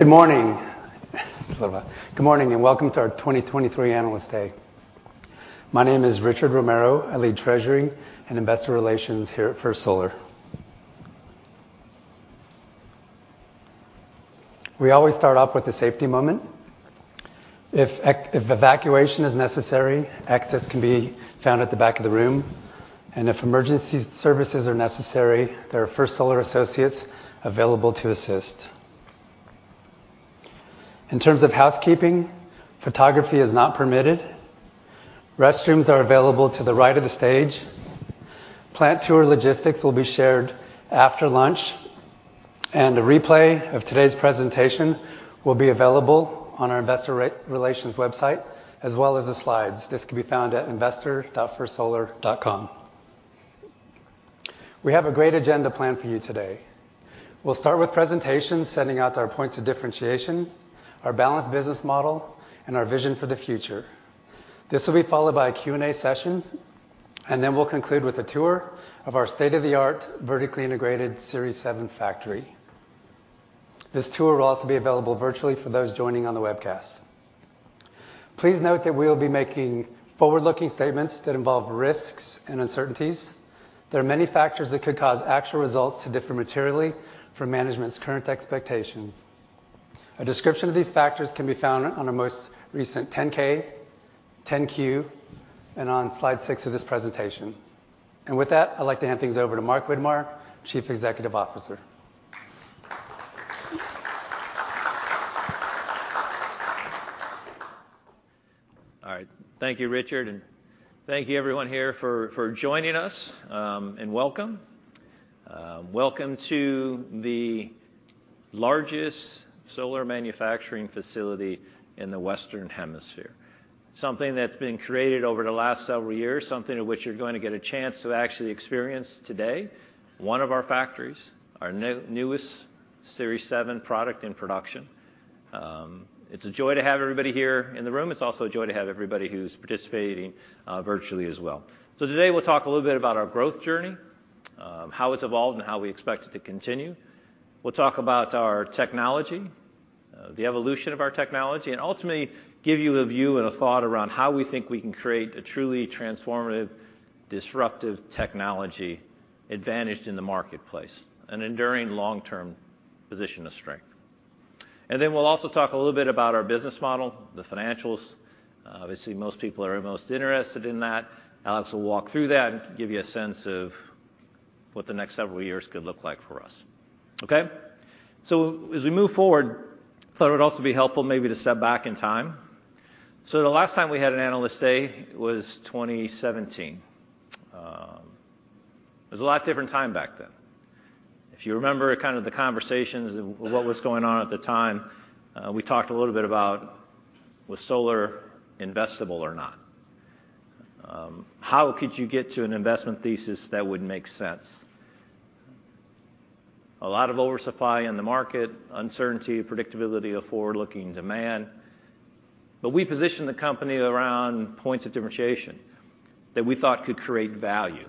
Good morning, good morning, and welcome to our 2023 Analyst Day. My name is Richard Romero. I lead Treasury and Investor Relations here at First Solar. We always start off with a safety moment. If evacuation is necessary, exits can be found at the back of the room, and if emergency services are necessary, there are First Solar associates available to assist. In terms of housekeeping, photography is not permitted. Restrooms are available to the right of the stage. Plant tour logistics will be shared after lunch, and a replay of today's presentation will be available on our investor relations website, as well as the slides. This can be found at investor.firstsolar.com. We have a great agenda planned for you today. We'll start with presentations, sending out our points of differentiation, our balanced business model, and our vision for the future. This will be followed by a Q&A session, and then we'll conclude with a tour of our state-of-the-art, vertically integrated Series 7 factory. This tour will also be available virtually for those joining on the webcast. Please note that we will be making forward-looking statements that involve risks and uncertainties. There are many factors that could cause actual results to differ materially from management's current expectations. A description of these factors can be found on our most recent 10-K, 10-Q, and on slide six of this presentation. And with that, I'd like to hand things over to Mark Widmar, Chief Executive Officer. All right. Thank you, Richard, and thank you everyone here for, for joining us, and welcome. Welcome to the largest solar manufacturing facility in the Western Hemisphere. Something that's been created over the last several years, something of which you're going to get a chance to actually experience today, one of our factories, our newest Series 7 product and production. It's a joy to have everybody here in the room. It's also a joy to have everybody who's participating virtually as well. So today, we'll talk a little bit about our growth journey, how it's evolved, and how we expect it to continue. We'll talk about our technology, the evolution of our technology, and ultimately give you a view and a thought around how we think we can create a truly transformative, disruptive technology, advantaged in the marketplace, an enduring long-term position of strength. And then we'll also talk a little bit about our business model, the financials. Obviously, most people are most interested in that. Alex will walk through that and give you a sense of what the next several years could look like for us. Okay? So as we move forward, I thought it would also be helpful maybe to step back in time. So the last time we had an Analyst Day was 2017. It was a lot different time back then. If you remember kind of the conversations and what was going on at the time, we talked a little bit about, was solar investable or not? How could you get to an investment thesis that would make sense? A lot of oversupply in the market, uncertainty, predictability of forward-looking demand, but we positioned the company around points of differentiation that we thought could create value,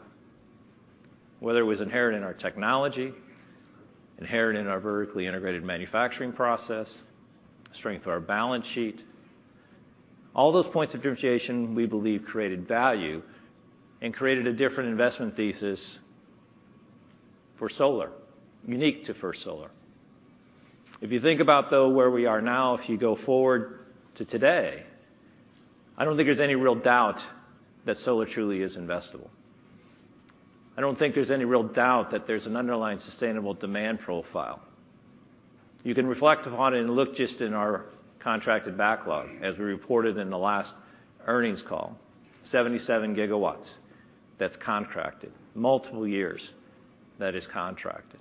whether it was inherent in our technology, inherent in our vertically integrated manufacturing process, strength of our balance sheet. All those points of differentiation, we believe, created value and created a different investment thesis First Solar, unique to First Solar. If you think about, though, where we are now, if you go forward to today, I don't think there's any real doubt that solar truly is investable. I don't think there's any real doubt that there's an underlying sustainable demand profile. You can reflect upon it and look just in our contracted backlog, as we reported in the last earnings call, 77 gigawatts that's contracted, multiple years that is contracted.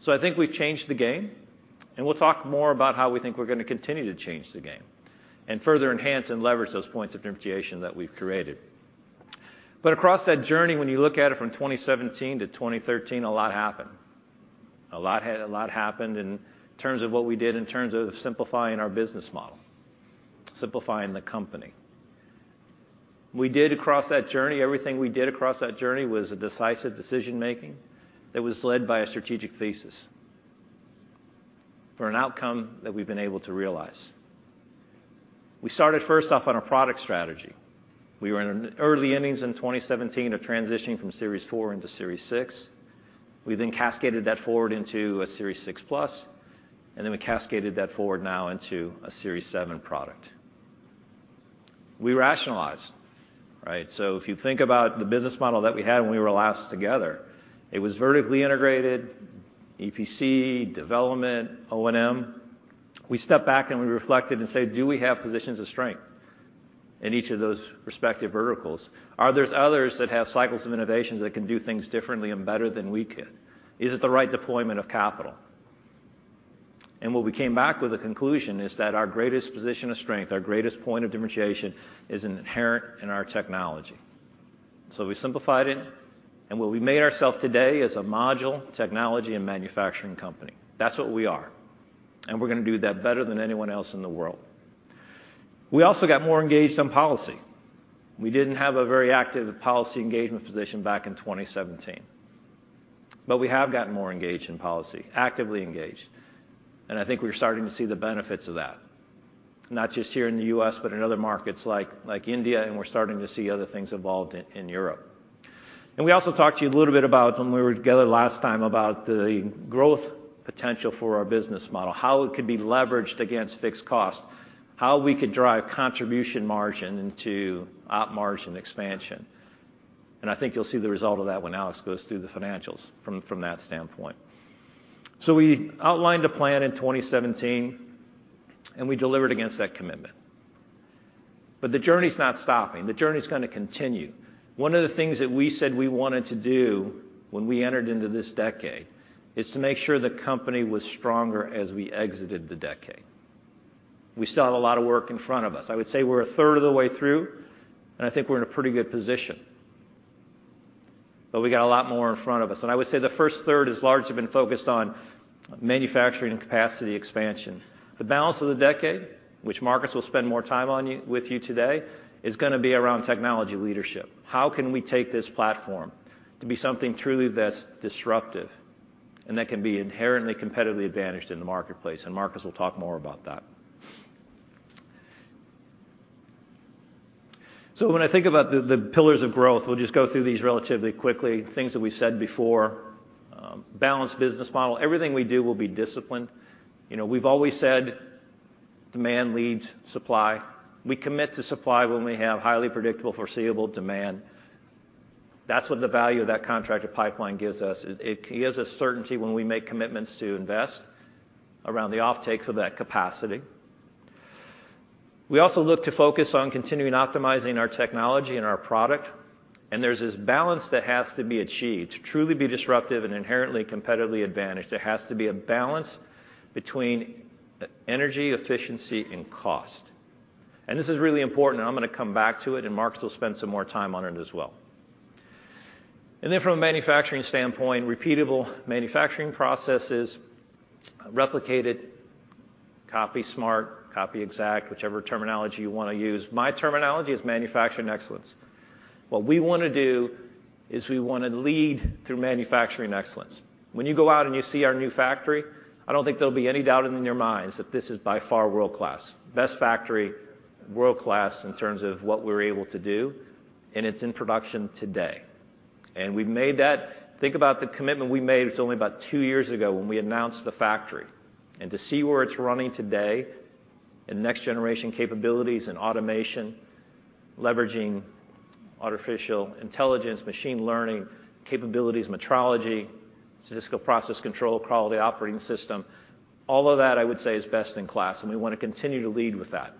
So I think we've changed the game, and we'll talk more about how we think we're gonna continue to change the game and further enhance and leverage those points of differentiation that we've created. But across that journey, when you look at it from 2017 to 2013, a lot happened in terms of what we did in terms of simplifying our business model, simplifying the company. We did across that journey, everything we did across that journey was a decisive decision-making that was led by a strategic thesis for an outcome that we've been able to realize. We started first off on a product strategy. We were in an early innings in 2017 of transitioning from Series 4 into Series 6. We then cascaded that forward into a Series 6 Plus, and then we cascaded that forward now into a Series 7 product. We rationalized, right? So if you think about the business model that we had when we were last together, it was vertically integrated, EPC, development, O&M. We stepped back, and we reflected and said: Do we have positions of strength in each of those respective verticals? Are there others that have cycles of innovations that can do things differently and better than we can? Is it the right deployment of capital? And what we came back with the conclusion is that our greatest position of strength, our greatest point of differentiation, is inherent in our technology. So we simplified it, and what we made ourself today is a module, technology, and manufacturing company. That's what we are, and we're gonna do that better than anyone else in the world. We also got more engaged on policy. We didn't have a very active policy engagement position back in 2017. But we have gotten more engaged in policy, actively engaged, and I think we're starting to see the benefits of that, not just here in the U.S., but in other markets like, like India, and we're starting to see other things evolved in, in Europe. And we also talked to you a little bit about, when we were together last time, about the growth potential for our business model, how it could be leveraged against fixed costs, how we could drive contribution margin into op margin expansion. I think you'll see the result of that when Alex goes through the financials from that standpoint. So we outlined a plan in 2017, and we delivered against that commitment. But the journey's not stopping. The journey's gonna continue. One of the things that we said we wanted to do when we entered into this decade is to make sure the company was stronger as we exited the decade. We still have a lot of work in front of us. I would say we're a third of the way through, and I think we're in a pretty good position. But we got a lot more in front of us, and I would say the first third has largely been focused on manufacturing and capacity expansion. The balance of the decade, which Marcus will spend more time with you today, is gonna be around technology leadership. How can we take this platform to be something truly that's disruptive and that can be inherently competitively advantaged in the marketplace? Marcus will talk more about that. When I think about the pillars of growth, we'll just go through these relatively quickly, things that we've said before, balanced business model. Everything we do will be disciplined. You know, we've always said demand leads supply. We commit to supply when we have highly predictable, foreseeable demand. That's what the value of that contracted pipeline gives us. It gives us certainty when we make commitments to invest around the offtake for that capacity. We also look to focus on continuing optimizing our technology and our product, and there's this balance that has to be achieved. To truly be disruptive and inherently competitively advantaged, there has to be a balance between the energy efficiency and cost. And this is really important, and I'm gonna come back to it, and Marcus will spend some more time on it as well. And then from a manufacturing standpoint, repeatable manufacturing processes, replicated, Copy Smart, Copy Exact, whichever terminology you wanna use. My terminology is manufacturing excellence. What we wanna do is we wanna lead through manufacturing excellence. When you go out and you see our new factory, I don't think there'll be any doubt in your minds that this is by far world-class. Best factory, world-class in terms of what we're able to do, and it's in production today. And we've made that... Think about the commitment we made. It's only about two years ago when we announced the factory, and to see where it's running today in next-generation capabilities and automation, leveraging artificial intelligence, machine learning capabilities, metrology, statistical process control, quality operating system, all of that, I would say, is best in class, and we wanna continue to lead with that.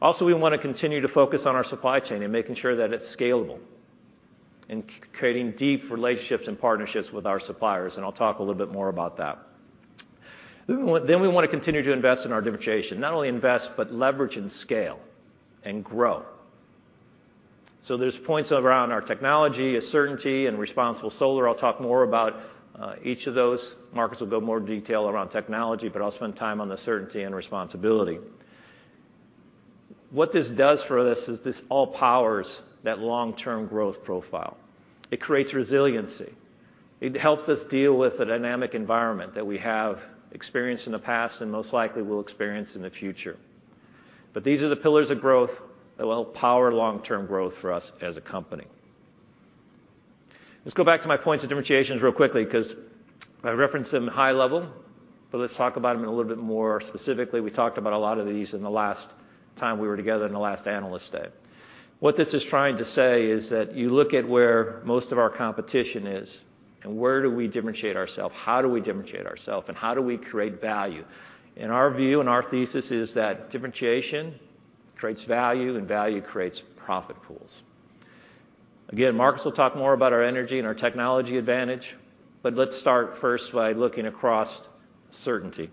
Also, we wanna continue to focus on our supply chain and making sure that it's scalable, and creating deep relationships and partnerships with our suppliers, and I'll talk a little bit more about that. Then we want, then we wanna continue to invest in our differentiation. Not only invest, but leverage and scale and grow. So there's points around our technology, certainty and Responsible Solar. I'll talk more about each of those. Marcus will go more detail around technology, but I'll spend time on the certainty and responsibility. What this does for us is this all powers that long-term growth profile. It creates resiliency. It helps us deal with the dynamic environment that we have experienced in the past and most likely will experience in the future. But these are the pillars of growth that will help power long-term growth for us as a company. Let's go back to my points of differentiations real quickly, 'cause I referenced them high level, but let's talk about them in a little bit more specifically. We talked about a lot of these in the last time we were together in the last analyst day. What this is trying to say is that you look at where most of our competition is, and where do we differentiate ourselves? How do we differentiate ourself, and how do we create value? Our view and our thesis is that differentiation creates value, and value creates profit pools. Again, Marcus will talk more about our energy and our technology advantage, but let's start first by looking across certainty.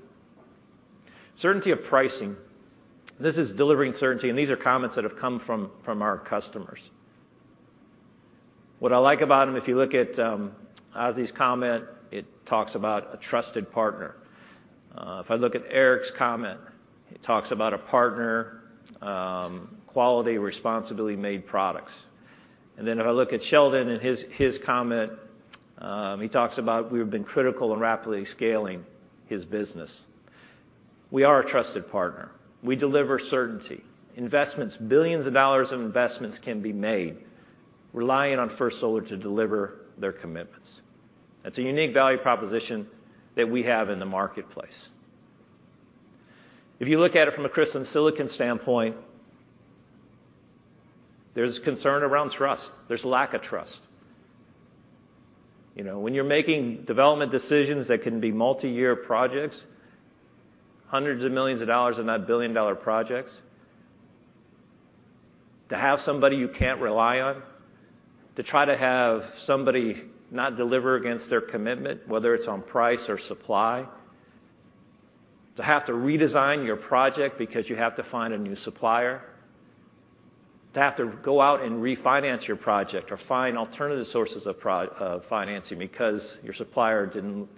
Certainty of pricing. This is delivering certainty, and these are comments that have come from our customers. What I like about them, if you look at Ozzie's comment, it talks about a trusted partner. If I look at Eric's comment, it talks about a partner, quality, responsibly made products. And then if I look at Sheldon and his comment, he talks about we've been critical in rapidly scaling his business. We are a trusted partner. We deliver certainty. Investments, billions of dollars in investments can be made, relying on First Solar to deliver their commitments. That's a unique value proposition that we have in the marketplace. If you look at it from a crystalline silicon standpoint, there's concern around trust. There's lack of trust. You know, when you're making development decisions that can be multiyear projects, hundreds of millions of dollars, if not billion-dollar projects, to have somebody you can't rely on, to try to have somebody not deliver against their commitment, whether it's on price or supply, to have to redesign your project because you have to find a new supplier, to have to go out and refinance your project or find alternative sources of of financing because your supplier didn't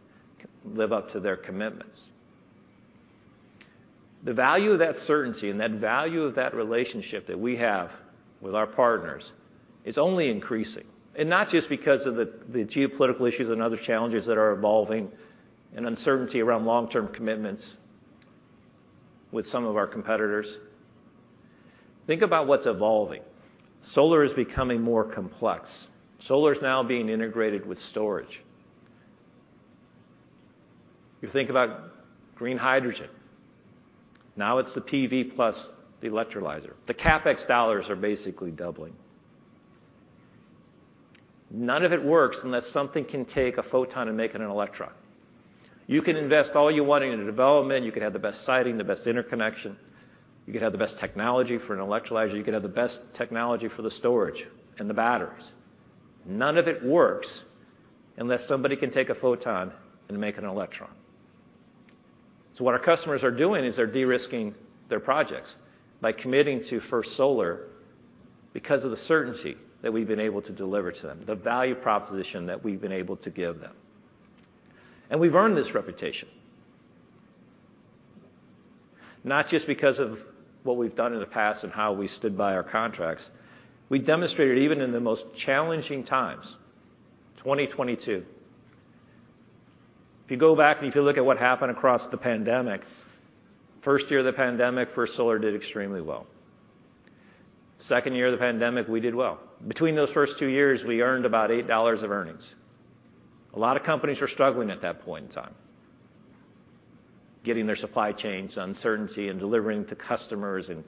live up to their commitments. The value of that certainty and that value of that relationship that we have with our partners is only increasing, and not just because of the, the geopolitical issues and other challenges that are evolving and uncertainty around long-term commitments with some of our competitors. Think about what's evolving. Solar is becoming more complex. Solar is now being integrated with storage. You think about green hydrogen, now it's the PV plus the electrolyzer. The CapEx dollars are basically doubling. None of it works unless something can take a photon and make it an electron. You can invest all you want into development, you can have the best siting, the best interconnection, you could have the best technology for an electrolyzer, you could have the best technology for the storage and the batteries. None of it works unless somebody can take a photon and make an electron. So what our customers are doing is they're de-risking their projects by committing to First Solar because of the certainty that we've been able to deliver to them, the value proposition that we've been able to give them. We've earned this reputation, not just because of what we've done in the past and how we stood by our contracts. We demonstrated even in the most challenging times, 2022. If you go back and if you look at what happened across the pandemic, first year of the pandemic, First Solar did extremely well. Second year of the pandemic, we did well. Between those first two years, we earned about $8 of earnings. A lot of companies were struggling at that point in time, getting their supply chains, uncertainty, and delivering to customers and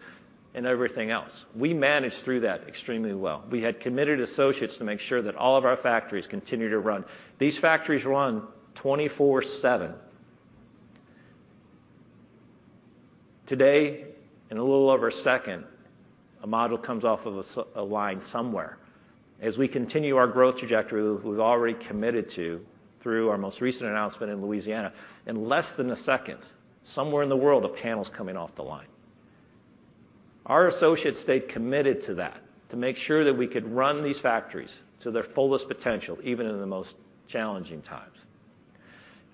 everything else. We managed through that extremely well. We had committed associates to make sure that all of our factories continued to run. These factories run 24/7. Today, in a little over a second, a module comes off of a line somewhere. As we continue our growth trajectory, we've already committed to, through our most recent announcement in Louisiana, in less than a second, somewhere in the world, a panel's coming off the line. Our associates stayed committed to that, to make sure that we could run these factories to their fullest potential, even in the most challenging times.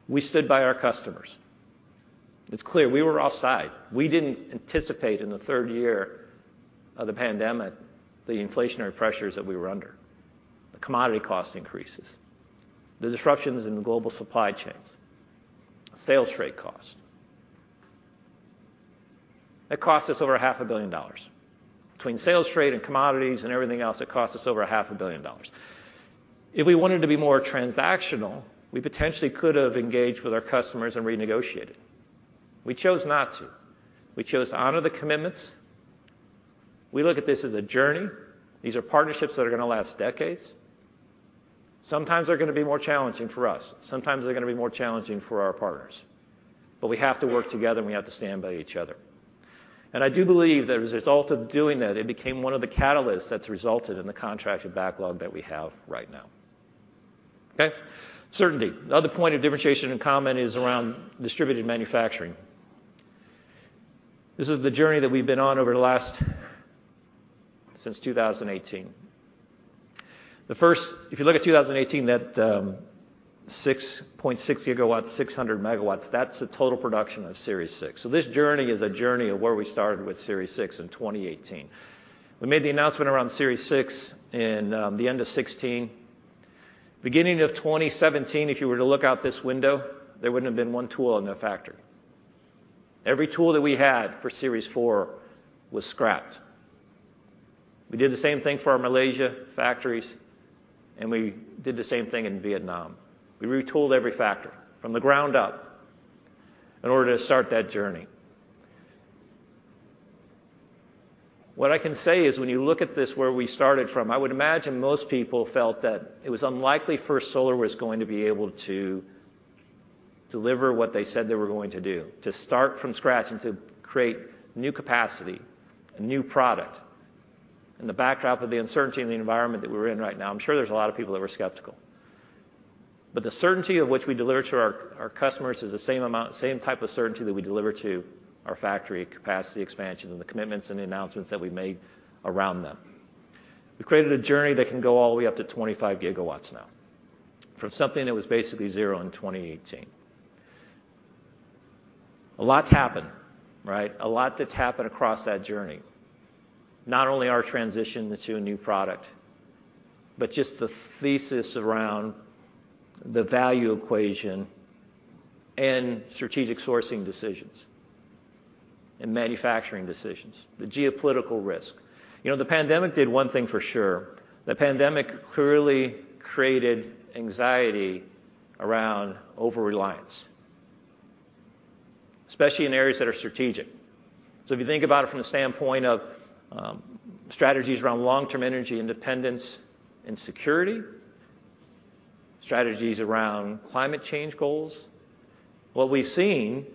We stood by our customers. It's clear we were offside. We didn't anticipate in the third year of the pandemic, the inflationary pressures that we were under, the commodity cost increases, the disruptions in the global supply chains, sales freight costs. That cost us over $500 million. Between sales freight and commodities and everything else, it cost us over $500 million. If we wanted to be more transactional, we potentially could have engaged with our customers and renegotiated. We chose not to. We chose to honor the commitments. We look at this as a journey. These are partnerships that are gonna last decades. Sometimes they're gonna be more challenging for us, sometimes they're gonna be more challenging for our partners, but we have to work together, and we have to stand by each other. And I do believe that as a result of doing that, it became one of the catalysts that's resulted in the contracted backlog that we have right now. Okay? Certainty. The other point of differentiation and comment is around distributed manufacturing. This is the journey that we've been on over the last... since 2018. If you look at 2018, that, 6.6 gigawatts, 600 megawatts, that's the total production of Series 6. So this journey is a journey of where we started with Series 6 in 2018. We made the announcement around Series 6 in the end of 2016. Beginning of 2017, if you were to look out this window, there wouldn't have been one tool in the factory. Every tool that we had for Series 4 was scrapped. We did the same thing for our Malaysia factories, and we did the same thing in Vietnam. We retooled every factory from the ground up in order to start that journey. What I can say is, when you look at this, where we started from, I would imagine most people felt that it was unlikely First Solar was going to be able to deliver what they said they were going to do. To start from scratch and to create new capacity, a new product, in the backdrop of the uncertainty in the environment that we're in right now, I'm sure there's a lot of people that were skeptical. But the certainty of which we deliver to our customers is the same amount, same type of certainty that we deliver to our factory capacity expansion and the commitments and the announcements that we made around them. We've created a journey that can go all the way up to 25 gigawatts now, from something that was basically zero in 2018. A lot's happened, right? A lot that's happened across that journey. Not only our transition into a new product, but just the thesis around the value equation and strategic sourcing decisions and manufacturing decisions, the geopolitical risk. You know, the pandemic did one thing for sure. The pandemic clearly created anxiety around overreliance, especially in areas that are strategic. So if you think about it from the standpoint of strategies around long-term energy independence and security, strategies around climate change goals, what we've seen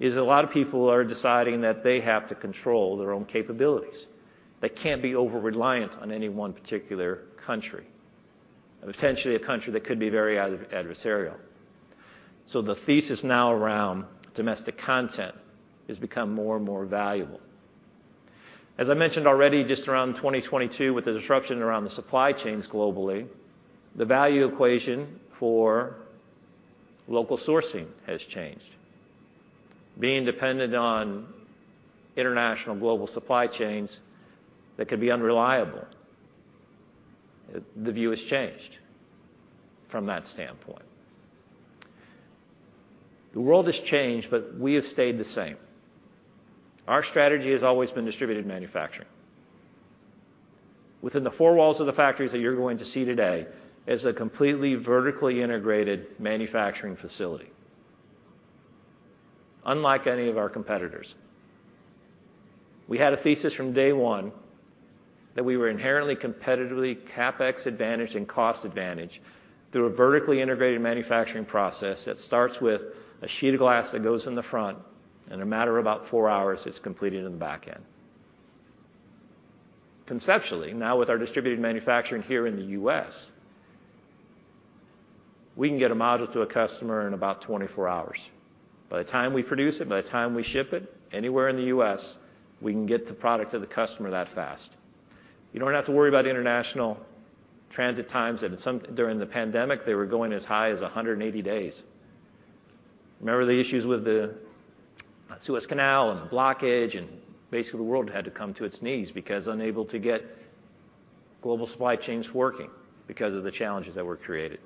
is a lot of people are deciding that they have to control their own capabilities. They can't be overreliant on any one particular country, and potentially a country that could be very adversarial. So the thesis now around domestic content has become more and more valuable. As I mentioned already, just around 2022, with the disruption around the supply chains globally, the value equation for local sourcing has changed. Being dependent on international global supply chains, that could be unreliable. The view has changed from that standpoint. The world has changed, but we have stayed the same. Our strategy has always been distributed manufacturing. Within the four walls of the factories that you're going to see today, is a completely vertically integrated manufacturing facility, unlike any of our competitors. We had a thesis from day one that we were inherently competitively, CapEx-advantaged and cost-advantaged through a vertically integrated manufacturing process that starts with a sheet of glass that goes in the front, in a matter of about 4 hours, it's completed in the back end. Conceptually, now with our distributed manufacturing here in the U.S., we can get a module to a customer in about 24 hours. By the time we produce it, by the time we ship it, anywhere in the U.S., we can get the product to the customer that fast. You don't have to worry about international transit times, that during the pandemic, they were going as high as 180 days. Remember the issues with the Suez Canal and the blockage, and basically, the world had to come to its knees because unable to get global supply chains working because of the challenges that were created.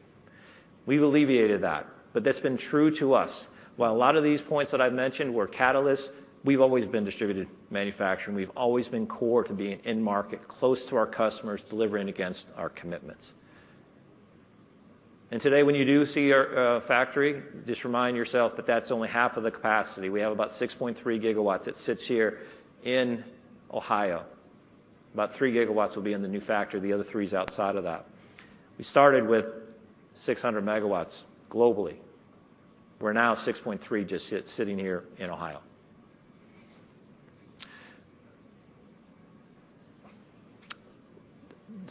We've alleviated that, but that's been true to us. While a lot of these points that I've mentioned were catalysts, we've always been distributed manufacturing. We've always been core to being in-market, close to our customers, delivering against our commitments. And today, when you do see our factory, just remind yourself that that's only half of the capacity. We have about 6.3 GW that sits here in Ohio. About 3 GW will be in the new factory, the other three is outside of that. We started with 600 MW globally. We're now at 6.3, just sitting here in Ohio.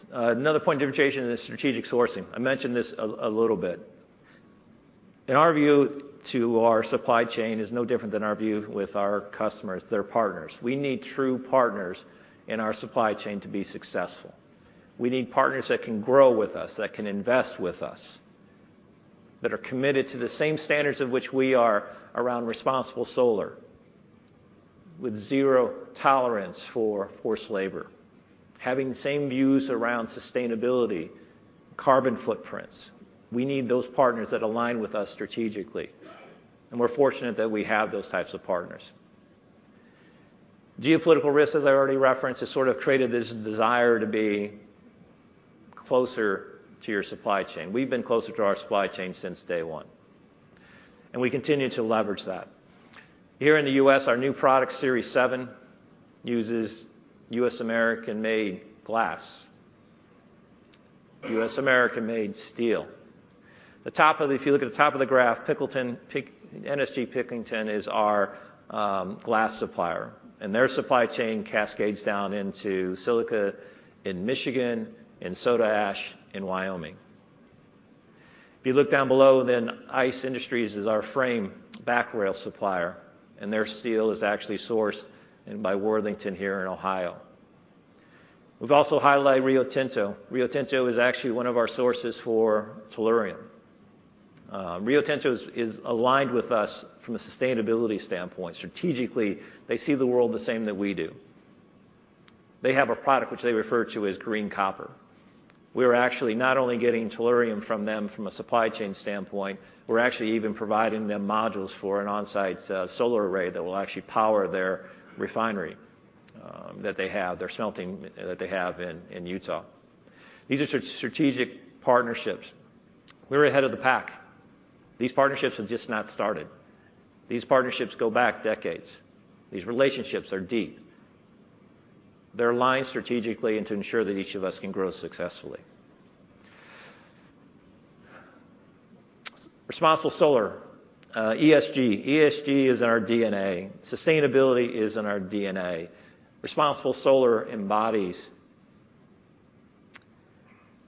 Another point of differentiation is strategic sourcing. I mentioned this a little bit. In our view to our supply chain is no different than our view with our customers, they're partners. We need true partners in our supply chain to be successful. We need partners that can grow with us, that can invest with us, that are committed to the same standards of which we are around Responsible Solar, with zero tolerance for forced labor. Having the same views around sustainability, carbon footprints. We need those partners that align with us strategically, and we're fortunate that we have those types of partners. Geopolitical risks, as I already referenced, has sort of created this desire to be closer to your supply chain. We've been closer to our supply chain since day one, and we continue to leverage that. Here in the U.S., our new product, Series 7, uses U.S. American-made glass, U.S. American-made steel. If you look at the top of the graph, NSG Pilkington is our glass supplier, and their supply chain cascades down into silica in Michigan and soda ash in Wyoming. If you look down below, ICE Industries is our frame backrail supplier, and their steel is actually sourced in by Worthington here in Ohio. We've also highlighted Rio Tinto. Rio Tinto is actually one of our sources for tellurium. Rio Tinto is aligned with us from a sustainability standpoint. Strategically, they see the world the same that we do. They have a product which they refer to as green copper. We're actually not only getting tellurium from them from a supply chain standpoint, we're actually even providing them modules for an on-site solar array that will actually power their refinery that they have, their smelting that they have in Utah. These are strategic partnerships. We're ahead of the pack. These partnerships have just not started. These partnerships go back decades. These relationships are deep. They're aligned strategically and to ensure that each of us can grow successfully. Responsible Solar, ESG. ESG is in our DNA. Sustainability is in our DNA. Responsible Solar embodies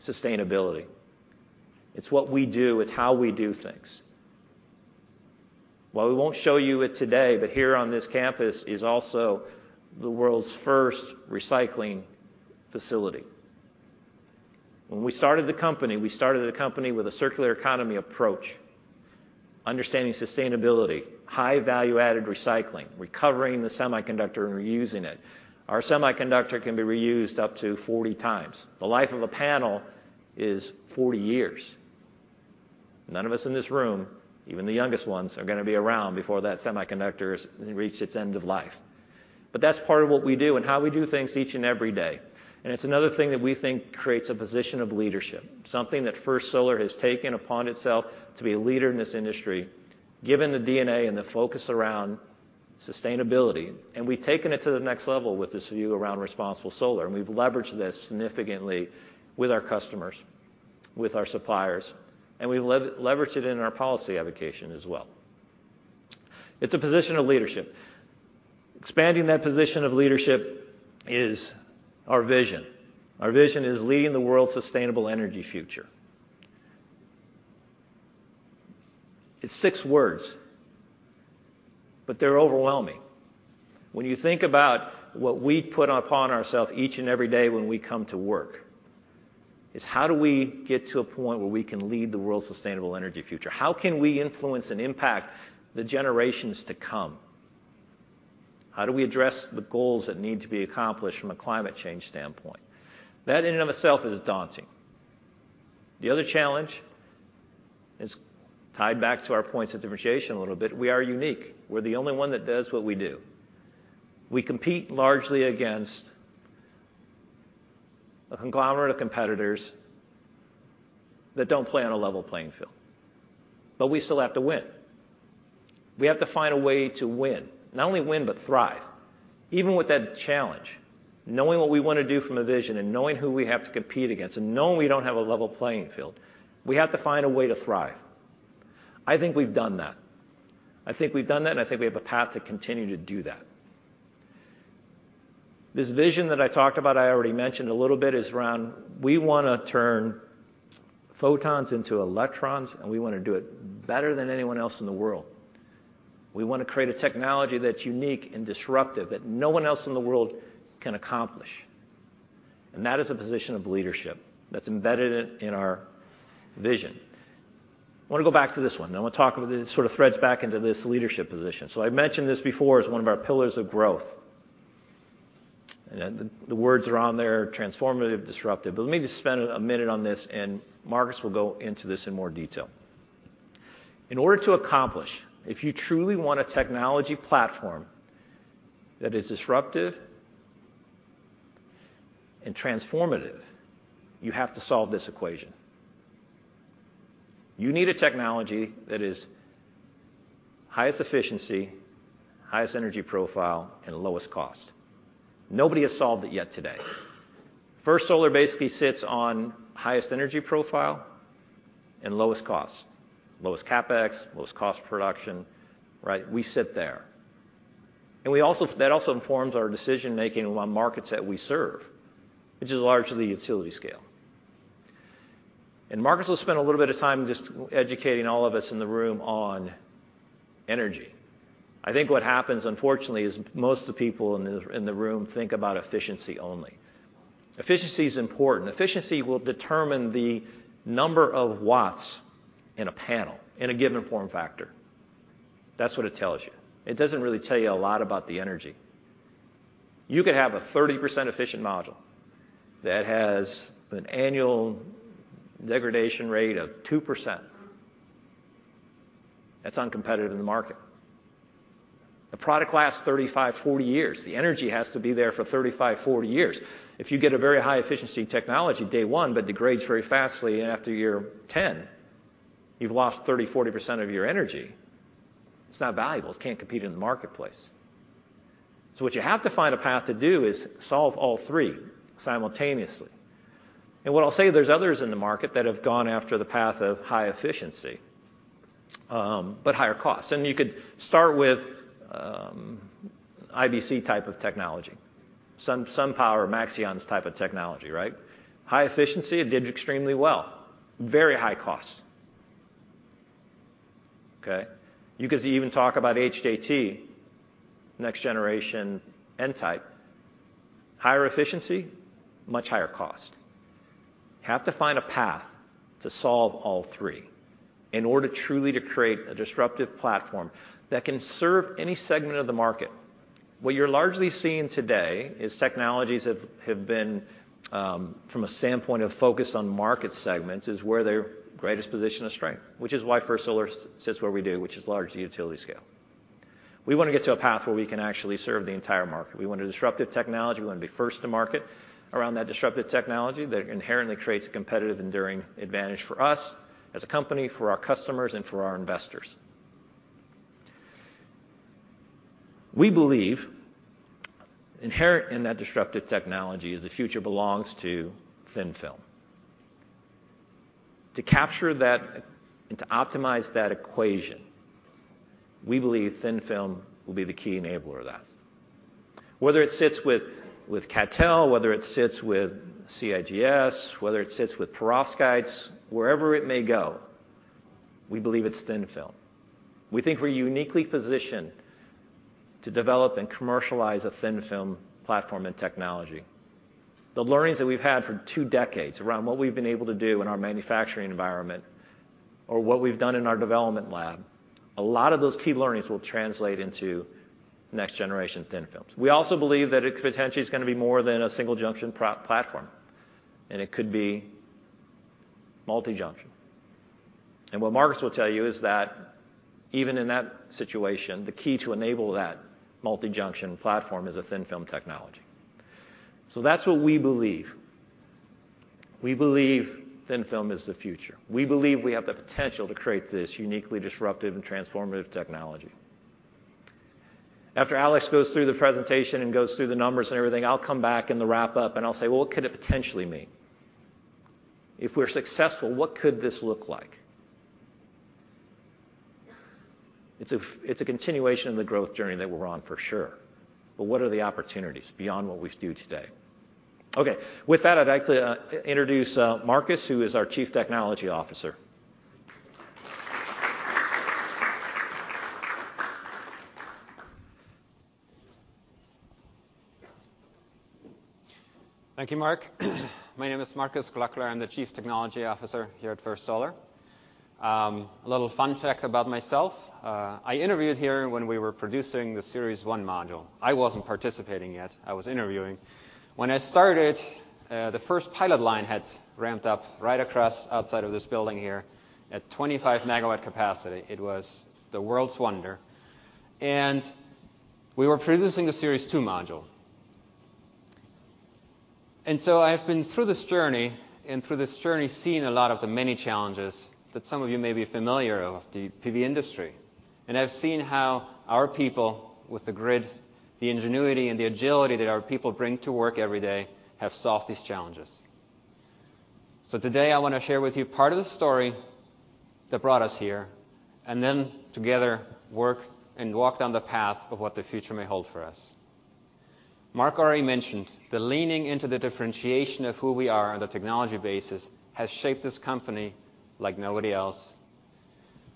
sustainability. It's what we do, it's how we do things. While we won't show you it today, but here on this campus is also the world's first recycling facility. When we started the company, we started a company with a circular economy approach, understanding sustainability, high value-added recycling, recovering the semiconductor and reusing it. Our semiconductor can be reused up to 40 times. The life of a panel is 40 years. None of us in this room, even the youngest ones, are gonna be around before that semiconductor is reached its end of life. But that's part of what we do and how we do things each and every day, and it's another thing that we think creates a position of leadership, something that First Solar has taken upon itself to be a leader in this industry, given the DNA and the focus around sustainability. We've taken it to the next level with this view around Responsible Solar, and we've leveraged this significantly with our customers, with our suppliers, and we've leveraged it in our policy advocacy as well. It's a position of leadership. Expanding that position of leadership is our vision. Our vision is leading the world's sustainable energy future. It's six words, but they're overwhelming. When you think about what we put upon ourselves each and every day when we come to work, is how do we get to a point where we can lead the world's sustainable energy future? How can we influence and impact the generations to come? How do we address the goals that need to be accomplished from a climate change standpoint? That in and of itself is daunting. The other challenge is tied back to our points of differentiation a little bit. We are unique. We're the only one that does what we do. We compete largely against a conglomerate of competitors that don't play on a level playing field, but we still have to win. We have to find a way to win, not only win, but thrive. Even with that challenge, knowing what we want to do from a vision and knowing who we have to compete against, and knowing we don't have a level playing field, we have to find a way to thrive. I think we've done that. I think we've done that, and I think we have a path to continue to do that. This vision that I talked about, I already mentioned a little bit, is around we wanna turn photons into electrons, and we wanna do it better than anyone else in the world. We want to create a technology that's unique and disruptive, that no one else in the world can accomplish, and that is a position of leadership that's embedded in, in our vision. I wanna go back to this one, and I wanna talk about, it sort of threads back into this leadership position. So I've mentioned this before as one of our pillars of growth, and then the, the words are on there, transformative, disruptive. But let me just spend a minute on this, and Marcus will go into this in more detail. In order to accomplish, if you truly want a technology platform that is disruptive and transformative, you have to solve this equation. You need a technology that is highest efficiency, highest energy profile, and lowest cost. Nobody has solved it yet today. First Solar basically sits on highest energy profile and lowest cost, lowest CapEx, lowest cost production, right? We sit there. And we also, that also informs our decision-making on markets that we serve, which is largely utility scale. Marcus will spend a little bit of time just educating all of us in the room on energy. I think what happens, unfortunately, is most of the people in the room think about efficiency only. Efficiency is important. Efficiency will determine the number of watts in a panel, in a given form factor. That's what it tells you. It doesn't really tell you a lot about the energy. You could have a 30% efficient module that has an annual degradation rate of 2%. That's uncompetitive in the market. The product lasts 35-40 years. The energy has to be there for 35-40 years. If you get a very high efficiency technology day one, but degrades very fast, and after year 10, you've lost 30, 40% of your energy, it's not valuable. It can't compete in the marketplace. So what you have to find a path to do is solve all three simultaneously. And what I'll say, there's others in the market that have gone after the path of high efficiency, but higher cost. And you could start with, IBC type of technology, SunPower, Maxeon's type of technology, right? High efficiency, it did extremely well. Very high cost. Okay? You could even talk about HJT, next generation nktype. Higher efficiency, much higher cost. Have to find a path to solve all three in order truly to create a disruptive platform that can serve any segment of the market. What you're largely seeing today is technologies have been from a standpoint of focus on market segments, is where their greatest position of strength, which is why First Solar sits where we do, which is largely utility scale. We want to get to a path where we can actually serve the entire market. We want a disruptive technology. We want to be first to market around that disruptive technology that inherently creates a competitive, enduring advantage for us as a company, for our customers, and for our investors. We believe inherent in that disruptive technology is the future belongs to thin-film. To capture that and to optimize that equation, we believe thin-film will be the key enabler of that. Whether it sits with CdTe, whether it sits with CIGS, whether it sits with perovskites, wherever it may go, we believe it's thin-film. We think we're uniquely positioned to develop and commercialize a thin-film platform and technology. The learnings that we've had for two decades around what we've been able to do in our manufacturing environment or what we've done in our development lab, a lot of those key learnings will translate into next generation thin films. We also believe that it potentially is gonna be more than a single-junction platform, and it could be multi-junction. And what Marcus will tell you is that even in that situation, the key to enable that multi-junction platform is a thin-film technology. So that's what we believe. We believe thin-film is the future. We believe we have the potential to create this uniquely disruptive and transformative technology. After Alex goes through the presentation and goes through the numbers and everything, I'll come back in the wrap-up, and I'll say, "Well, what could it potentially mean?"... If we're successful, what could this look like? It's a, it's a continuation of the growth journey that we're on for sure, but what are the opportunities beyond what we do today? Okay, with that, I'd like to introduce Marcus, who is our Chief Technology Officer. Thank you, Mark. My name is Marcus Gloeckler. I'm the Chief Technology Officer here at First Solar. A little fun fact about myself, I interviewed here when we were producing the Series 1 module. I wasn't participating yet. I was interviewing. When I started, the first pilot line had ramped up right across outside of this building here at 25 MW capacity. It was the world's wonder, and we were producing the Series 2 module. And so I've been through this journey, and through this journey, seen a lot of the many challenges that some of you may be familiar of the PV industry. And I've seen how our people, with the grit, the ingenuity, and the agility that our people bring to work every day, have solved these challenges. So today, I wanna share with you part of the story that brought us here, and then together, work and walk down the path of what the future may hold for us. Mark already mentioned the leaning into the differentiation of who we are on a technology basis has shaped this company like nobody else.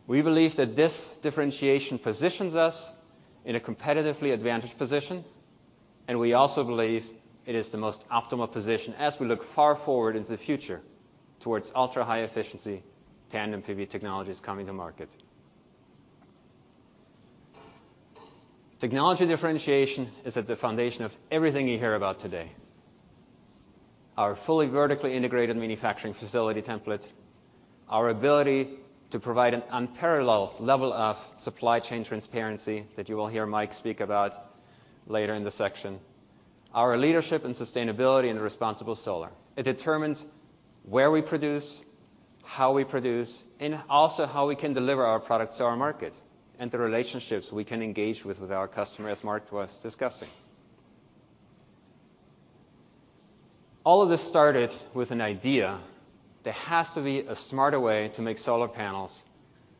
We believe that this differentiation positions us in a competitively advantaged position, and we also believe it is the most optimal position as we look far forward into the future towards ultra-high efficiency tandem PV technologies coming to market. Technology differentiation is at the foundation of everything you hear about today. Our fully vertically integrated manufacturing facility template, our ability to provide an unparalleled level of supply chain transparency, that you will hear Mike speak about later in the section, our leadership and sustainability in Responsible Solar. It determines where we produce, how we produce, and also how we can deliver our products to our market and the relationships we can engage with with our customers, as Mark was discussing. All of this started with an idea: there has to be a smarter way to make solar panels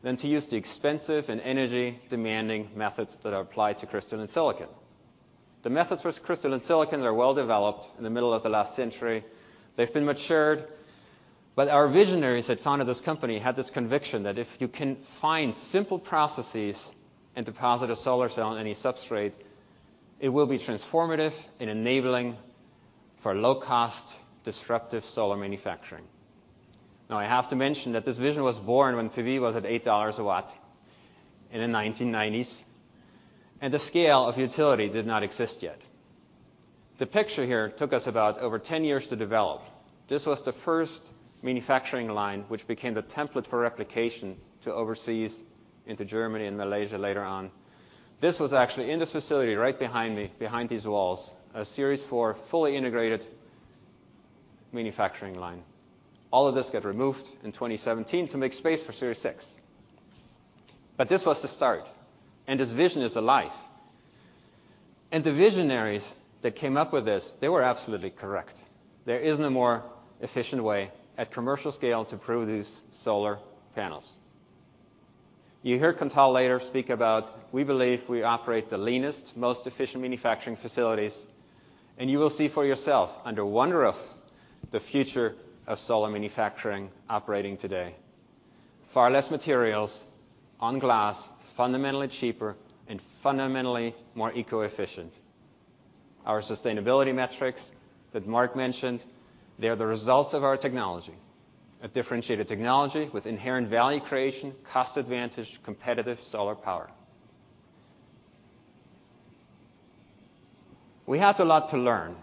than to use the expensive and energy-demanding methods that are applied to crystalline silicon. The methods for crystalline silicon are well-developed in the middle of the last century. They've been matured, but our visionaries that founded this company had this conviction that if you can find simple processes and deposit a solar cell on any substrate, it will be transformative in enabling for low-cost, disruptive solar manufacturing. Now, I have to mention that this vision was born when PV was at $8 a watt in the 1990s, and the scale of utility did not exist yet. The picture here took us about over 10 years to develop. This was the first manufacturing line, which became the template for replication to overseas into Germany and Malaysia later on. This was actually in this facility right behind me, behind these walls, a Series 4 fully integrated manufacturing line. All of this got removed in 2017 to make space for Series 6. But this was the start, and this vision is alive. And the visionaries that came up with this, they were absolutely correct. There is no more efficient way at commercial scale to produce solar panels. You'll hear Kuntal later speak about we believe we operate the leanest, most efficient manufacturing facilities, and you will see for yourself under one roof, the future of solar manufacturing operating today. Far less materials on glass, fundamentally cheaper and fundamentally more eco-efficient. Our sustainability metrics that Mark mentioned, they are the results of our technology, a differentiated technology with inherent value creation, cost advantage, competitive solar power. We had a lot to learn,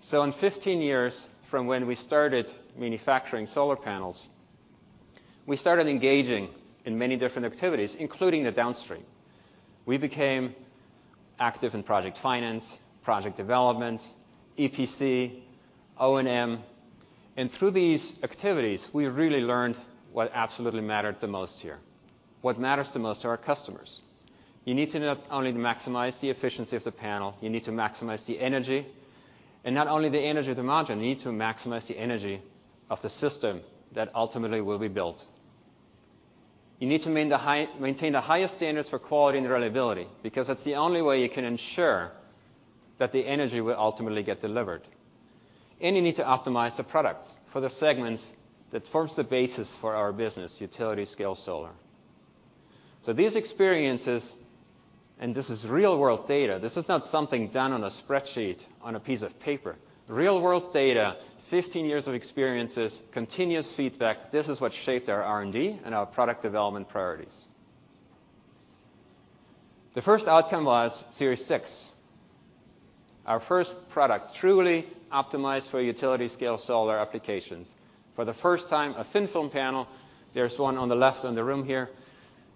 so in 15 years from when we started manufacturing solar panels, we started engaging in many different activities, including the downstream. We became active in project finance, project development, EPC, O&M, and through these activities, we really learned what absolutely mattered the most here, what matters the most to our customers. You need to not only maximize the efficiency of the panel, you need to maximize the energy, and not only the energy of the module, you need to maximize the energy of the system that ultimately will be built. You need to maintain the highest standards for quality and reliability because that's the only way you can ensure that the energy will ultimately get delivered. You need to optimize the products for the segments that form the basis for our business, utility-scale solar. So these experiences, and this is real-world data, this is not something done on a spreadsheet, on a piece of paper. Real-world data, 15 years of experiences, continuous feedback, this is what shaped our R&D and our product development priorities. The first outcome was Series 6, our first product, truly optimized for utility-scale solar applications. For the first time, a thin-film panel, there's one on the left in the room here,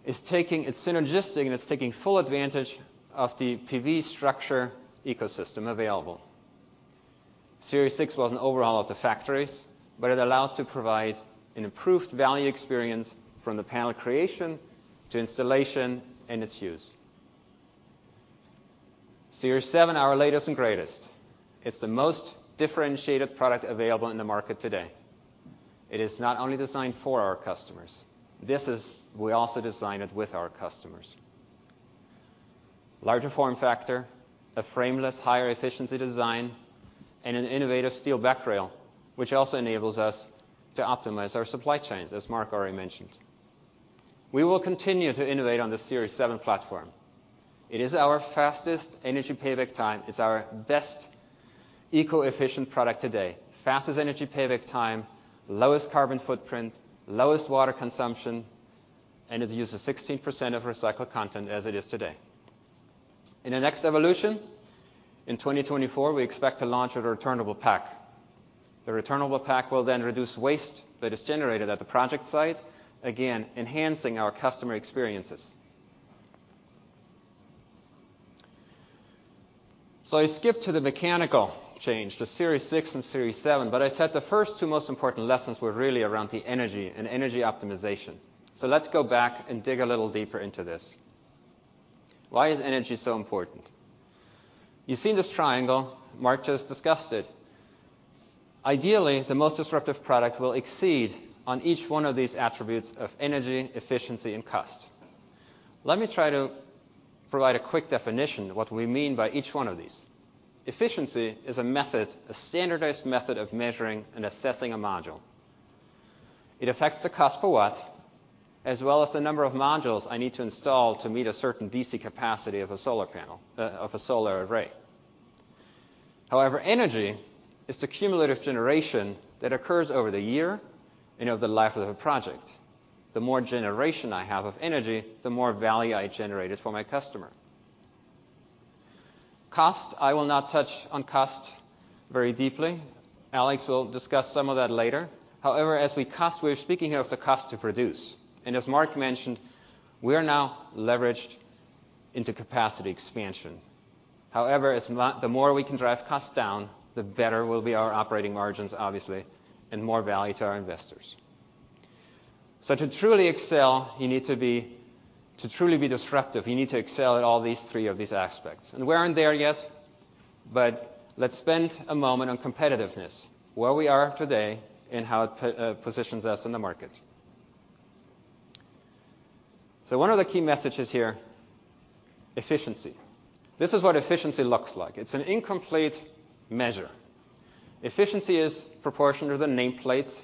is taking... It's synergistic, and it's taking full advantage of the PV structure ecosystem available. Series 6 wasn't overall at the factories, but it allowed to provide an improved value experience from the panel creation to installation and its use.... Series 7, our latest and greatest. It's the most differentiated product available in the market today. It is not only designed for our customers. This is. We also design it with our customers. Larger form factor, a frameless, higher efficiency design, and an innovative steel back rail, which also enables us to optimize our supply chains, as Mark already mentioned. We will continue to innovate on the Series 7 platform. It is our fastest energy payback time. It's our best eco-efficient product today. Fastest energy payback time, lowest carbon footprint, lowest water consumption, and it uses 16% of recycled content as it is today. In the next evolution, in 2024, we expect to launch a returnable pack. The returnable pack will then reduce waste that is generated at the project site, again, enhancing our customer experiences. So I skipped to the mechanical change, to Series 6 and Series 7, but I said the first two most important lessons were really around the energy and energy optimization. So let's go back and dig a little deeper into this. Why is energy so important? You've seen this triangle. Mark just discussed it. Ideally, the most disruptive product will exceed on each one of these attributes of energy, efficiency, and cost. Let me try to provide a quick definition of what we mean by each one of these. Efficiency is a method, a standardized method of measuring and assessing a module. It affects the cost per watt, as well as the number of modules I need to install to meet a certain DC capacity of a solar panel, of a solar array. However, energy is the cumulative generation that occurs over the year and over the life of a project. The more generation I have of energy, the more value I generated for my customer. Cost, I will not touch on cost very deeply. Alex will discuss some of that later. However, as with cost, we're speaking of the cost to produce, and as Mark mentioned, we are now leveraged into capacity expansion. However, the more we can drive costs down, the better will be our operating margins, obviously, and more value to our investors. So to truly excel, you need to be... To truly be disruptive, you need to excel at all these three of these aspects. And we aren't there yet, but let's spend a moment on competitiveness, where we are today and how it positions us in the market. So one of the key messages here, efficiency. This is what efficiency looks like. It's an incomplete measure. Efficiency is proportional to the nameplates,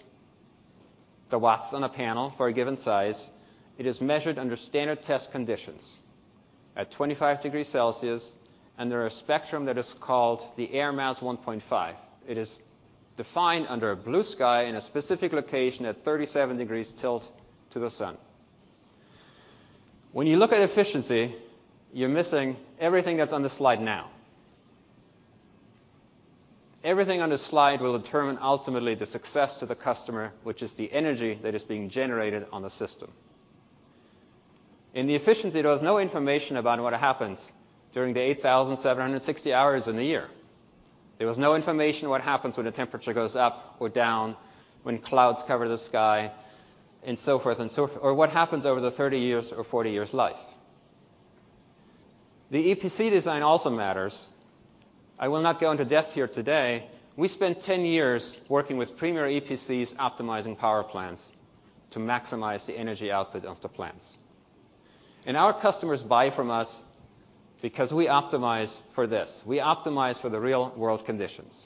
the watts on a panel for a given size. It is measured under standard test conditions at 25 degrees Celsius, and there are a spectrum that is called the Air Mass 1.5. It is defined under a blue sky in a specific location at 37 degrees tilt to the sun. When you look at efficiency, you're missing everything that's on the slide now. Everything on this slide will determine ultimately the success to the customer, which is the energy that is being generated on the system. In the efficiency, there is no information about what happens during the 8,760 hours in the year. There is no information what happens when the temperature goes up or down, when clouds cover the sky, and so forth or what happens over the 30 years or 40 years life. The EPC design also matters. I will not go into depth here today. We spent 10 years working with premier EPCs, optimizing power plants to maximize the energy output of the plants. Our customers buy from us because we optimize for this. We optimize for the real-world conditions.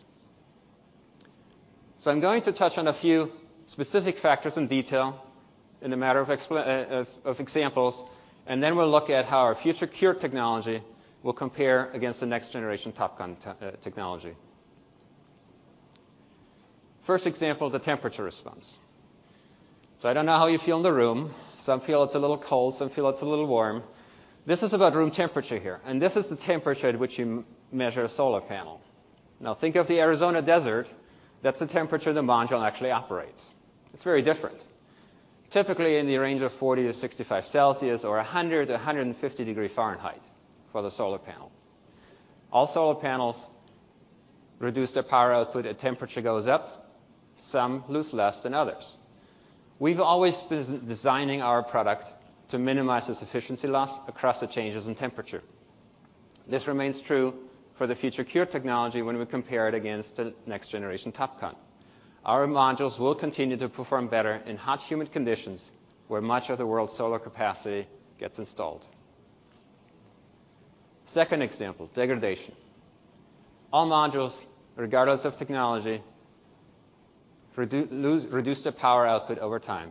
So I'm going to touch on a few specific factors in detail in a matter of examples, and then we'll look at how our future CuRe technology will compare against the next generation TOPCon technology. First example, the temperature response. So I don't know how you feel in the room. Some feel it's a little cold, some feel it's a little warm. This is about room temperature here, and this is the temperature at which you measure a solar panel. Now, think of the Arizona desert. That's the temperature the module actually operates. It's very different. Typically, in the range of 40-65 degrees Celsius or 100-150 degrees Fahrenheit for the solar panel. All solar panels reduce their power output as temperature goes up. Some lose less than others. We've always been designing our product to minimize this efficiency loss across the changes in temperature. This remains true for the future CuRe technology when we compare it against the next generation TOPCon. Our modules will continue to perform better in hot, humid conditions where much of the world's solar capacity gets installed. Second example, degradation. All modules, regardless of technology, reduce their power output over time.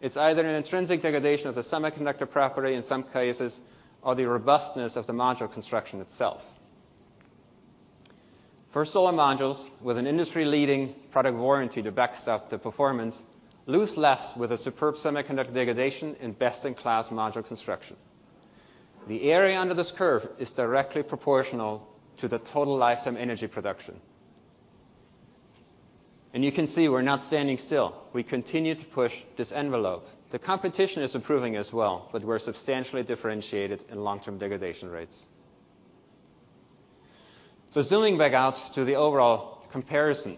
It's either an intrinsic degradation of the semiconductor property in some cases, or the robustness of the module construction itself. For solar modules with an industry-leading product warranty to backstop the performance, lose less with a superb semiconductor degradation and best-in-class module construction. The area under this curve is directly proportional to the total lifetime energy production. And you can see we're not standing still. We continue to push this envelope. The competition is improving as well, but we're substantially differentiated in long-term degradation rates.... So zooming back out to the overall comparison,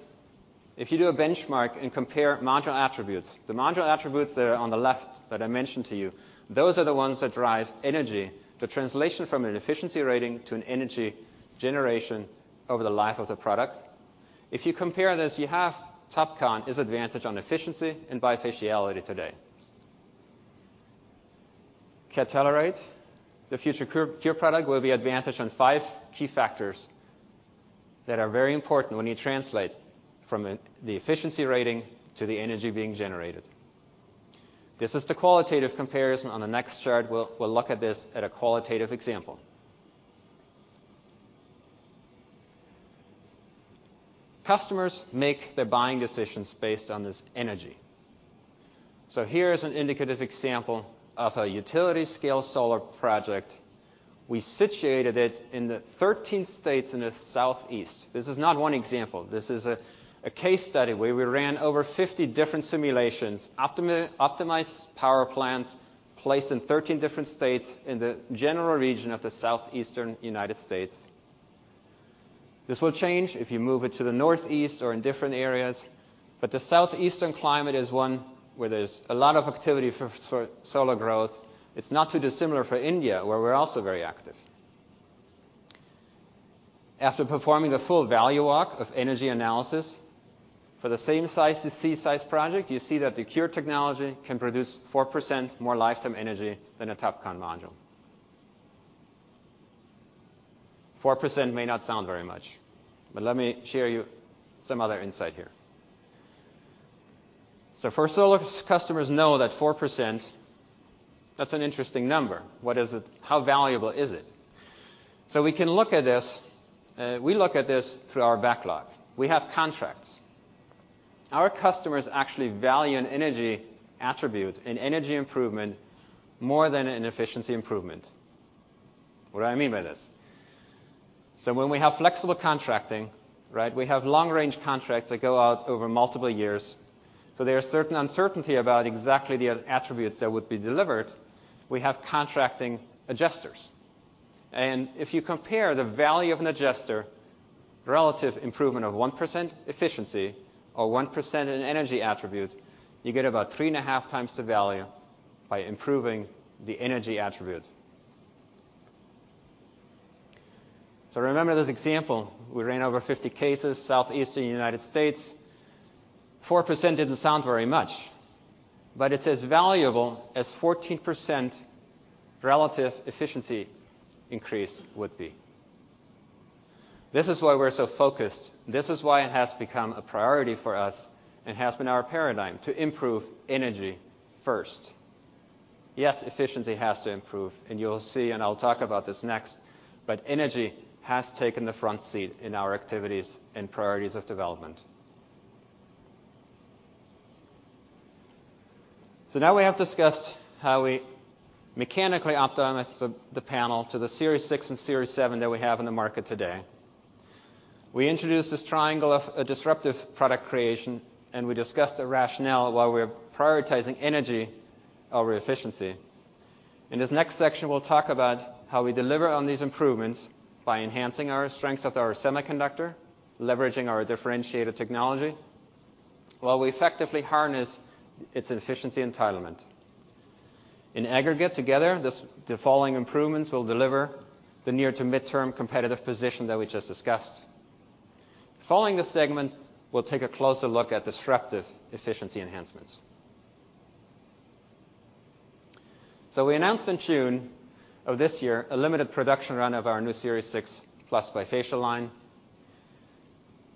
if you do a benchmark and compare module attributes, the module attributes that are on the left that I mentioned to you, those are the ones that drive energy, the translation from an efficiency rating to an energy generation over the life of the product. If you compare this, you have TOPCon is advantaged on efficiency and bifaciality today. Kuntal, the future CuRe product will be advantaged on 5 key factors that are very important when you translate from the efficiency rating to the energy being generated. This is the qualitative comparison. On the next chart, we'll look at this at a qualitative example. Customers make their buying decisions based on this energy. So here is an indicative example of a utility-scale solar project. We situated it in the 13 states in the Southeast. This is not one example. This is a case study where we ran over 50 different simulations, optimized power plants placed in 13 different states in the general region of the Southeastern United States. This will change if you move it to the Northeast or in different areas, but the Southeastern climate is one where there's a lot of activity for solar growth. It's not too dissimilar for India, where we're also very active. After performing the full value walk of energy analysis for the same size DC size project, you see that the CuRe technology can produce 4% more lifetime energy than a TOPCon module. Four percent may not sound very much, but let me share you some other insight here. So First Solar's customers know that four percent, that's an interesting number. What is it? How valuable is it? So we can look at this, we look at this through our backlog. We have contracts. Our customers actually value an energy attribute, an energy improvement, more than an efficiency improvement. What do I mean by this? So when we have flexible contracting, right, we have long-range contracts that go out over multiple years, so there are certain uncertainty about exactly the attributes that would be delivered. We have contracting adjusters, and if you compare the value of an adjuster, relative improvement of 1% efficiency or 1% in energy attribute, you get about 3.5 times the value by improving the energy attribute. So remember this example, we ran over 50 cases, Southeastern United States. 4% didn't sound very much, but it's as valuable as 14% relative efficiency increase would be. This is why we're so focused. This is why it has become a priority for us and has been our paradigm: to improve energy first. Yes, efficiency has to improve, and you'll see, and I'll talk about this next, but energy has taken the front seat in our activities and priorities of development. So now we have discussed how we mechanically optimize the panel to the Series 6 and Series 7 that we have in the market today. We introduced this triangle of a disruptive product creation, and we discussed the rationale while we're prioritizing energy over efficiency. In this next section, we'll talk about how we deliver on these improvements by enhancing our strengths of our semiconductor, leveraging our differentiated technology, while we effectively harness its efficiency entitlement. In aggregate, together, this, the following improvements will deliver the near to midterm competitive position that we just discussed. Following this segment, we'll take a closer look at disruptive efficiency enhancements. So we announced in June of this year a limited production run of our new Series 6+ bifacial line,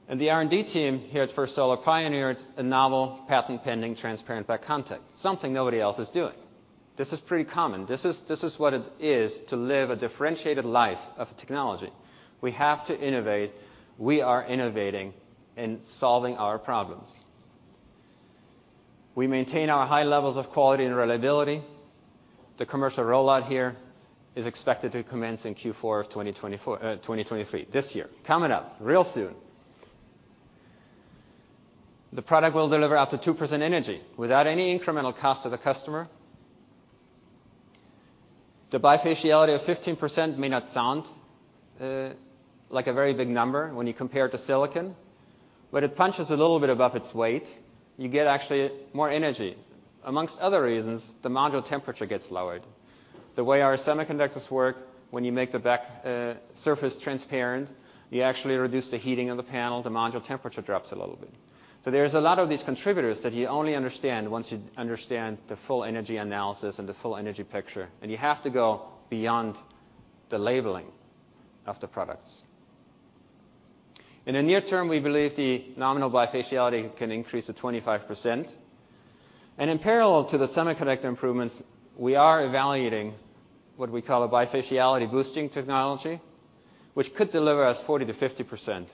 and the R&D team here at First Solar pioneered a novel patent-pending transparent back contact, something nobody else is doing. This is pretty common. This is, this is what it is to live a differentiated life of technology. We have to innovate. We are innovating and solving our problems. We maintain our high levels of quality and reliability. The commercial rollout here is expected to commence in Q4 of 2024, 2023, this year. Coming up, real soon. The product will deliver up to 2% energy without any incremental cost to the customer. The bifaciality of 15% may not sound like a very big number when you compare it to silicon, but it punches a little bit above its weight. You get actually more energy. Among other reasons, the module temperature gets lowered. The way our semiconductors work, when you make the back surface transparent, you actually reduce the heating of the panel, the module temperature drops a little bit. So there's a lot of these contributors that you only understand once you understand the full energy analysis and the full energy picture, and you have to go beyond the labeling of the products. In the near term, we believe the nominal bifaciality can increase to 25%, and in parallel to the semiconductor improvements, we are evaluating what we call a bifaciality boosting technology, which could deliver us 40%-50%.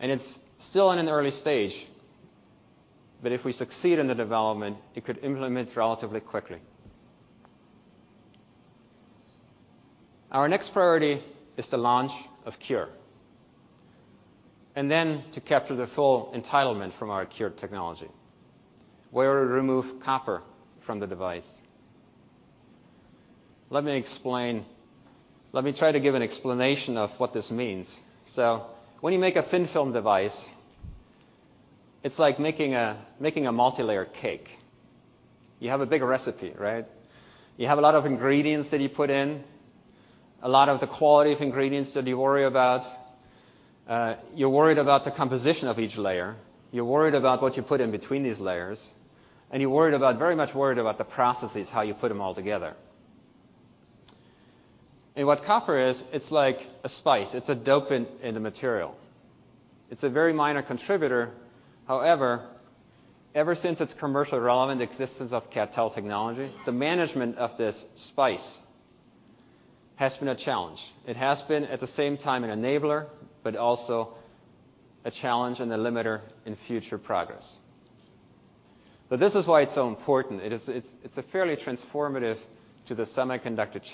And it's still in an early stage, but if we succeed in the development, it could implement relatively quickly. Our next priority is the launch of CuRe, and then to capture the full entitlement from our CuRe technology. We will remove copper from the device. Let me explain. Let me try to give an explanation of what this means. So when you make a thin-film device, it's like making a multilayer cake. You have a big recipe, right? You have a lot of ingredients that you put in, a lot of the quality of ingredients that you worry about. You're worried about the composition of each layer, you're worried about what you put in between these layers, and you're worried about very much worried about the processes, how you put them all together. And what copper is, it's like a spice. It's a dopant in the material. It's a very minor contributor. However, ever since its commercially relevant existence of CadTel technology, the management of this species has been a challenge. It has been, at the same time, an enabler, but also a challenge and a limiter in future progress. But this is why it's so important. It's a fairly transformative change to the semiconductor.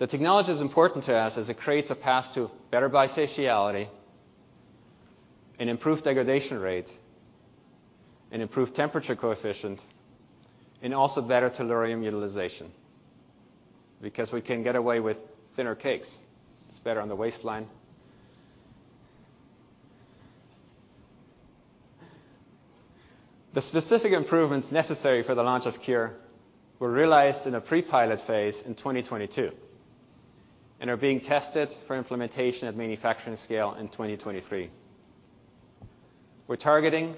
The technology is important to us as it creates a path to better bifaciality, and improved degradation rate, and improved temperature coefficient, and also better tellurium utilization. Because we can get away with thinner cells. It's better on the waistline. The specific improvements necessary for the launch of CuRe were realized in a pre-pilot phase in 2022, and are being tested for implementation at manufacturing scale in 2023. We're targeting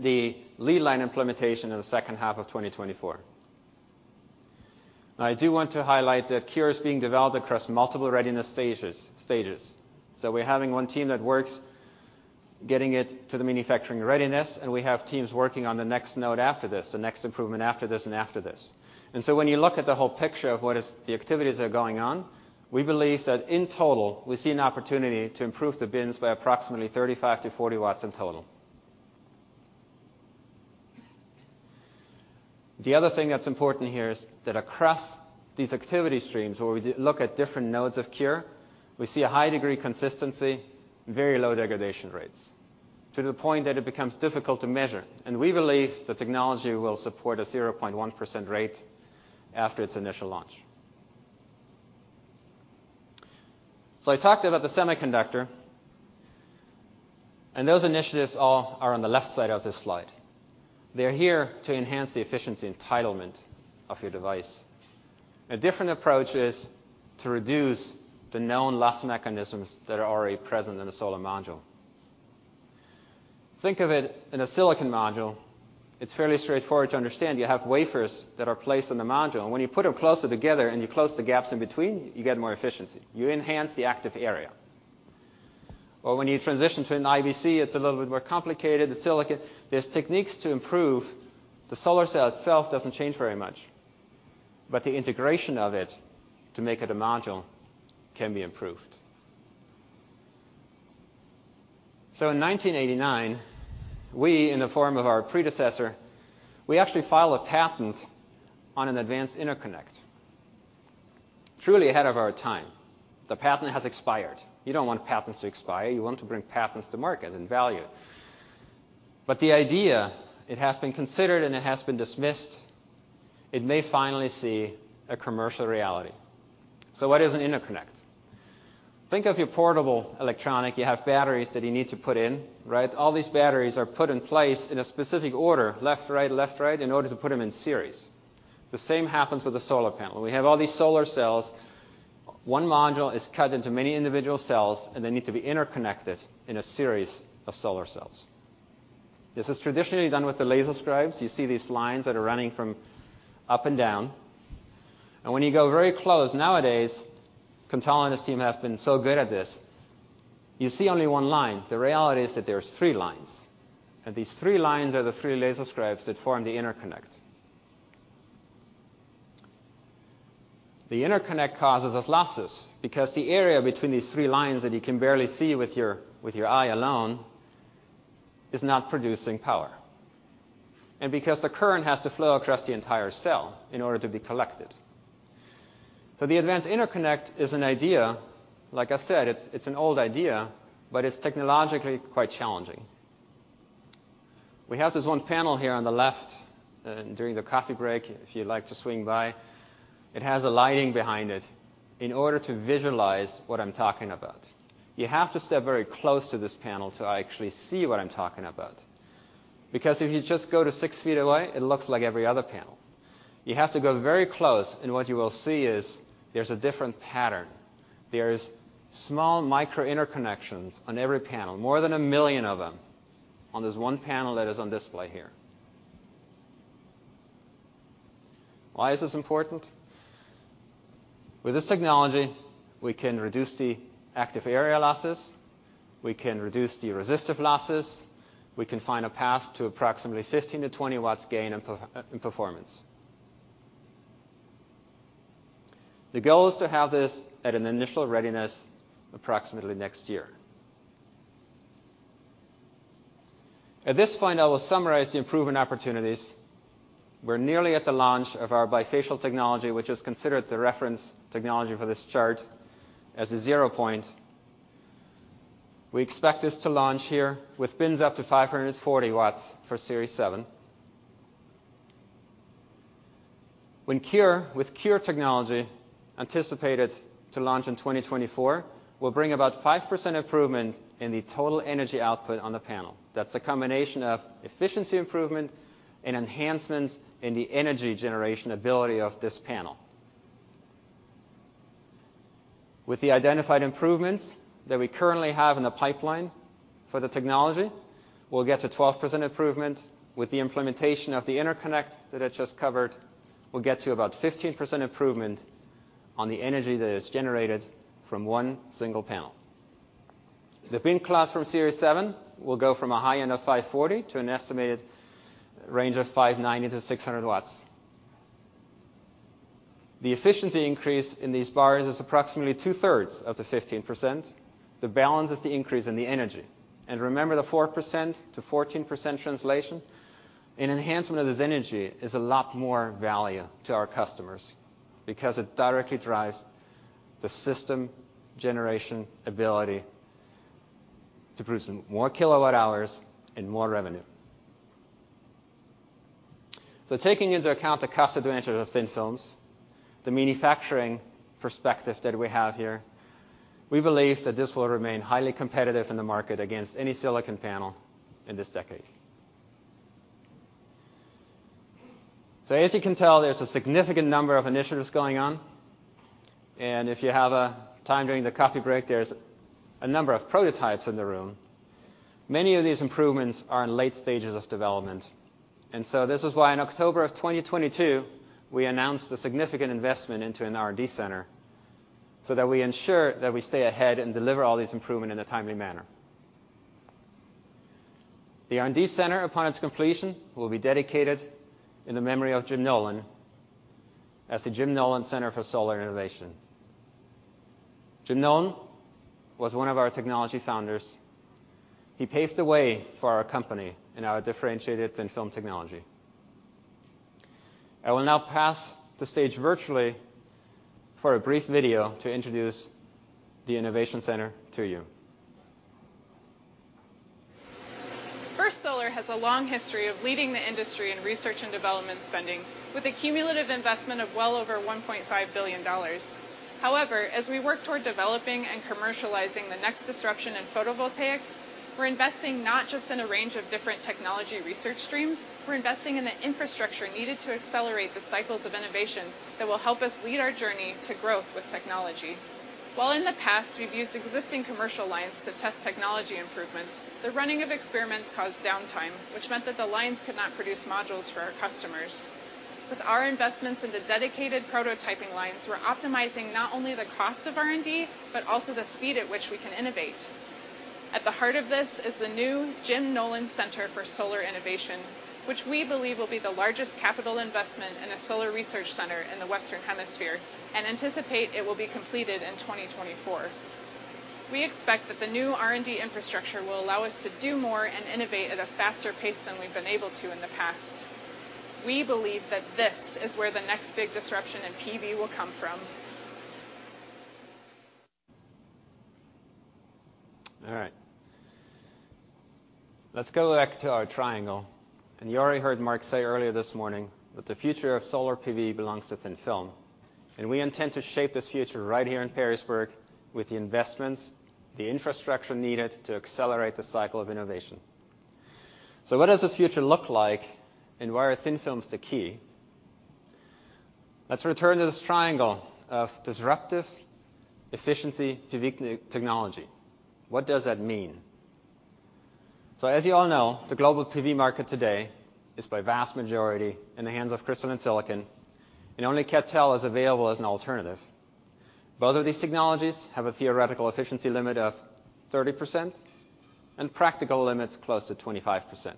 the lead line implementation in the second half of 2024. Now, I do want to highlight that CuRe is being developed across multiple readiness stages, stages. So we're having one team that works, getting it to the manufacturing readiness, and we have teams working on the next node after this, the next improvement after this and after this. And so when you look at the whole picture of what is the activities that are going on, we believe that in total, we see an opportunity to improve the bins by approximately 35-40 watts in total. The other thing that's important here is that across these activity streams, where we look at different nodes of CuRe, we see a high degree of consistency and very low degradation rates, to the point that it becomes difficult to measure, and we believe the technology will support a 0.1% rate after its initial launch. So I talked about the semiconductor, and those initiatives all are on the left side of this slide. They're here to enhance the efficiency entitlement of your device. A different approach is to reduce the known loss mechanisms that are already present in a solar module. Think of it in a silicon module, it's fairly straightforward to understand. You have wafers that are placed in the module, and when you put them closer together and you close the gaps in between, you get more efficiency. You enhance the active area. Well, when you transition to an IBC, it's a little bit more complicated. The silicon - there's techniques to improve. The solar cell itself doesn't change very much, but the integration of it to make it a module can be improved. So in 1989, we, in the form of our predecessor, we actually filed a patent on an advanced interconnect. Truly ahead of our time. The patent has expired. You don't want patents to expire. You want to bring patents to market and value. But the idea, it has been considered and it has been dismissed, it may finally see a commercial reality. So what is an interconnect? Think of your portable electronic. You have batteries that you need to put in, right? All these batteries are put in place in a specific order, left, right, left, right, in order to put them in series. The same happens with a solar panel. We have all these solar cells. One module is cut into many individual cells, and they need to be interconnected in a series of solar cells. This is traditionally done with the laser scribes. You see these lines that are running from up and down, and when you go very close... Nowadays, CadTel and his team have been so good at this, you see only one line. The reality is that there's three lines, and these three lines are the three laser scribes that form the interconnect. The interconnect causes us losses, because the area between these three lines that you can barely see with your eye alone, is not producing power, and because the current has to flow across the entire cell in order to be collected. So the Advanced Interconnect is an idea. Like I said, it's an old idea, but it's technologically quite challenging. We have this one panel here on the left, during the coffee break, if you'd like to swing by. It has a lighting behind it in order to visualize what I'm talking about. You have to step very close to this panel to actually see what I'm talking about. Because if you just go to six feet away, it looks like every other panel. You have to go very close, and what you will see is there's a different pattern. There's small micro interconnections on every panel, more than a million of them on this one panel that is on display here. Why is this important? With this technology, we can reduce the active area losses, we can reduce the resistive losses, we can find a path to approximately 15-20 watts gain in performance. The goal is to have this at an initial readiness approximately next year. At this point, I will summarize the improvement opportunities. We're nearly at the launch of our bifacial technology, which is considered the reference technology for this chart, as a zero point. We expect this to launch here with bins up to 540 watts for Series 7. When CuRe, with CuRe technology anticipated to launch in 2024, will bring about 5% improvement in the total energy output on the panel. That's a combination of efficiency improvement and enhancements in the energy generation ability of this panel. With the identified improvements that we currently have in the pipeline for the technology, we'll get to 12% improvement. With the implementation of the interconnect that I just covered, we'll get to about 15% improvement on the energy that is generated from one single panel. The bin class from Series 7 will go from a high end of 540 to an estimated range of 590-600 watts. The efficiency increase in these bars is approximately two-thirds of the 15%. The balance is the increase in the energy. And remember, the 4%-14% translation? An enhancement of this energy is a lot more value to our customers because it directly drives the system generation ability to produce more kilowatt hours and more revenue. So taking into account the cost advantage of thin films, the manufacturing perspective that we have here, we believe that this will remain highly competitive in the market against any silicon panel in this decade. So as you can tell, there's a significant number of initiatives going on, and if you have time during the coffee break, there's a number of prototypes in the room. Many of these improvements are in late stages of development, and so this is why in October of 2022, we announced a significant investment into an R&D center, so that we ensure that we stay ahead and deliver all these improvement in a timely manner. The R&D center, upon its completion, will be dedicated in the memory of Jim Nolan as the Jim Nolan Center for Solar Innovation. Jim Nolan was one of our technology founders. He paved the way for our company and our differentiated thin-film technology. I will now pass the stage virtually for a brief video to introduce the innovation center to you. First Solar has a long history of leading the industry in research and development spending, with a cumulative investment of well over $1.5 billion. However, as we work toward developing and commercializing the next disruption in photovoltaics, we're investing not just in a range of different technology research streams, we're investing in the infrastructure needed to accelerate the cycles of innovation that will help us lead our journey to growth with technology. While in the past, we've used existing commercial lines to test technology improvements, the running of experiments caused downtime, which meant that the lines could not produce modules for our customers. With our investments into dedicated prototyping lines, we're optimizing not only the cost of R&D, but also the speed at which we can innovate. At the heart of this is the new Jim Nolan Center for Solar Innovation, which we believe will be the largest capital investment in a solar research center in the Western Hemisphere, and anticipate it will be completed in 2024. We expect that the new R&D infrastructure will allow us to do more and innovate at a faster pace than we've been able to in the past. We believe that this is where the next big disruption in PV will come from. All right. Let's go back to our triangle. And you already heard Mark say earlier this morning that the future of solar PV belongs to thin film, and we intend to shape this future right here in Perrysburg with the investments, the infrastructure needed to accelerate the cycle of innovation. So what does this future look like, and why are thin films the key? Let's return to this triangle of disruptive efficiency PV technology. What does that mean? So as you all know, the global PV market today is by vast majority in the hands of crystalline silicon, and only CadTel is available as an alternative. Both of these technologies have a theoretical efficiency limit of 30% and practical limits close to 25%.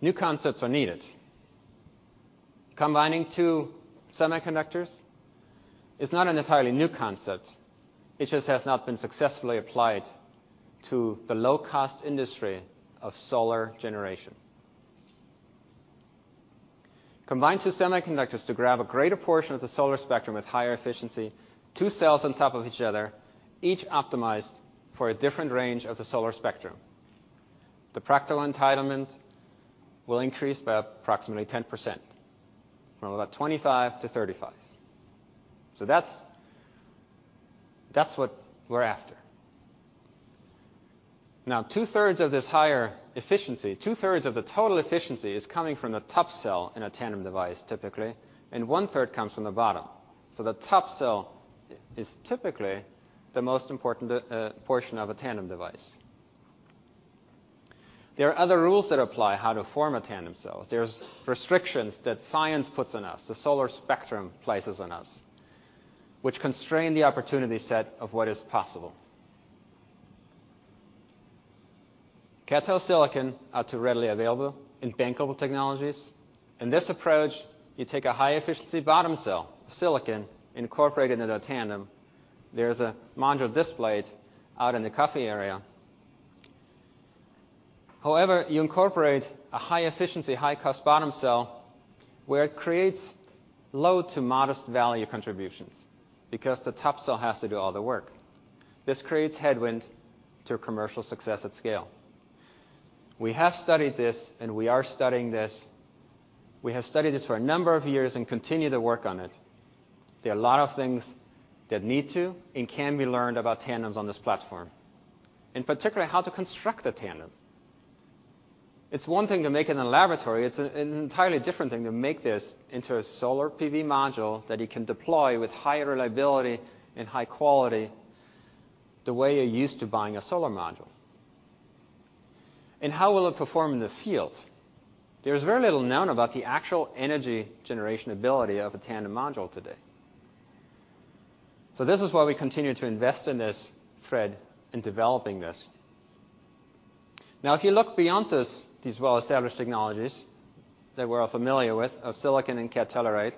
New concepts are needed. Combining two semiconductors is not an entirely new concept. It just has not been successfully applied to the low-cost industry of solar generation. Combine two semiconductors to grab a greater portion of the solar spectrum with higher efficiency, two cells on top of each other, each optimized for a different range of the solar spectrum. The practical entitlement will increase by approximately 10%, from about 25 to 35. So that's what we're after. Now, 2/3 of this higher efficiency, 2/3 of the total efficiency is coming from the top cell in a tandem device, typically, and 1/3 comes from the bottom. So the top cell is typically the most important portion of a tandem device. There are other rules that apply how to form a tandem cell. are restrictions that science puts on us, the solar spectrum places on us, which constrain the opportunity set of what is possible. CadTel silicon are two readily available and bankable technologies. In this approach, you take a high-efficiency bottom cell, silicon, incorporated into a tandem. There's a module displayed out in the coffee area. However, you incorporate a high-efficiency, high-cost bottom cell where it creates low to modest value contributions, because the top cell has to do all the work. This creates headwind to commercial success at scale. We have studied this, and we are studying this. We have studied this for a number of years and continue to work on it. There are a lot of things that need to and can be learned about tandems on this platform, in particular, how to construct a tandem. It's one thing to make it in a laboratory, it's an entirely different thing to make this into a solar PV module that you can deploy with high reliability and high quality, the way you're used to buying a solar module. And how will it perform in the field? There is very little known about the actual energy generation ability of a tandem module today. So this is why we continue to invest in this thread and developing this. Now, if you look beyond this, these well-established technologies that we're all familiar with, of silicon and cadmium telluride,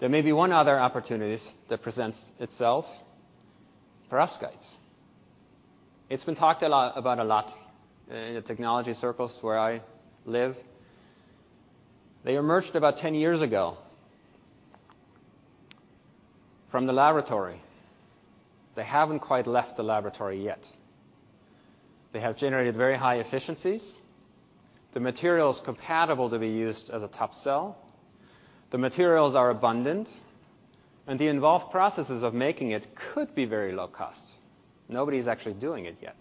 there may be one other opportunities that presents itself, perovskites. It's been talked a lot about a lot in the technology circles where I live. They emerged about 10 years ago from the laboratory. They haven't quite left the laboratory yet. They have generated very high efficiencies. The material is compatible to be used as a top cell. The materials are abundant, and the involved processes of making it could be very low cost. Nobody's actually doing it yet.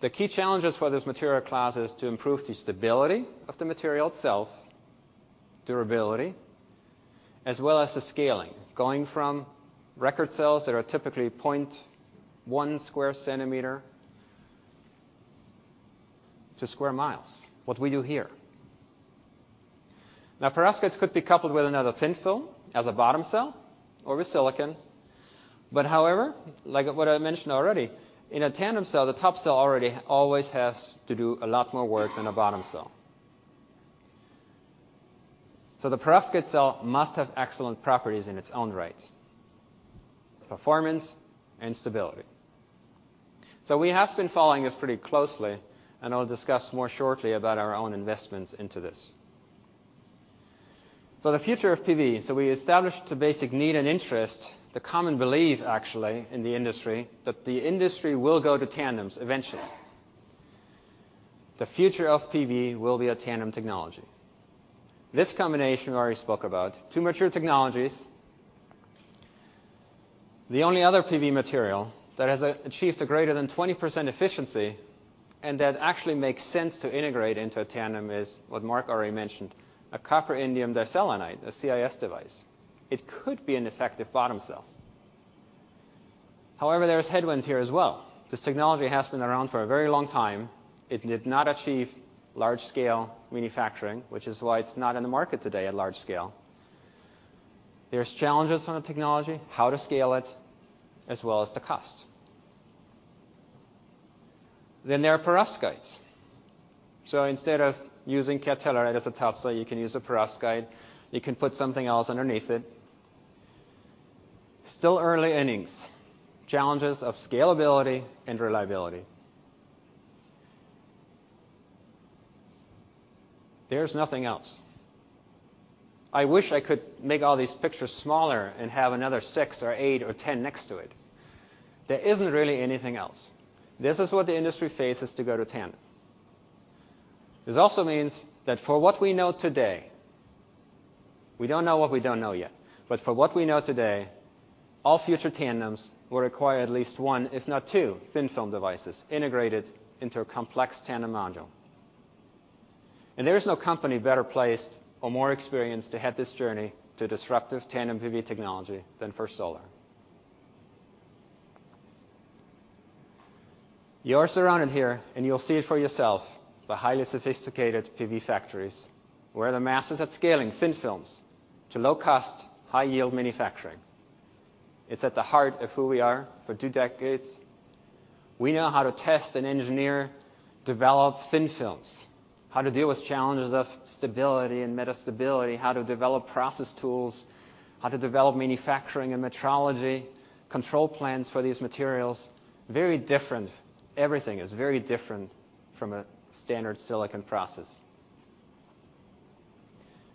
The key challenges for this material class is to improve the stability of the material itself, durability, as well as the scaling, going from record cells that are typically 0.1 square centimeter to square miles, what we do here. Now, perovskites could be coupled with another thin film as a bottom cell or with silicon. But however, like what I mentioned already, in a tandem cell, the top cell already always has to do a lot more work than a bottom cell. So the perovskite cell must have excellent properties in its own right, performance and stability. So we have been following this pretty closely, and I'll discuss more shortly about our own investments into this. So the future of PV. So we established the basic need and interest, the common belief, actually, in the industry, that the industry will go to tandems eventually. The future of PV will be a tandem technology. This combination we already spoke about, two mature technologies. The only other PV material that has achieved a greater than 20% efficiency and that actually makes sense to integrate into a tandem is what Mark already mentioned, a copper indium diselenide, a CIS device. It could be an effective bottom cell. However, there's headwinds here as well. This technology has been around for a very long time. It did not achieve large-scale manufacturing, which is why it's not in the market today at large scale. There's challenges on the technology, how to scale it, as well as the cost. Then there are perovskites. So instead of using CadTel as a top cell, you can use a perovskite. You can put something else underneath it. Still early innings. Challenges of scalability and reliability. There's nothing else. I wish I could make all these pictures smaller and have another 6 or 8 or 10 next to it. There isn't really anything else. This is what the industry faces to go to tandem. This also means that for what we know today, we don't know what we don't know yet, but for what we know today, all future tandems will require at least one, if not two, thin-film devices integrated into a complex tandem module. And there is no company better placed or more experienced to head this journey to disruptive tandem PV technology than First Solar. You're surrounded here, and you'll see it for yourself, by highly sophisticated PV factories, where the mass is at scaling thin films to low-cost, high-yield manufacturing. It's at the heart of who we are for two decades. We know how to test and engineer, develop thin films, how to deal with challenges of stability and metastability, how to develop process tools, how to develop manufacturing and metrology, control plans for these materials. Very different. Everything is very different from a standard silicon process.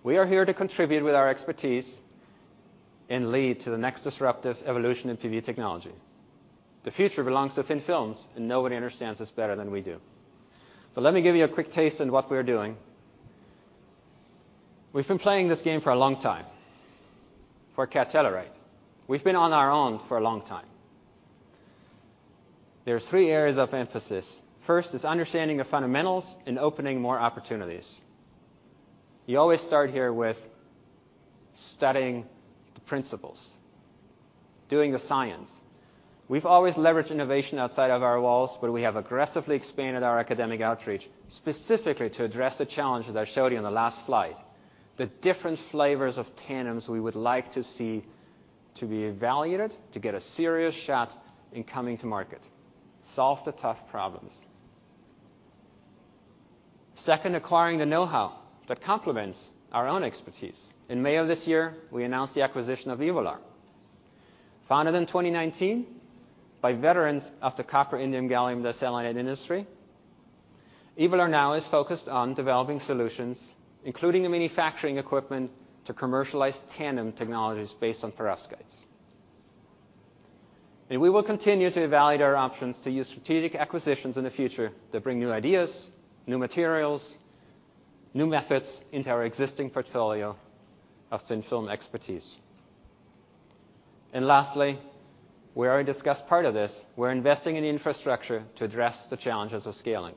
We are here to contribute with our expertise and lead to the next disruptive evolution in PV technology. The future belongs to thin films, and nobody understands this better than we do. So let me give you a quick taste in what we're doing. We've been playing this game for a long time, for CadTel. We've been on our own for a long time. There are three areas of emphasis. First is understanding the fundamentals and opening more opportunities. You always start here with studying the principles, doing the science. We've always leveraged innovation outside of our walls, but we have aggressively expanded our academic outreach, specifically to address the challenge that I showed you on the last slide. The different flavors of tandems we would like to see to be evaluated, to get a serious shot in coming to market, solve the tough problems. Second, acquiring the know-how that complements our own expertise. In May of this year, we announced the acquisition of Evolar. Founded in 2019 by veterans of the copper indium gallium diselenide industry, Evolar now is focused on developing solutions, including the manufacturing equipment, to commercialize tandem technologies based on perovskites. We will continue to evaluate our options to use strategic acquisitions in the future that bring new ideas, new materials, new methods into our existing portfolio of thin-film expertise. And lastly, we already discussed part of this, we're investing in the infrastructure to address the challenges of scaling.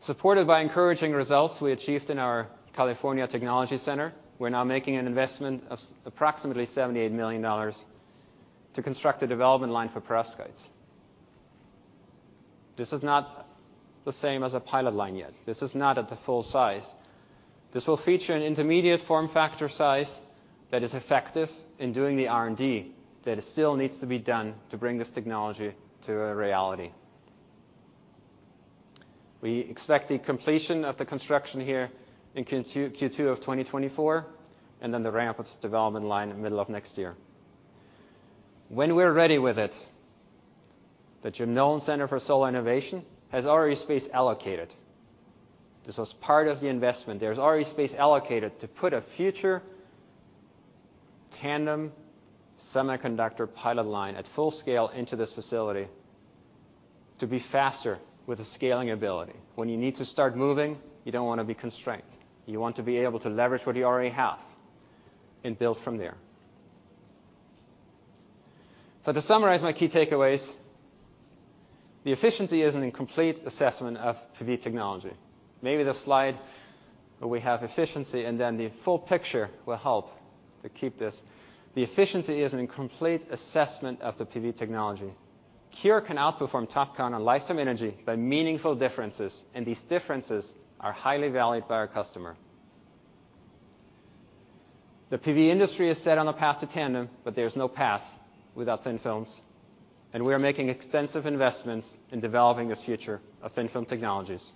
Supported by encouraging results we achieved in our California Technology Center, we're now making an investment of approximately $78 million to construct a development line for perovskites. This is not the same as a pilot line yet. This is not at the full size. This will feature an intermediate form factor size that is effective in doing the R&D that still needs to be done to bring this technology to a reality. We expect the completion of the construction here in Q2 of 2024, and then the ramp of the development line in the middle of next year. When we're ready with it, the Jim Nolan Center for Solar Innovation has already space allocated. This was part of the investment. There's already space allocated to put a future tandem semiconductor pilot line at full scale into this facility to be faster with the scaling ability. When you need to start moving, you don't want to be constrained. You want to be able to leverage what you already have and build from there. So to summarize my key takeaways, the efficiency is an incomplete assessment of PV technology. Maybe the slide where we have efficiency and then the full picture will help to keep this. The efficiency is an incomplete assessment of the PV technology. CuRe can outperform TOPCon on lifetime energy by meaningful differences, and these differences are highly valued by our customer. The PV industry is set on the path to tandem, but there's no path without thin-film, and we are making extensive investments in developing this future of thin-film technologies.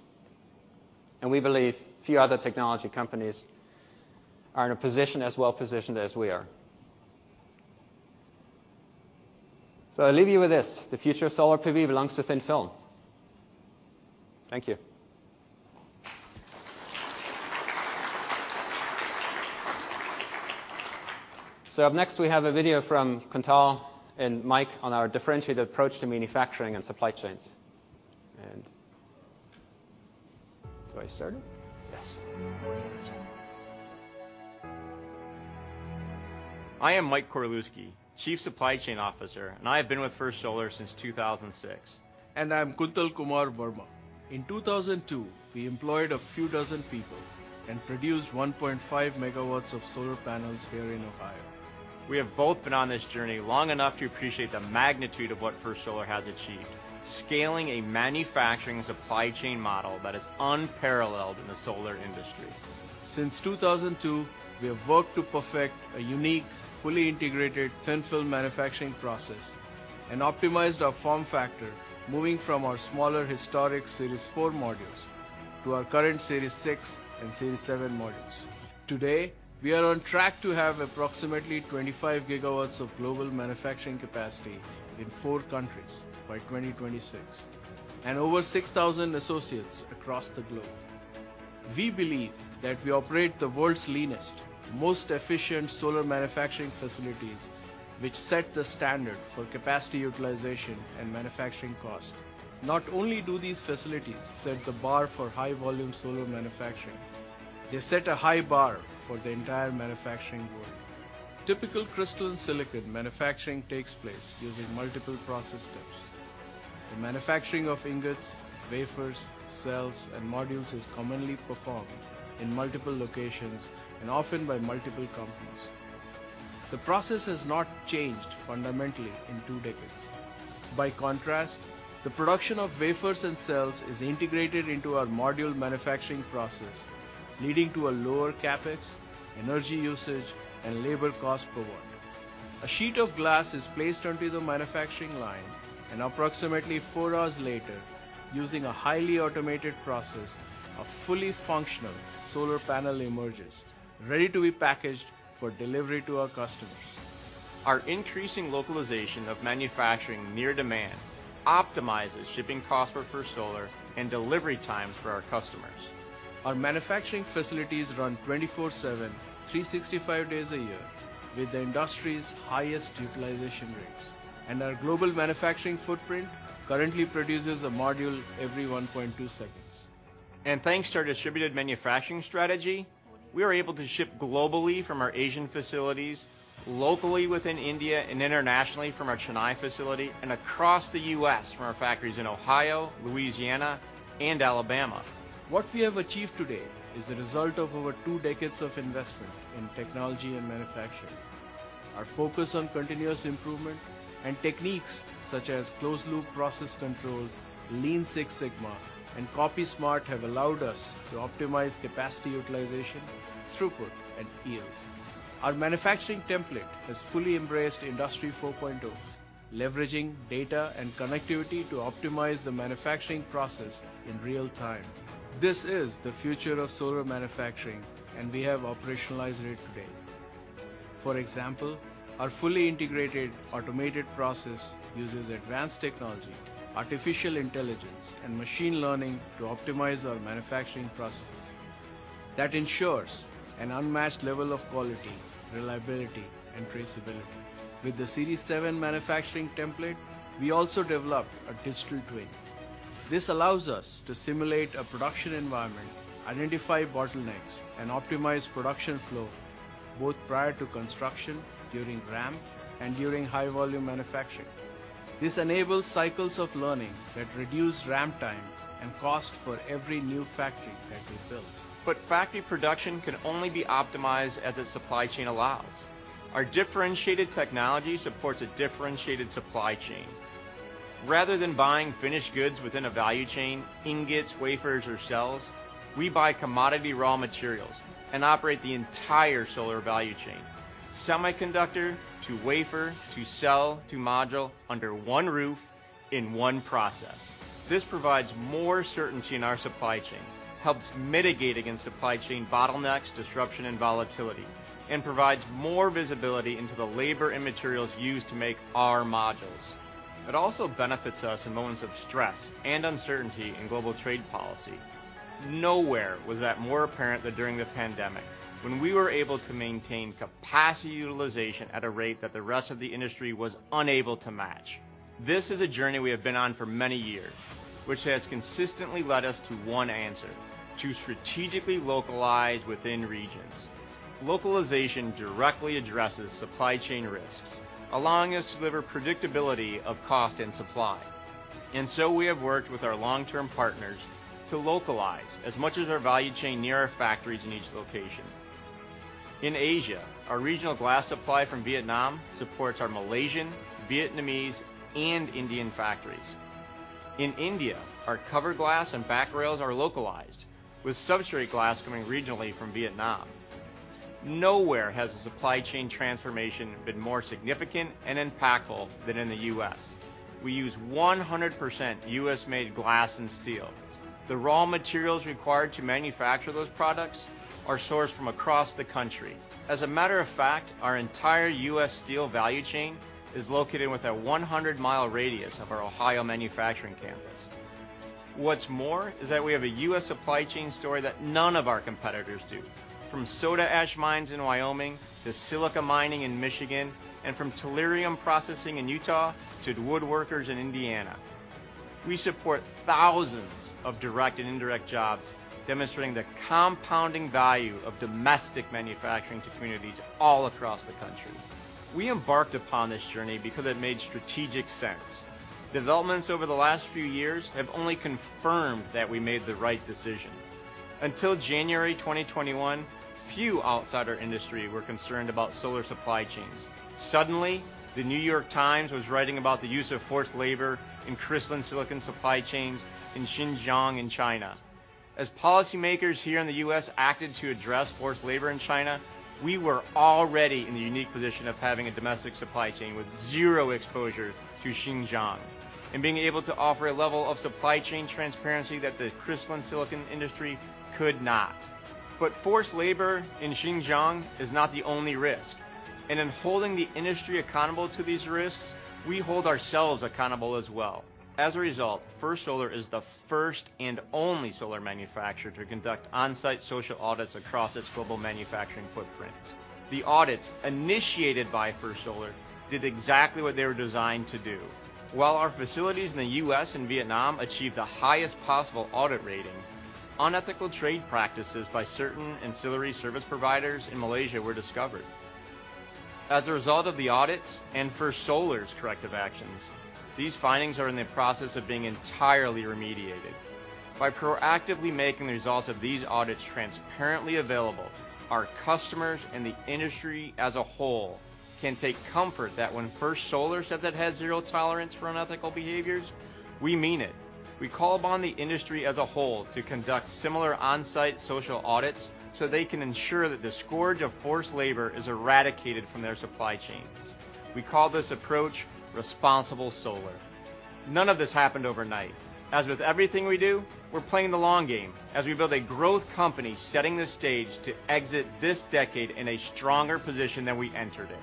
And we believe few other technology companies are in a position as well-positioned as we are. So I leave you with this: the future of solar PV belongs to thin-film. Thank you. So up next, we have a video from Kuntal and Mike on our differentiated approach to manufacturing and supply chains. And do I start it? Yes. I am Mike Koralewski, Chief Supply Chain Officer, and I have been with First Solar since 2006. I am Kuntal Kumar Verma. In 2002, we employed a few dozen people and produced 1.5 megawatts of solar panels here in Ohio. We have both been on this journey long enough to appreciate the magnitude of what First Solar has achieved, scaling a manufacturing supply chain model that is unparalleled in the solar industry. Since 2002, we have worked to perfect a unique, fully integrated thin-film manufacturing process and optimized our form factor, moving from our smaller historic Series 4 modules to our current Series 6 and Series 7 modules. Today, we are on track to have approximately 25 GW of global manufacturing capacity in four countries by 2026, and over 6,000 associates across the globe. We believe that we operate the world's leanest, most efficient solar manufacturing facilities, which set the standard for capacity utilization and manufacturing cost. Not only do these facilities set the bar for high-volume solar manufacturing, they set a high bar for the entire manufacturing world. Typical crystalline silicon manufacturing takes place using multiple process steps. The manufacturing of ingots, wafers, cells, and modules is commonly performed in multiple locations and often by multiple companies. The process has not changed fundamentally in two decades. By contrast, the production of wafers and cells is integrated into our module manufacturing process, leading to a lower CapEx, energy usage, and labor cost per watt. A sheet of glass is placed onto the manufacturing line, and approximately four hours later, using a highly automated process, a fully functional solar panel emerges, ready to be packaged for delivery to our customers. Our increasing localization of manufacturing near demand optimizes shipping costs for First Solar and delivery time for our customers. Our manufacturing facilities run 24/7, 365 days a year, with the industry's highest utilization rates, and our global manufacturing footprint currently produces a module every 1.2 seconds. Thanks to our distributed manufacturing strategy, we are able to ship globally from our Asian facilities, locally within India, and internationally from our Chennai facility, and across the U.S. from our factories in Ohio, Louisiana, and Alabama. What we have achieved today is the result of over two decades of investment in technology and manufacturing. Our focus on continuous improvement and techniques such as closed-loop process control, Lean Six Sigma, and Copy Smart have allowed us to optimize capacity utilization, throughput, and yield. Our manufacturing template has fully embraced Industry 4.0, leveraging data and connectivity to optimize the manufacturing process in real time. This is the future of solar manufacturing, and we have operationalized it today. For example, our fully integrated automated process uses advanced technology, artificial intelligence, and machine learning to optimize our manufacturing processes. That ensures an unmatched level of quality, reliability, and traceability. With the Series 7 manufacturing template, we also developed a digital twin. This allows us to simulate a production environment, identify bottlenecks, and optimize production flow, both prior to construction, during ramp, and during high-volume manufacturing. This enables cycles of learning that reduce ramp time and cost for every new factory that we build. Factory production can only be optimized as its supply chain allows. Our differentiated technology supports a differentiated supply chain. Rather than buying finished goods within a value chain, ingots, wafers, or cells, we buy commodity raw materials and operate the entire solar value chain, semiconductor to wafer, to cell, to module, under one roof in one process. This provides more certainty in our supply chain, helps mitigate against supply chain bottlenecks, disruption, and volatility, and provides more visibility into the labor and materials used to make our modules. It also benefits us in moments of stress and uncertainty in global trade policy. Nowhere was that more apparent than during the pandemic, when we were able to maintain capacity utilization at a rate that the rest of the industry was unable to match. This is a journey we have been on for many years, which has consistently led us to one answer: to strategically localize within regions. Localization directly addresses supply chain risks, allowing us to deliver predictability of cost and supply. And so we have worked with our long-term partners to localize as much of our value chain near our factories in each location. In Asia, our regional glass supply from Vietnam supports our Malaysian, Vietnamese, and Indian factories. In India, our cover glass and back rails are localized, with substrate glass coming regionally from Vietnam. Nowhere has the supply chain transformation been more significant and impactful than in the U.S. We use 100% U.S.-made glass and steel. The raw materials required to manufacture those products are sourced from across the country. As a matter of fact, our entire U.S. steel value chain is located within a 100-mile radius of our Ohio manufacturing campus. What's more, is that we have a U.S. supply chain story that none of our competitors do. From soda ash mines in Wyoming to silica mining in Michigan, and from tellurium processing in Utah to woodworkers in Indiana, we support thousands of direct and indirect jobs, demonstrating the compounding value of domestic manufacturing to communities all across the country. We embarked upon this journey because it made strategic sense. Developments over the last few years have only confirmed that we made the right decision. Until January 2021, few outside our industry were concerned about solar supply chains. Suddenly, The New York Times was writing about the use of forced labor in crystalline silicon supply chains in Xinjiang in China. As policymakers here in the U.S. acted to address forced labor in China, we were already in the unique position of having a domestic supply chain with zero exposure to Xinjiang and being able to offer a level of supply chain transparency that the crystalline silicon industry could not. But forced labor in Xinjiang is not the only risk, and in holding the industry accountable to these risks, we hold ourselves accountable as well. As a result, First Solar is the first and only solar manufacturer to conduct on-site social audits across its global manufacturing footprint. The audits, initiated by First Solar, did exactly what they were designed to do. While our facilities in the U.S. and Vietnam achieved the highest possible audit rating, unethical trade practices by certain ancillary service providers in Malaysia were discovered. As a result of the audits and First Solar's corrective actions, these findings are in the process of being entirely remediated. By proactively making the results of these audits transparently available, our customers and the industry as a whole can take comfort that when First Solar says it has zero tolerance for unethical behaviors, we mean it. We call upon the industry as a whole to conduct similar on-site social audits, so they can ensure that the scourge of forced labor is eradicated from their supply chains. We call this approach Responsible Solar. None of this happened overnight. As with everything we do, we're playing the long game as we build a growth company, setting the stage to exit this decade in a stronger position than we entered it.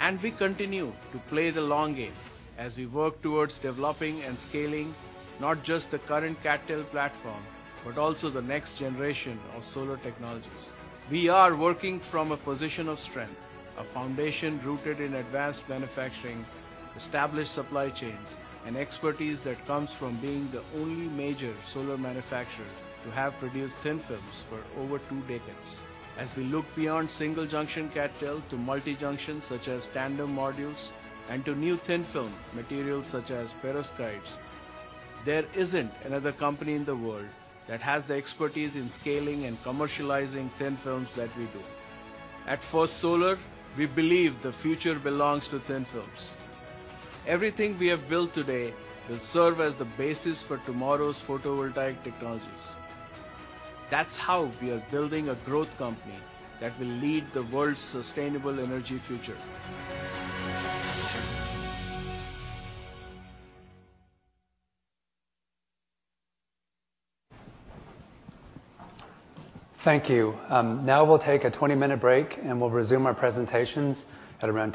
And we continue to play the long game as we work towards developing and scaling not just the current CadTel platform, but also the next generation of solar technologies. We are working from a position of strength, a foundation rooted in advanced manufacturing, established supply chains, and expertise that comes from being the only major solar manufacturer to have produced thin films for over two decades. As we look beyond single-junction CadTel to multi-junction, such as tandem modules and to new thin-film materials such as perovskites, there isn't another company in the world that has the expertise in scaling and commercializing thin films that we do. At First Solar, we believe the future belongs to thin films... Everything we have built today will serve as the basis for tomorrow's photovoltaic technologies. That's how we are building a growth company that will lead the world's sustainable energy future. Thank you. Now we'll take a 20-minute break, and we'll resume our presentations at around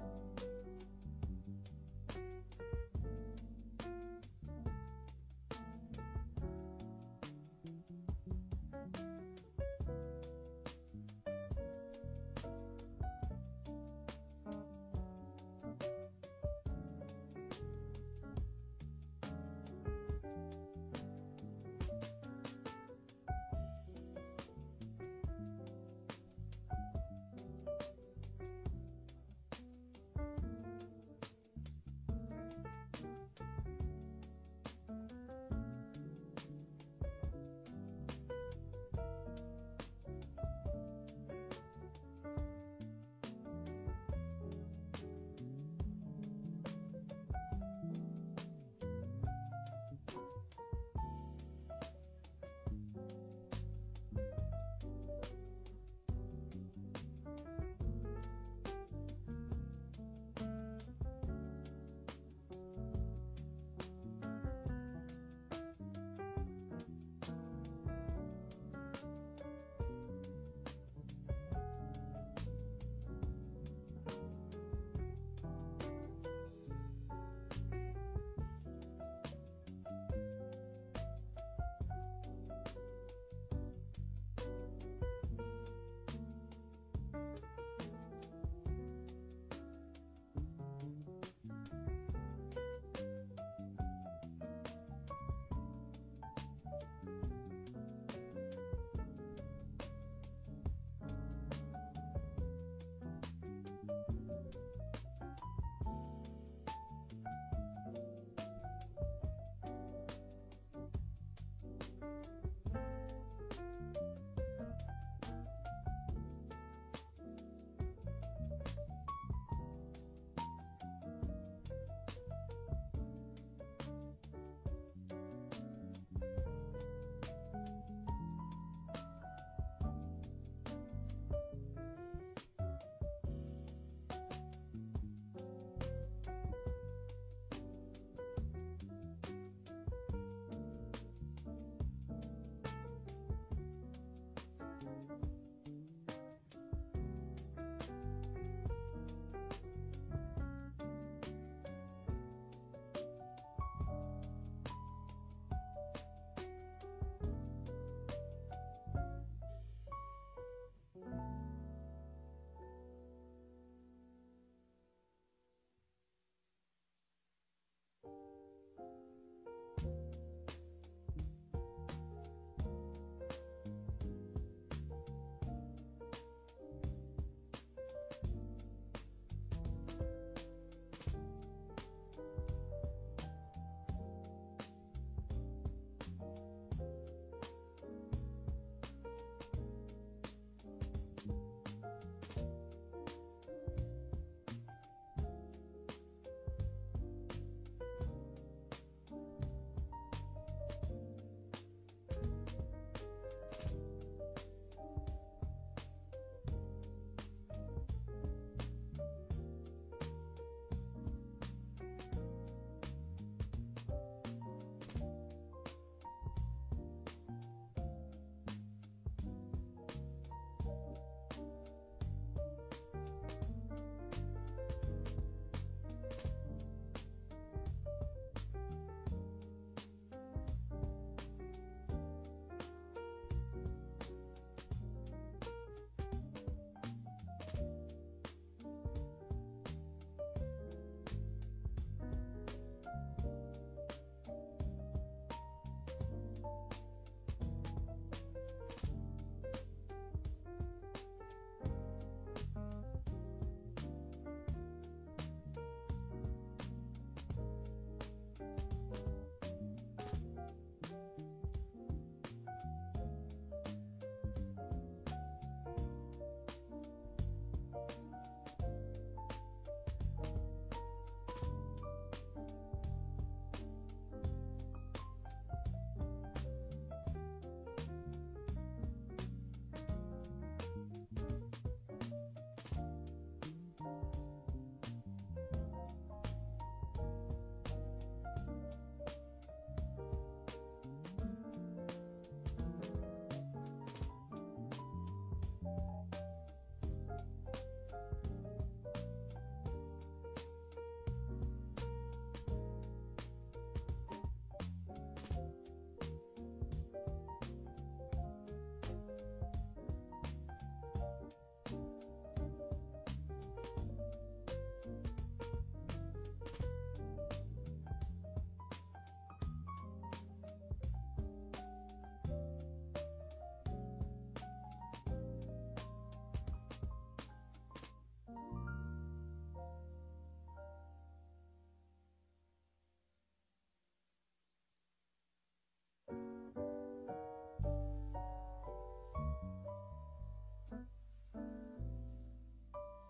10:15 A.M.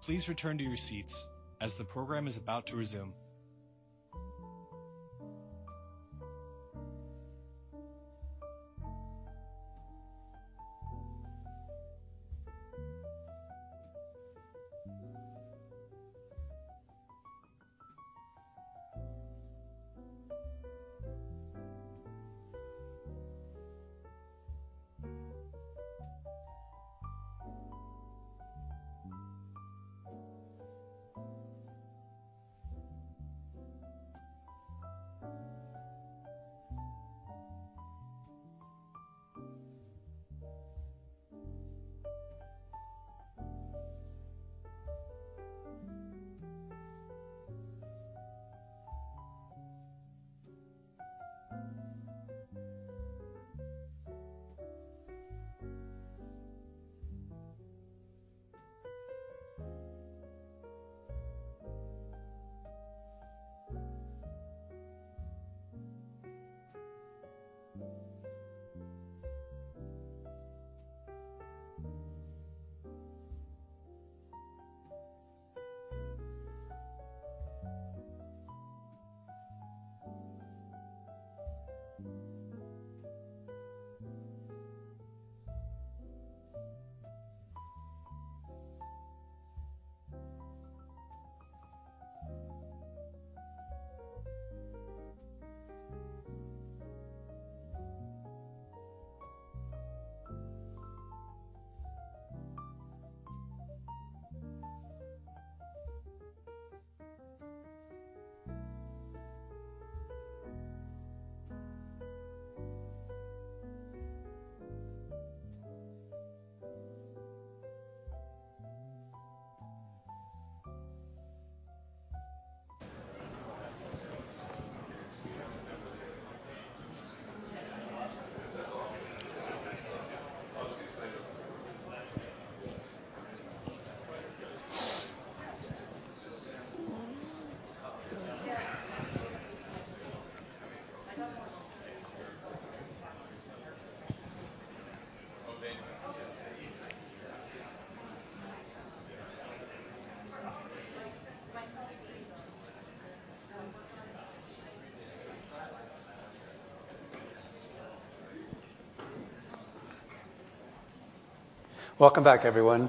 Please return to your seats as the program is about to resume. Welcome back, everyone.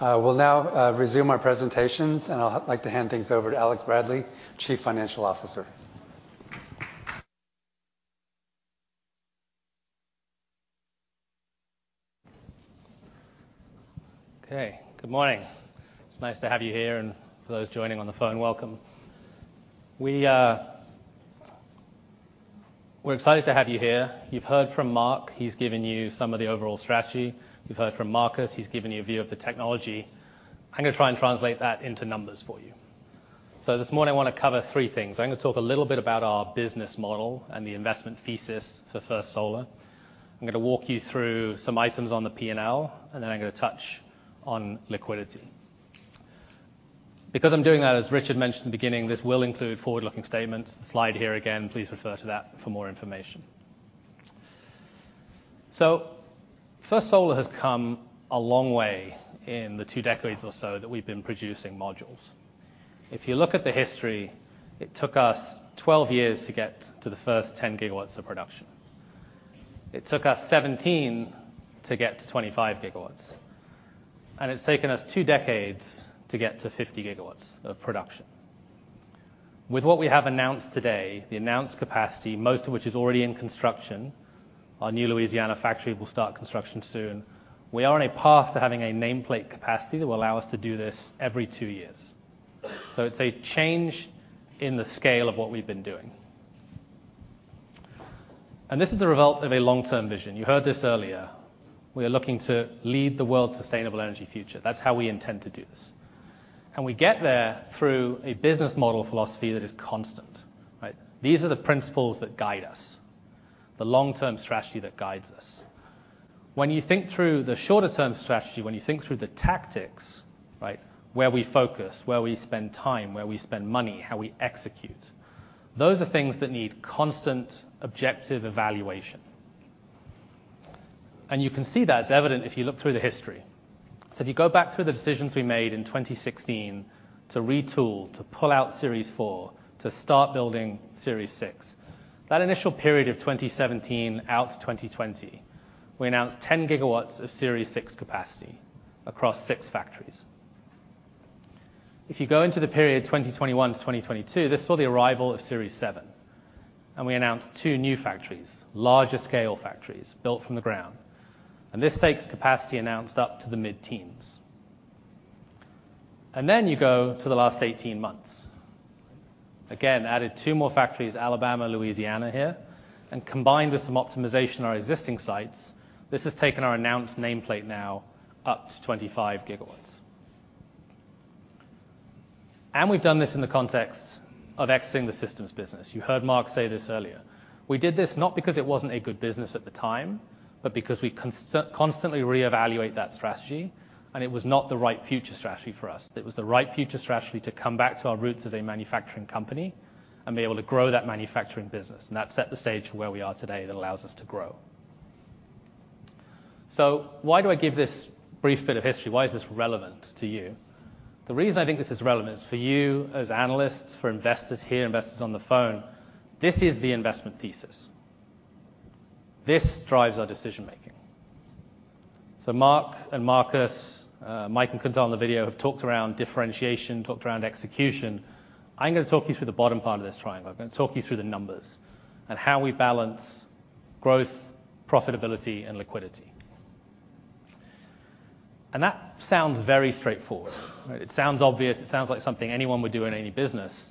We'll now resume our presentations, and I'd like to hand things over to Alex Bradley, Chief Financial Officer. Okay. Good morning. It's nice to have you here, and for those joining on the phone, welcome. We're excited to have you here. You've heard from Mark. He's given you some of the overall strategy. You've heard from Marcus. He's given you a view of the technology. I'm going to try and translate that into numbers for you. So this morning, I want to cover three things. I'm going to talk a little bit about our business model and the investment thesis for First Solar. I'm going to walk you through some items on the P&L, and then I'm going to touch on liquidity. Because I'm doing that, as Richard mentioned in the beginning, this will include forward-looking statements. The slide here again, please refer to that for more information. So First Solar has come a long way in the two decades or so that we've been producing modules. If you look at the history, it took us 12 years to get to the first 10 gigawatts of production. It took us 17 to get to 25 gigawatts, and it's taken us two decades to get to 50 gigawatts of production. With what we have announced today, the announced capacity, most of which is already in construction, our new Louisiana factory will start construction soon. We are on a path to having a nameplate capacity that will allow us to do this every two years. So it's a change in the scale of what we've been doing. And this is a result of a long-term vision. You heard this earlier. We are looking to lead the world's sustainable energy future. That's how we intend to do this. And we get there through a business model philosophy that is constant, right? These are the principles that guide us, the long-term strategy that guides us. When you think through the shorter term strategy, when you think through the tactics, right? Where we focus, where we spend time, where we spend money, how we execute. Those are things that need constant objective evaluation. And you can see that as evident if you look through the history. So if you go back through the decisions we made in 2016 to retool, to pull out Series 4, to start building Series 6, that initial period of 2017 out to 2020, we announced 10 GW of Series 6 capacity across 6 factories. If you go into the period 2021 to 2022, this saw the arrival of Series 7, and we announced two new factories, larger scale factories, built from the ground. And this takes capacity announced up to the mid-teens. And then you go to the last 18 months. Again, added two more factories, Alabama, Louisiana here, and combined with some optimization on our existing sites, this has taken our announced nameplate now up to 25 gigawatts. And we've done this in the context of exiting the systems business. You heard Mark say this earlier. We did this not because it wasn't a good business at the time, but because we constantly reevaluate that strategy, and it was not the right future strategy for us. It was the right future strategy to come back to our roots as a manufacturing company and be able to grow that manufacturing business, and that set the stage for where we are today that allows us to grow. So why do I give this brief bit of history? Why is this relevant to you? The reason I think this is relevant is for you as analysts, for investors here, investors on the phone; this is the investment thesis. This drives our decision making. So Mark and Marcus, Mike and Kuntal on the video have talked around differentiation, talked around execution. I'm going to talk you through the bottom part of this triangle. I'm going to talk you through the numbers and how we balance growth, profitability, and liquidity. And that sounds very straightforward, right? It sounds obvious. It sounds like something anyone would do in any business.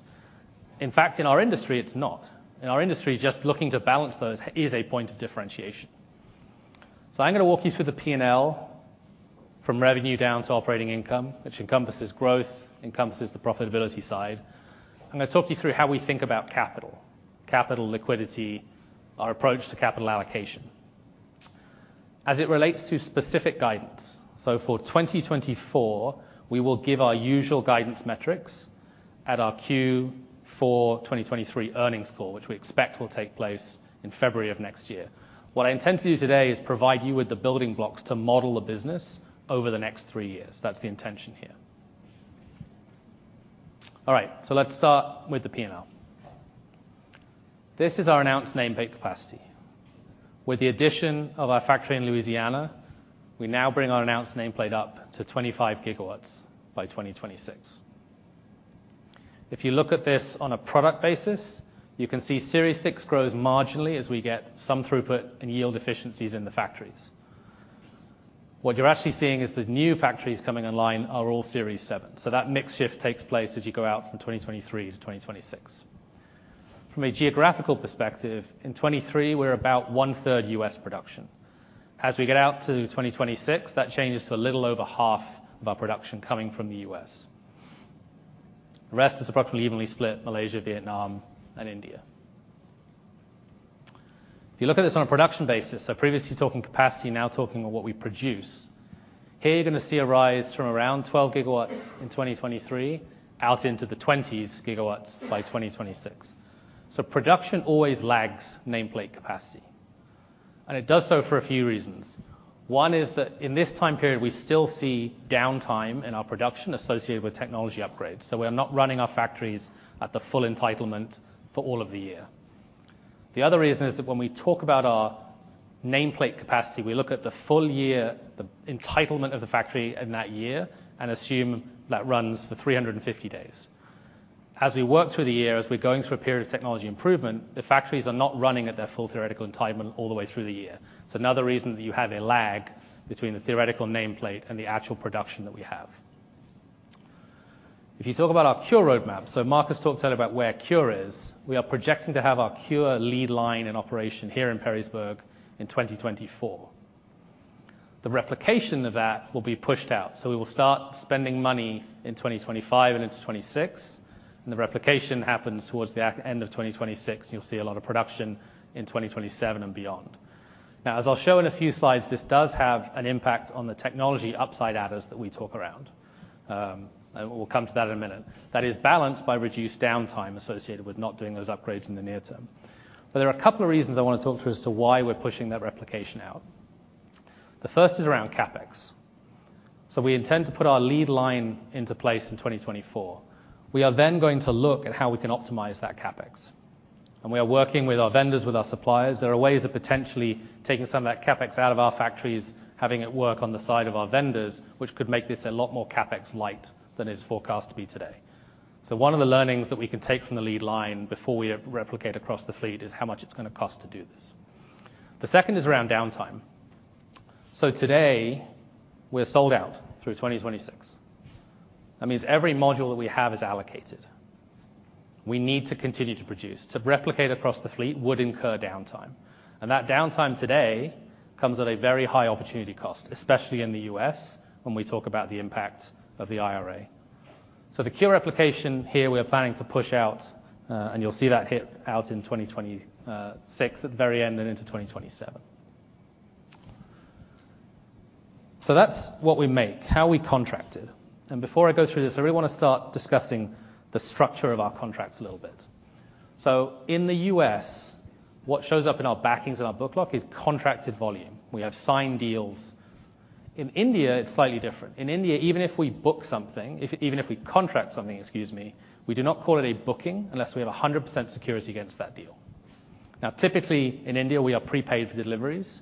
In fact, in our industry, it's not. In our industry, just looking to balance those is a point of differentiation. So I'm going to walk you through the P&L from revenue down to operating income, which encompasses growth, encompasses the profitability side. I'm going to talk you through how we think about capital: capital liquidity, our approach to capital allocation. As it relates to specific guidance, so for 2024, we will give our usual guidance metrics at our Q4 2023 earnings call, which we expect will take place in February of next year. What I intend to do today is provide you with the building blocks to model the business over the next three years. That's the intention here. All right, so let's start with the P&L. This is our announced nameplate capacity. With the addition of our factory in Louisiana, we now bring our announced nameplate up to 25 gigawatts by 2026. If you look at this on a product basis, you can see Series 6 grows marginally as we get some throughput and yield efficiencies in the factories. What you're actually seeing is the new factories coming online are all Series 7, so that mix shift takes place as you go out from 2023 to 2026. From a geographical perspective, in 2023, we're about one-third U.S. production. As we get out to 2026, that changes to a little over half of our production coming from the U.S. The rest is approximately evenly split, Malaysia, Vietnam, and India. If you look at this on a production basis, so previously talking capacity, now talking on what we produce, here you're going to see a rise from around 12 GW in 2023 out into the 20 GW by 2026. So production always lags nameplate capacity, and it does so for a few reasons. One is that in this time period, we still see downtime in our production associated with technology upgrades, so we are not running our factories at the full entitlement for all of the year. The other reason is that when we talk about our nameplate capacity, we look at the full year, the entitlement of the factory in that year, and assume that runs for 350 days. As we work through the year, as we're going through a period of technology improvement, the factories are not running at their full theoretical entitlement all the way through the year. So another reason that you have a lag between the theoretical nameplate and the actual production that we have. If you talk about our CuRe roadmap, so Marcus talked earlier about where CuRe is. We are projecting to have our CuRe lead line in operation here in Perrysburg in 2024. The replication of that will be pushed out, so we will start spending money in 2025 and into 2026, and the replication happens towards the end of 2026, and you'll see a lot of production in 2027 and beyond. Now, as I'll show in a few slides, this does have an impact on the technology upside adders that we talk around. We'll come to that in a minute. That is balanced by reduced downtime associated with not doing those upgrades in the near term. But there are a couple of reasons I want to talk through as to why we're pushing that replication out. The first is around CapEx. We intend to put our lead line into place in 2024. We are then going to look at how we can optimize that CapEx, and we are working with our vendors, with our suppliers. There are ways of potentially taking some of that CapEx out of our factories, having it work on the side of our vendors, which could make this a lot more CapEx light than is forecast to be today. So one of the learnings that we can take from the lead line before we replicate across the fleet is how much it's going to cost to do this. The second is around downtime. So today, we're sold out through 2026. That means every module that we have is allocated. We need to continue to produce. To replicate across the fleet would incur downtime, and that downtime today comes at a very high opportunity cost, especially in the U.S., when we talk about the impact of the IRA. So the CuRe replication here, we are planning to push out, and you'll see that hit out in 2026, at the very end and into 2027. So that's what we make, how we contract it. And before I go through this, I really want to start discussing the structure of our contracts a little bit. So in the U.S., what shows up in our backlog is contracted volume. We have signed deals. In India, it's slightly different. In India, even if we book something, even if we contract something, excuse me, we do not call it a booking unless we have 100% security against that deal. Now, typically, in India, we are prepaid for deliveries,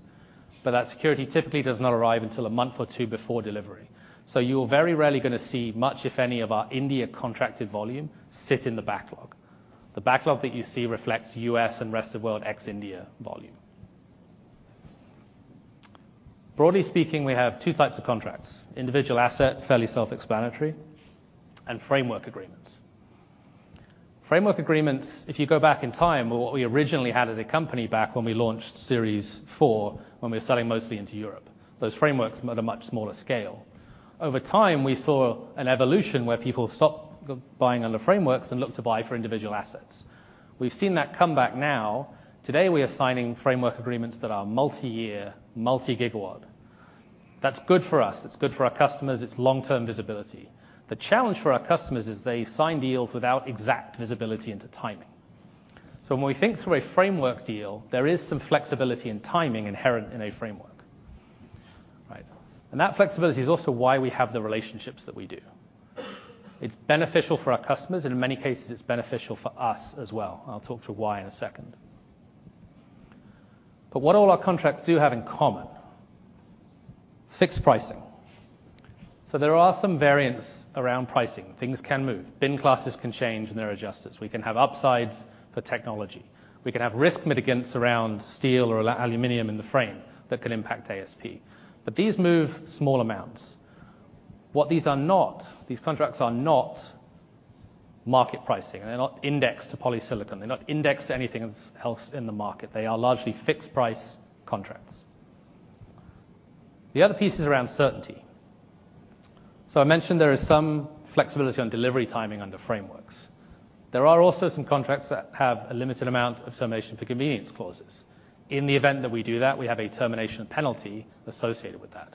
but that security typically does not arrive until a month or two before delivery. So you are very rarely gonna see much, if any, of our India contracted volume sit in the backlog. The backlog that you see reflects U.S. and rest of world ex-India volume. Broadly speaking, we have two types of contracts: individual asset, fairly self-explanatory, and framework agreements. Framework agreements, if you go back in time, were what we originally had as a company back when we launched Series 4, when we were selling mostly into Europe. Those frameworks were at a much smaller scale. Over time, we saw an evolution where people stopped buying on the frameworks and looked to buy for individual assets. We've seen that come back now. Today, we are signing framework agreements that are multi-year, multi-gigawatt. That's good for us. It's good for our customers. It's long-term visibility. The challenge for our customers is they sign deals without exact visibility into timing. So when we think through a framework deal, there is some flexibility in timing inherent in a framework. Right? And that flexibility is also why we have the relationships that we do. It's beneficial for our customers, and in many cases, it's beneficial for us as well. I'll talk through why in a second. But what all our contracts do have in common: fixed pricing. So there are some variants around pricing. Things can move. Bin classes can change, and they're adjusted. We can have upsides for technology. We can have risk mitigants around steel or aluminum in the frame that can impact ASP, but these move small amounts. What these are not, these contracts are not market pricing. They're not indexed to polysilicon. They're not indexed to anything else in the market. They are largely fixed-price contracts. The other piece is around certainty. So I mentioned there is some flexibility on delivery timing under frameworks. There are also some contracts that have a limited amount of termination for convenience clauses. In the event that we do that, we have a termination penalty associated with that.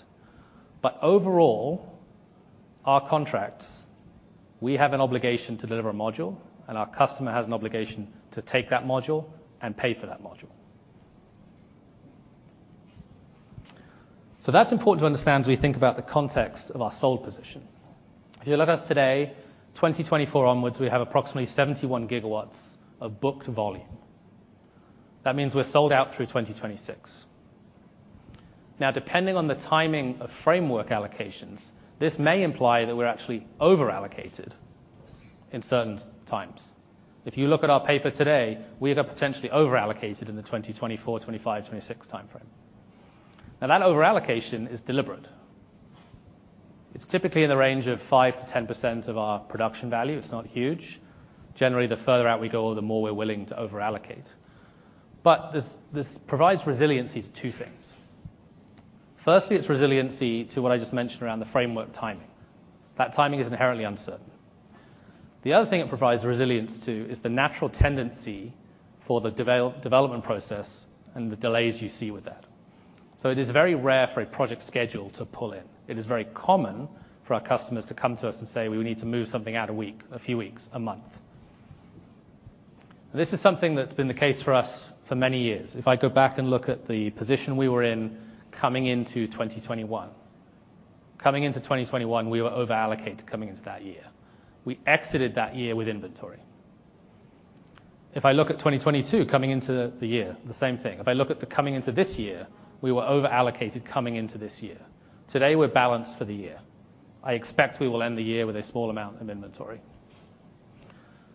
But overall, our contracts, we have an obligation to deliver a module, and our customer has an obligation to take that module and pay for that module. So that's important to understand as we think about the context of our sold position. If you look at us today, 2024 onwards, we have approximately 71 GW of booked volume. That means we're sold out through 2026. Now, depending on the timing of framework allocations, this may imply that we're actually over-allocated in certain times. If you look at our paper today, we are potentially over-allocated in the 2024, 2025, 2026 time frame. Now that over-allocation is deliberate. It's typically in the range of 5%-10% of our production value. It's not huge. Generally, the further out we go, the more we're willing to over-allocate. But this provides resiliency to two things. Firstly, it's resiliency to what I just mentioned around the framework timing. That timing is inherently uncertain. The other thing it provides resilience to is the natural tendency for the development process and the delays you see with that. So it is very rare for a project schedule to pull in. It is very common for our customers to come to us and say, "We need to move something out a week, a few weeks, a month." This is something that's been the case for us for many years. If I go back and look at the position we were in coming into 2021. Coming into 2021, we were over-allocated coming into that year. We exited that year with inventory. If I look at 2022, coming into the year, the same thing. If I look at the coming into this year, we were over-allocated coming into this year. Today, we're balanced for the year. I expect we will end the year with a small amount of inventory.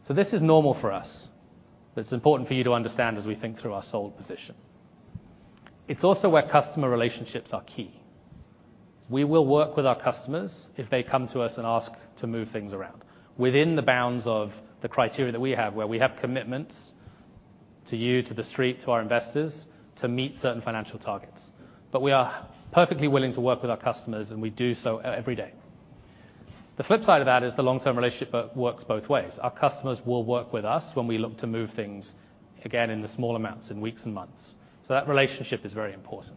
So this is normal for us, but it's important for you to understand as we think through our sold position. It's also where customer relationships are key. We will work with our customers if they come to us and ask to move things around within the bounds of the criteria that we have, where we have commitments to you, to the street, to our investors, to meet certain financial targets. But we are perfectly willing to work with our customers, and we do so every day. The flip side of that is the long-term relationship works both ways. Our customers will work with us when we look to move things again in the small amounts, in weeks and months. So that relationship is very important.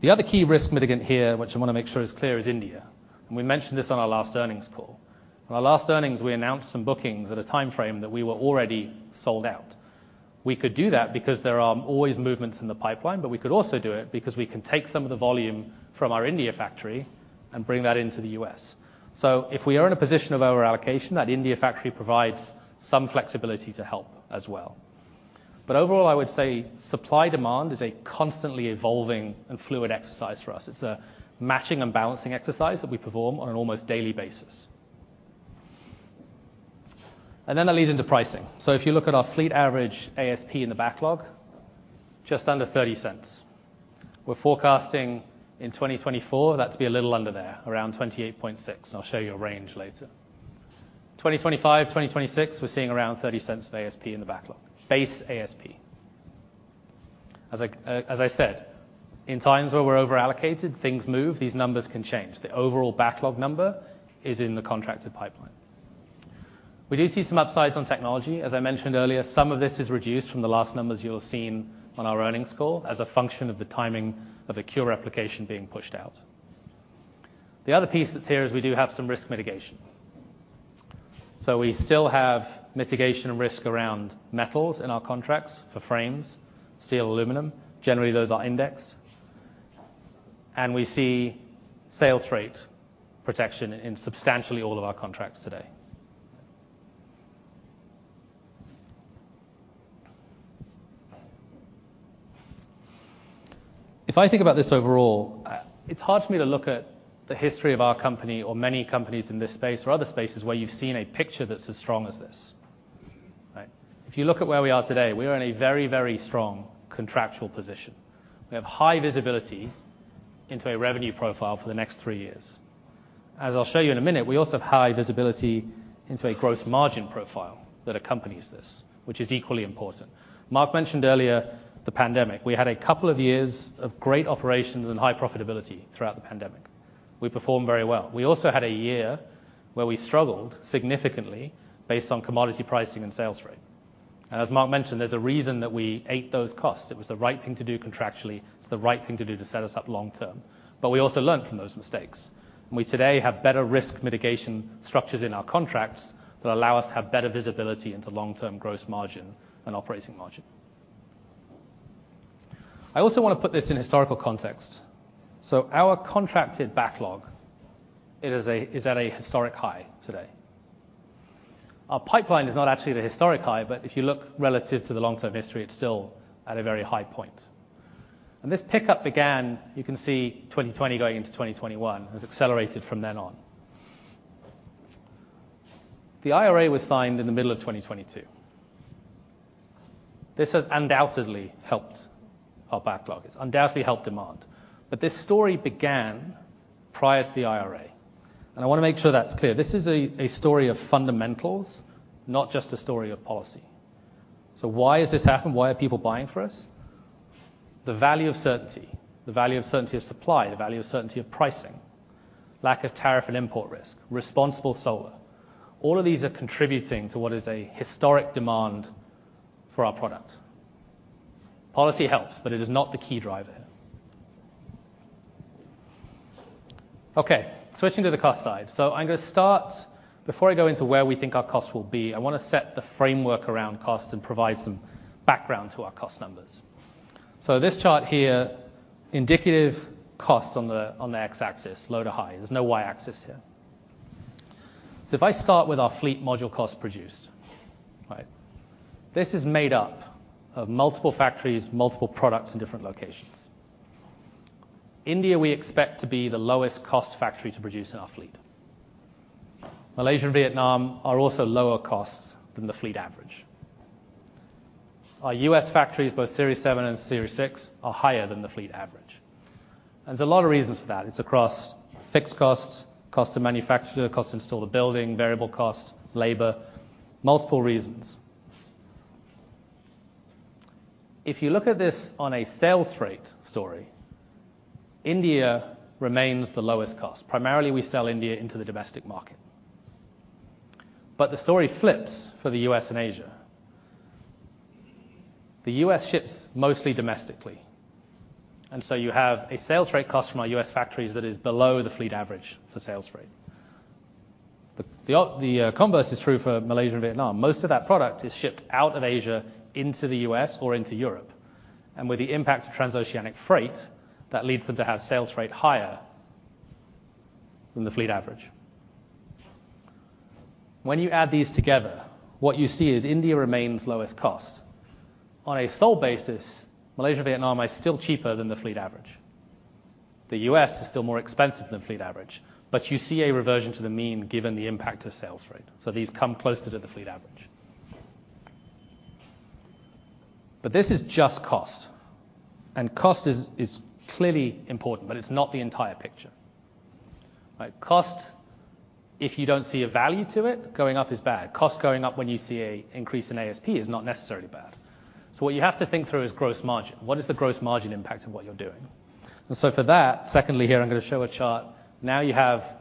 The other key risk mitigant here, which I want to make sure is clear, is India. We mentioned this on our last earnings call. On our last earnings, we announced some bookings at a time frame that we were already sold out. We could do that because there are always movements in the pipeline, but we could also do it because we can take some of the volume from our India factory and bring that into the U.S. So if we are in a position of over-allocation, that India factory provides some flexibility to help as well. But overall, I would say supply-demand is a constantly evolving and fluid exercise for us. It's a matching and balancing exercise that we perform on an almost daily basis. That leads into pricing. If you look at our fleet average ASP in the backlog, just under $0.30. We're forecasting in 2024, that to be a little under there, around $0.286. I'll show you a range later. 2025, 2026, we're seeing around $0.30 of ASP in the backlog. Base ASP. As I said, in times where we're over-allocated, things move, these numbers can change. The overall backlog number is in the contracted pipeline. We do see some upsides on technology. As I mentioned earlier, some of this is reduced from the last numbers you'll have seen on our earnings call as a function of the timing of the CuRe replication being pushed out. The other piece that's here is we do have some risk mitigation. So we still have mitigation and risk around metals in our contracts for frames, steel, aluminum. Generally, those are indexed. And we see sales rate protection in substantially all of our contracts today. If I think about this overall, it's hard for me to look at the history of our company or many companies in this space or other spaces where you've seen a picture that's as strong as this, right? If you look at where we are today, we are in a very, very strong contractual position. We have high visibility into a revenue profile for the next three years. As I'll show you in a minute, we also have high visibility into a growth margin profile that accompanies this, which is equally important. Mark mentioned earlier the pandemic. We had a couple of years of great operations and high profitability throughout the pandemic. We performed very well. We also had a year where we struggled significantly based on commodity pricing and sales rate. And as Mark mentioned, there's a reason that we ate those costs. It was the right thing to do contractually. It's the right thing to do to set us up long term. But we also learned from those mistakes, and we today have better risk mitigation structures in our contracts that allow us to have better visibility into long-term gross margin and operating margin. I also want to put this in historical context. So our contracted backlog, it is at a historic high today. Our pipeline is not actually at a historic high, but if you look relative to the long-term history, it's still at a very high point. This pickup began, you can see, 2020 going into 2021, has accelerated from then on. The IRA was signed in the middle of 2022. This has undoubtedly helped our backlog. It's undoubtedly helped demand. But this story began prior to the IRA, and I wanna make sure that's clear. This is a, a story of fundamentals, not just a story of policy. So why is this happening? Why are people buying from us? The value of certainty, the value of certainty of supply, the value of certainty of pricing, lack of tariff and import risk, Responsible Solar, all of these are contributing to what is a historic demand for our product. Policy helps, but it is not the key driver here. Okay, switching to the cost side. So I'm gonna start... Before I go into where we think our costs will be, I want to set the framework around cost and provide some background to our cost numbers. So this chart here, indicative costs on the x-axis, low to high. There's no y-axis here. So if I start with our fleet module cost produced, right? This is made up of multiple factories, multiple products in different locations. India, we expect to be the lowest cost factory to produce in our fleet. Malaysia and Vietnam are also lower costs than the fleet average. Our U.S. factories, both Series 7 and Series 6, are higher than the fleet average, and there's a lot of reasons for that. It's across fixed costs, cost to manufacture, cost to install the building, variable cost, labor, multiple reasons. If you look at this on a sales rate story, India remains the lowest cost. Primarily, we sell India into the domestic market. But the story flips for the U.S. and Asia. The U.S. ships mostly domestically, and so you have a sales rate cost from our U.S. factories that is below the fleet average for sales rate. The converse is true for Malaysia and Vietnam. Most of that product is shipped out of Asia into the U.S. or into Europe, and with the impact of transoceanic freight, that leads them to have sales rate higher than the fleet average. When you add these together, what you see is India remains lowest cost. On a cost basis, Malaysia, Vietnam are still cheaper than the fleet average. The U.S. is still more expensive than fleet average, but you see a reversion to the mean, given the impact of sales rate. So these come closer to the fleet average. But this is just cost, and cost is clearly important, but it's not the entire picture, right? Cost, if you don't see a value to it, going up is bad. Cost going up when you see a increase in ASP is not necessarily bad. So what you have to think through is gross margin. What is the gross margin impact of what you're doing? And so for that, secondly, here, I'm gonna show a chart. Now you have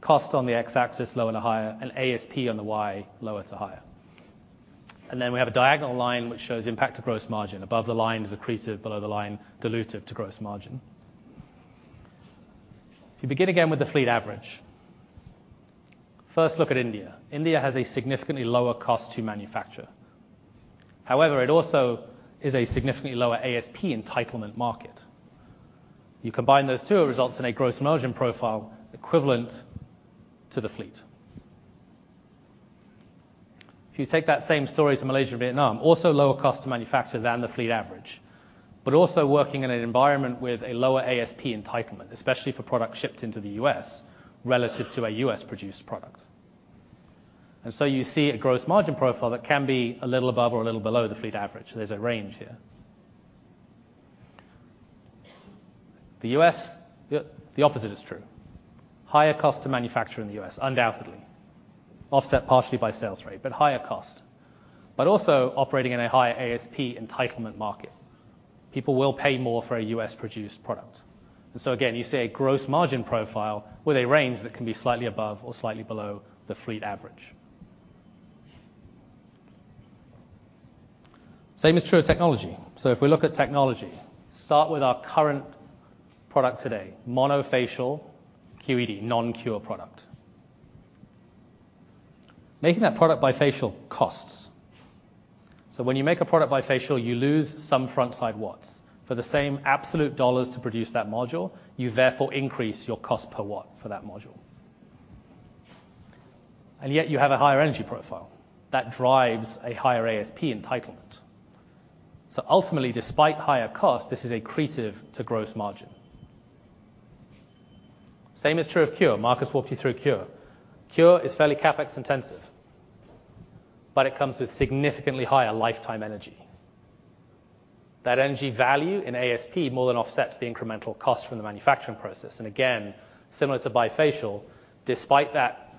cost on the x-axis, lower to higher, and ASP on the Y, lower to higher. And then we have a diagonal line, which shows impact to gross margin. Above the line is accretive, below the line, dilutive to gross margin. If you begin again with the fleet average, first, look at India. India has a significantly lower cost to manufacture. However, it also is a significantly lower ASP entitlement market. You combine those two, it results in a gross margin profile equivalent to the fleet. If you take that same story to Malaysia and Vietnam, also lower cost to manufacture than the fleet average, but also working in an environment with a lower ASP entitlement, especially for products shipped into the U.S. relative to a U.S.-produced product. And so you see a gross margin profile that can be a little above or a little below the fleet average. There's a range here. The U.S., the opposite is true. Higher cost to manufacture in the U.S., undoubtedly. Offset partially by sales rate, but higher cost, but also operating in a higher ASP entitlement market. People will pay more for a U.S.-produced product. And so again, you see a gross margin profile with a range that can be slightly above or slightly below the fleet average. Same is true of technology. So if we look at technology, start with our current product today: monofacial QED, non-QED product. Making that product bifacial costs. So when you make a product bifacial, you lose some frontside watts. For the same absolute dollars to produce that module, you therefore increase your cost per watt for that module. And yet you have a higher energy profile. That drives a higher ASP entitlement. So ultimately, despite higher costs, this is accretive to gross margin. Same is true of CuRe. Marcus walked you through CuRe. CuRe is fairly CapEx intensive, but it comes with significantly higher lifetime energy. That energy value in ASP more than offsets the incremental cost from the manufacturing process. And again, similar to bifacial, despite that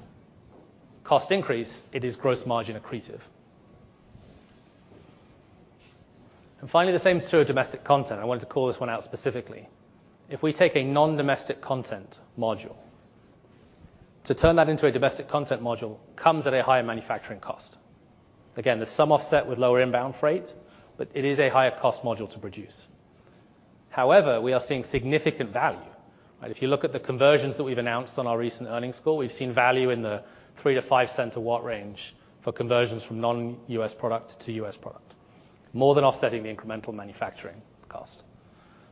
cost increase, it is gross margin accretive. And finally, the same is true of domestic content. I wanted to call this one out specifically. If we take a non-domestic content module, to turn that into a domestic content module comes at a higher manufacturing cost. Again, there's some offset with lower inbound freight, but it is a higher cost module to produce. However, we are seeing significant value. And if you look at the conversions that we've announced on our recent earnings call, we've seen value in the $0.03-$0.05 per watt range for conversions from non-U.S. product to U.S. product, more than offsetting the incremental manufacturing cost.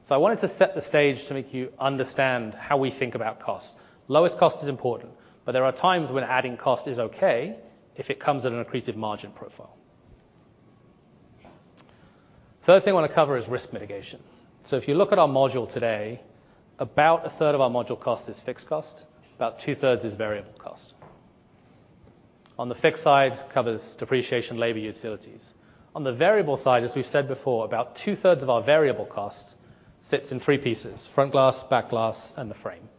So I wanted to set the stage to make you understand how we think about cost. Lowest cost is important, but there are times when adding cost is okay if it comes at an accretive margin profile. Third thing I wanna cover is risk mitigation. So if you look at our module today, about a third of our module cost is fixed cost, about two-thirds is variable cost. On the fixed side, covers depreciation, labor, utilities. On the variable side, as we've said before, about two-thirds of our variable cost sits in three pieces: front glass, back glass, and the frame.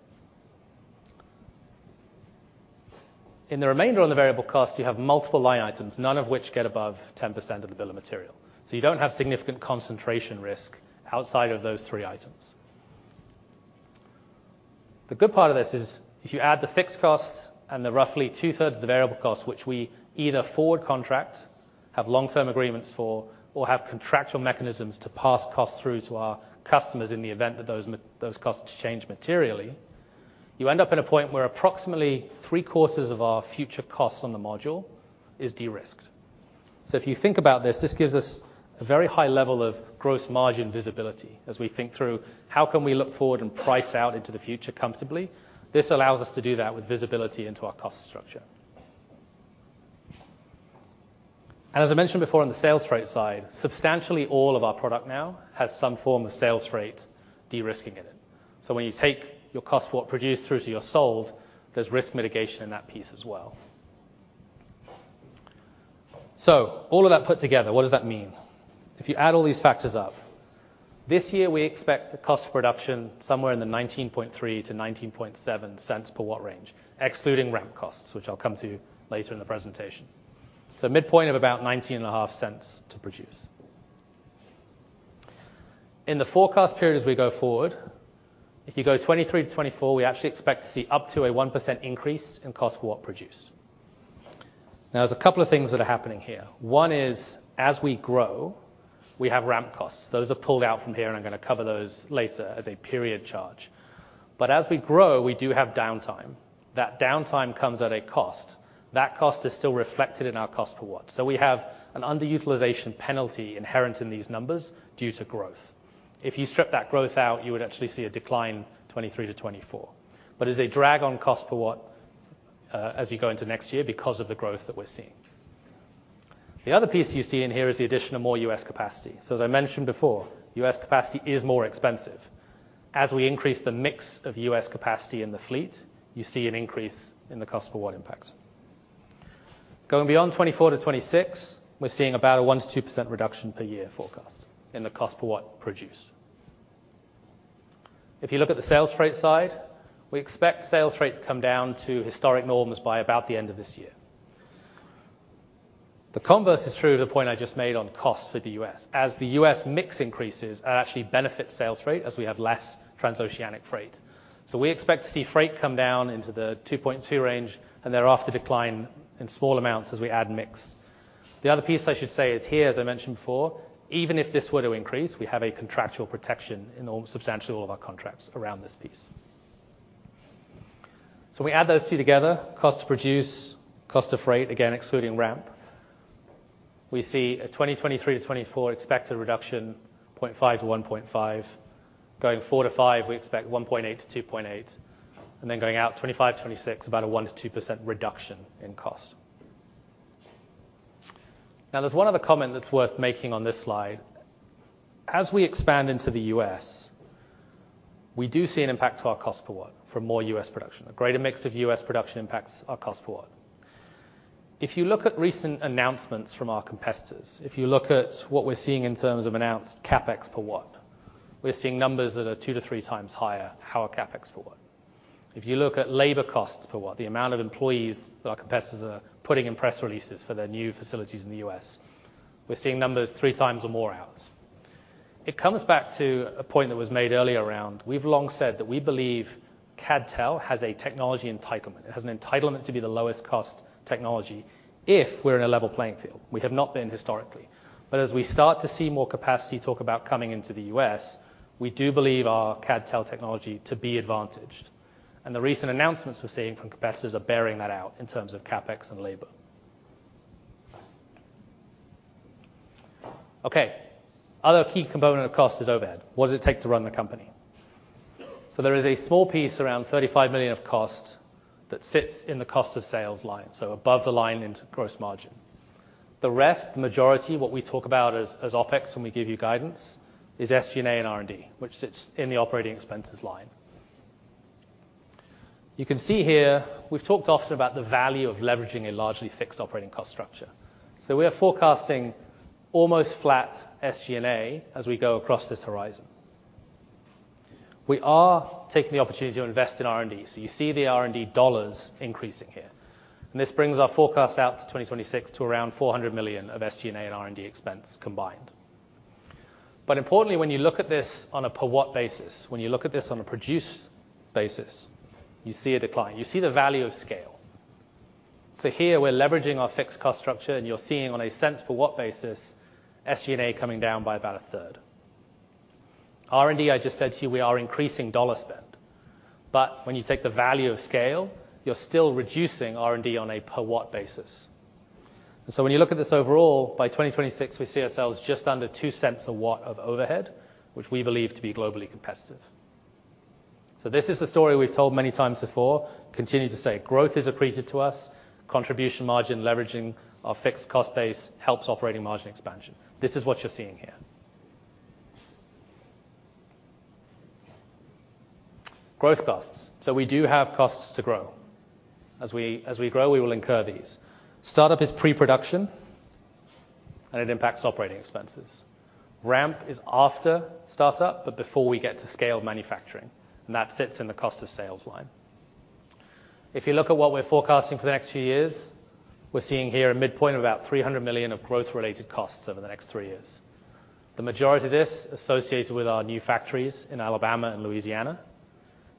In the remainder on the variable cost, you have multiple line items, none of which get above 10% of the bill of material. So you don't have significant concentration risk outside of those three items. The good part of this is, if you add the fixed costs and the roughly two-thirds of the variable costs, which we either forward contract, have long-term agreements for, or have contractual mechanisms to pass costs through to our customers in the event that those m... Those costs change materially, you end up in a point where approximately three-quarters of our future costs on the module is de-risked. So if you think about this, this gives us a very high level of gross margin visibility as we think through how can we look forward and price out into the future comfortably. This allows us to do that with visibility into our cost structure. And as I mentioned before on the sales freight side, substantially all of our product now has some form of sales freight de-risking in it. So when you take your cost, what produced through to your sold, there's risk mitigation in that piece as well. So all of that put together, what does that mean? If you add all these factors up, this year, we expect the cost of production somewhere in the $0.193-$0.197 per watt range, excluding ramp costs, which I'll come to later in the presentation. So midpoint of about $0.195 to produce. In the forecast period as we go forward, if you go 2023 to 2024, we actually expect to see up to a 1% increase in cost per watt produced. Now, there's a couple of things that are happening here. One is, as we grow, we have ramp costs. Those are pulled out from here, and I'm gonna cover those later as a period charge. But as we grow, we do have downtime. That downtime comes at a cost. That cost is still reflected in our cost per watt. So we have an underutilization penalty inherent in these numbers due to growth. If you strip that growth out, you would actually see a decline, 2023 to 2024. But as a drag on cost per watt, as you go into next year because of the growth that we're seeing. The other piece you see in here is the addition of more US capacity. So as I mentioned before, US capacity is more expensive. As we increase the mix of US capacity in the fleet, you see an increase in the cost per watt impact. Going beyond 2024 to 2026, we're seeing about a 1%-2% reduction per year forecast in the cost per watt produced. If you look at the sales freight side, we expect sales freight to come down to historic norms by about the end of this year. The converse is true to the point I just made on cost for the US. As the US mix increases, that actually benefits sales freight as we have less transoceanic freight. So we expect to see freight come down into the 2.2 range, and thereafter decline in small amounts as we add mix. The other piece I should say is here, as I mentioned before, even if this were to increase, we have a contractual protection in all, substantially all of our contracts around this piece. So we add those two together, cost to produce, cost of freight, again, excluding ramp. We see a 2023-2024 expected reduction, 0.5-1.5. Going 4-5, we expect 1.8-2.8, and then going out 2025, 2026, about a 1%-2% reduction in cost. Now, there's one other comment that's worth making on this slide. As we expand into the U.S., we do see an impact to our cost per watt for more U.S. production. A greater mix of U.S. production impacts our cost per watt. If you look at recent announcements from our competitors, if you look at what we're seeing in terms of announced CapEx per watt, we're seeing numbers that are 2-3 times higher, our CapEx per watt. If you look at labor costs per watt, the amount of employees that our competitors are putting in press releases for their new facilities in the U.S., we're seeing numbers 3 times or more ours. It comes back to a point that was made earlier around, we've long said that we believe CadTel has a technology entitlement. It has an entitlement to be the lowest cost technology if we're in a level playing field. We have not been historically. But as we start to see more capacity talk about coming into the U.S., we do believe our CadTel technology to be advantaged, and the recent announcements we're seeing from competitors are bearing that out in terms of CapEx and labor. Okay, other key component of cost is overhead. What does it take to run the company? So there is a small piece, around $35 million of cost, that sits in the cost of sales line, so above the line into gross margin. The rest, the majority, what we talk about as OpEx when we give you guidance, is SG&A and R&D, which sits in the operating expenses line. You can see here, we've talked often about the value of leveraging a largely fixed operating cost structure. So we are forecasting almost flat SG&A as we go across this horizon. We are taking the opportunity to invest in R&D, so you see the R&D dollars increasing here, and this brings our forecast out to 2026 to around $400 million of SG&A and R&D expense combined. But importantly, when you look at this on a per watt basis, when you look at this on a produced basis, you see a decline. You see the value of scale. So here we're leveraging our fixed cost structure, and you're seeing on a cents per watt basis, SG&A coming down by about a third. R&D, I just said to you, we are increasing dollar spend, but when you take the value of scale, you're still reducing R&D on a per watt basis. So when you look at this overall, by 2026, we see ourselves just under $0.02 a watt of overhead, which we believe to be globally competitive. So this is the story we've told many times before, continue to say growth is accretive to us, contribution margin, leveraging our fixed cost base helps operating margin expansion. This is what you're seeing here. Growth costs. So we do have costs to grow. As we, as we grow, we will incur these. Startup is pre-production, and it impacts operating expenses. Ramp is after startup, but before we get to scale manufacturing, and that sits in the cost of sales line. If you look at what we're forecasting for the next few years, we're seeing here a midpoint of about $300 million of growth-related costs over the next three years. The majority of this associated with our new factories in Alabama and Louisiana.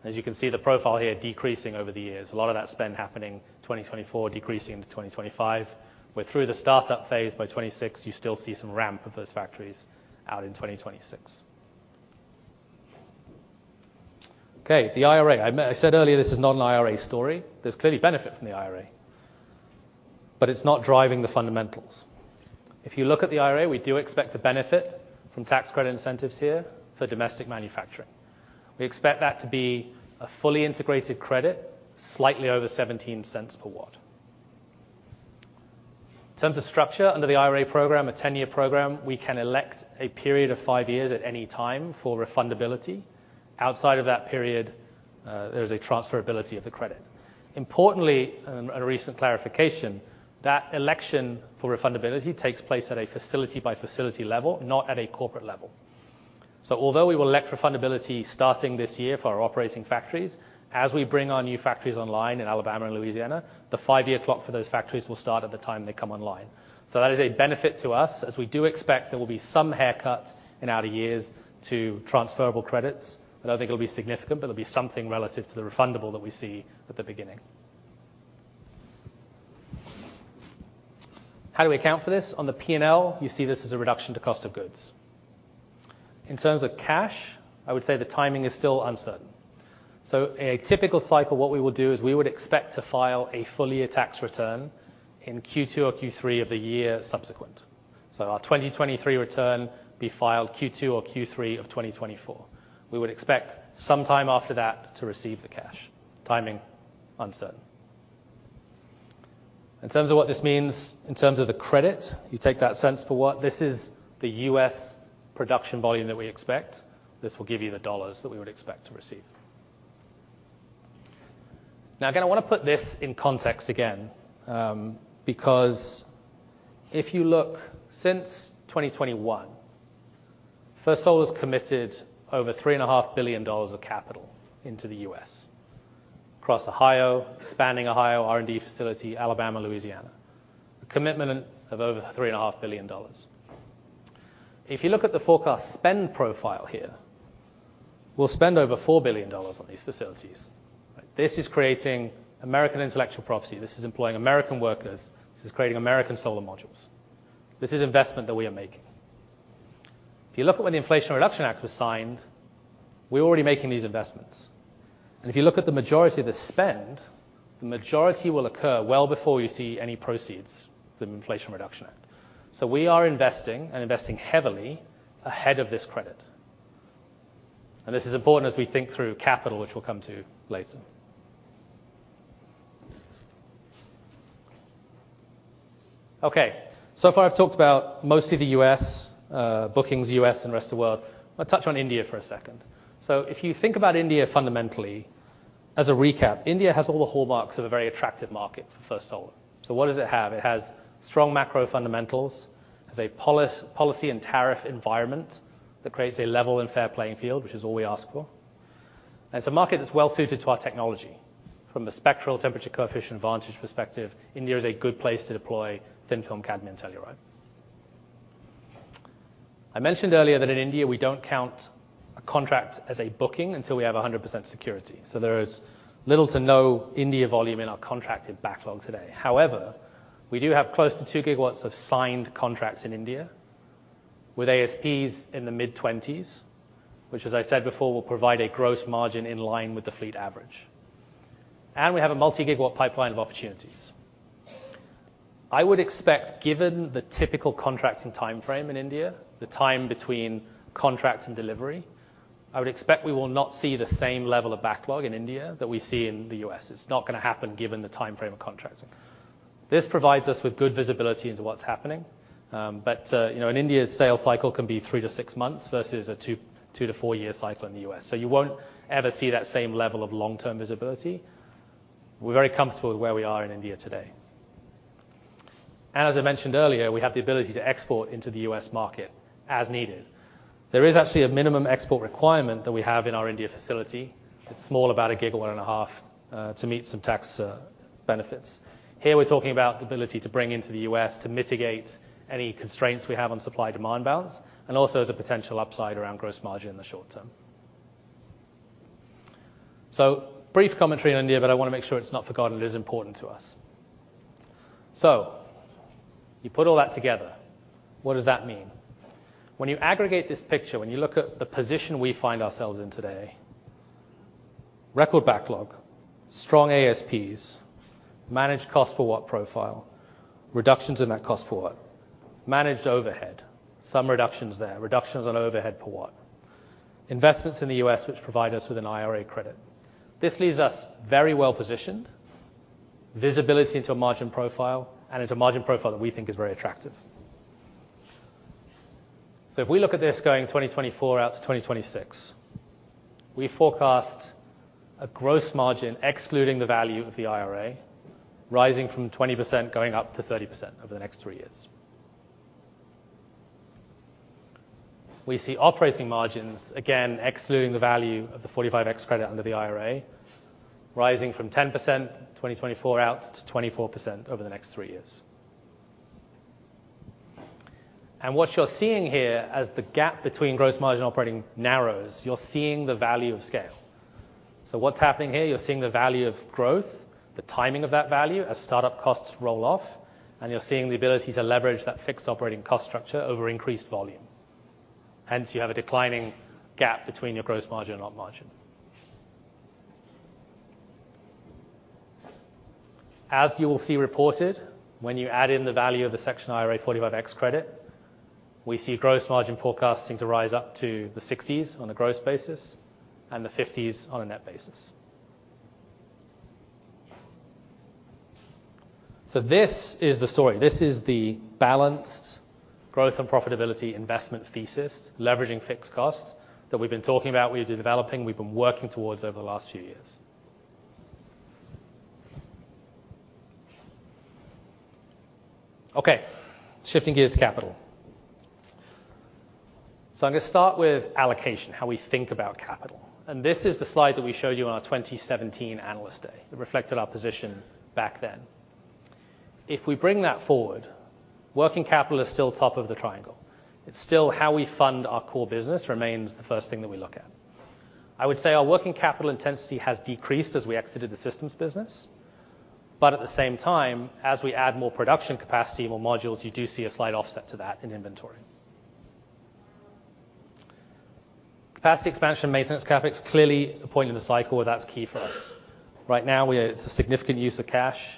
As you can see, the profile here decreasing over the years. A lot of that spend happening 2024, decreasing into 2025. We're through the startup phase by 2026, you still see some ramp of those factories out in 2026. Okay, the IRA. I said earlier, this is not an IRA story. There's clearly benefit from the IRA, but it's not driving the fundamentals. If you look at the IRA, we do expect to benefit from tax credit incentives here for domestic manufacturing. We expect that to be a fully integrated credit, slightly over $0.17 per watt. In terms of structure, under the IRA program, a 10-year program, we can elect a period of 5 years at any time for refundability. Outside of that period, there is a transferability of the credit. Importantly, a recent clarification, that election for refundability takes place at a facility by facility level, not at a corporate level. So although we will elect refundability starting this year for our operating factories, as we bring our new factories online in Alabama and Louisiana, the five-year clock for those factories will start at the time they come online. So that is a benefit to us, as we do expect there will be some haircuts in outer years to transferable credits. I don't think it'll be significant, but there'll be something relative to the refundable that we see at the beginning. How do we account for this? On the P&L, you see this as a reduction to cost of goods. In terms of cash, I would say the timing is still uncertain. So a typical cycle, what we would do is we would expect to file a full year tax return in Q2 or Q3 of the year subsequent. So our 2023 return be filed Q2 or Q3 of 2024. We would expect sometime after that to receive the cash. Timing, uncertain. In terms of what this means in terms of the credit, you take that cents per watt. This is the U.S. production volume that we expect. This will give you the dollars that we would expect to receive. Now, again, I want to put this in context again, because if you look since 2021, First Solar's committed over $3.5 billion of capital into the U.S. across Ohio, expanding Ohio, R&D facility, Alabama, Louisiana. A commitment of over $3.5 billion. If you look at the forecast spend profile here, we'll spend over $4 billion on these facilities. This is creating American intellectual property. This is employing American workers. This is creating American solar modules. This is investment that we are making. If you look at when the Inflation Reduction Act was signed, we're already making these investments, and if you look at the majority of the spend, the majority will occur well before you see any proceeds from the Inflation Reduction Act. So we are investing and investing heavily ahead of this credit, and this is important as we think through capital, which we'll come to later. Okay. So far I've talked about mostly the U.S., bookings, U.S. and rest of the world. I'll touch on India for a second. So if you think about India fundamentally, as a recap, India has all the hallmarks of a very attractive market for First Solar. So what does it have? It has strong macro fundamentals. It has a policy and tariff environment that creates a level and fair playing field, which is all we ask for. And it's a market that's well suited to our technology. From the spectral temperature coefficient vantage perspective, India is a good place to deploy thin-film cadmium telluride. I mentioned earlier that in India, we don't count a contract as a booking until we have 100% security. So there is little to no India volume in our contracted backlog today. However, we do have close to 2 gigawatts of signed contracts in India with ASPs in the mid-20s, which, as I said before, will provide a gross margin in line with the fleet average. We have a multi-gigawatt pipeline of opportunities. I would expect, given the typical contracts and timeframe in India, the time between contract and delivery, I would expect we will not see the same level of backlog in India that we see in the U.S. It's not gonna happen given the timeframe of contracting. This provides us with good visibility into what's happening. You know, in India, sales cycle can be 3-6 months versus a 2-4-year cycle in the U.S. So you won't ever see that same level of long-term visibility. We're very comfortable with where we are in India today. And as I mentioned earlier, we have the ability to export into the U.S. market as needed. There is actually a minimum export requirement that we have in our India facility. It's small, about 1.5 gigawatts to meet some tax benefits. Here, we're talking about the ability to bring into the U.S. to mitigate any constraints we have on supply-demand balance, and also as a potential upside around gross margin in the short term. So brief commentary on India, but I wanna make sure it's not forgotten. It is important to us. So you put all that together. What does that mean? When you aggregate this picture, when you look at the position we find ourselves in today: record backlog, strong ASPs, managed cost per watt profile, reductions in that cost per watt, managed overhead, some reductions there, reductions on overhead per watt, investments in the U.S. which provide us with an IRA credit. This leaves us very well-positioned, visibility into a margin profile and into a margin profile that we think is very attractive. So if we look at this going into 2024 out to 2026, we forecast a gross margin, excluding the value of the IRA, rising from 20%, going up to 30% over the next three years. We see operating margins, again, excluding the value of the 45X credit under the IRA, rising from 10%, 2024 out to 24% over the next three years. And what you're seeing here as the gap between gross margin operating narrows, you're seeing the value of scale. So what's happening here? You're seeing the value of growth, the timing of that value as startup costs roll off, and you're seeing the ability to leverage that fixed operating cost structure over increased volume. Hence, you have a declining gap between your gross margin and op margin. As you will see reported, when you add in the value of the Section 45X credit, we see gross margin forecasting to rise up to the 60s% on a gross basis and the 50s% on a net basis. This is the story. This is the balanced growth and profitability investment thesis, leveraging fixed costs that we've been talking about, we've been developing, we've been working towards over the last few years. Okay, shifting gears to capital. I'm gonna start with allocation, how we think about capital. This is the slide that we showed you on our 2017 Analyst Day. It reflected our position back then. If we bring that forward, working capital is still top of the triangle. It's still how we fund our core business, remains the first thing that we look at. I would say our working capital intensity has decreased as we exited the systems business, but at the same time, as we add more production capacity, more modules, you do see a slight offset to that in inventory. Capacity expansion and maintenance CapEx, clearly a point in the cycle where that's key for us. Right now, it's a significant use of cash.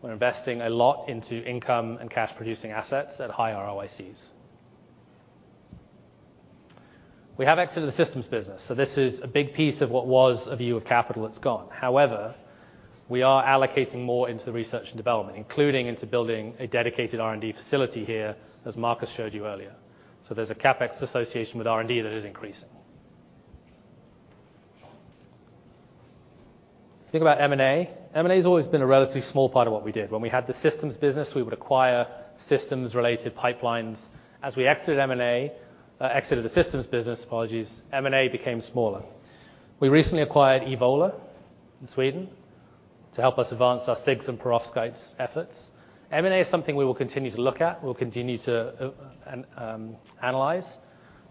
We're investing a lot into income and cash-producing assets at high ROICs. We have exited the systems business, so this is a big piece of what was a view of capital that's gone. However, we are allocating more into the research and development, including into building a dedicated R&D facility here, as Marcus showed you earlier. So there's a CapEx association with R&D that is increasing. If you think about M&A, M&A has always been a relatively small part of what we did. When we had the systems business, we would acquire systems-related pipelines. As we exited M&A, exited the systems business, apologies, M&A became smaller. We recently acquired Evolar in Sweden to help us advance our CIGS and perovskites efforts. M&A is something we will continue to look at, we'll continue to analyze.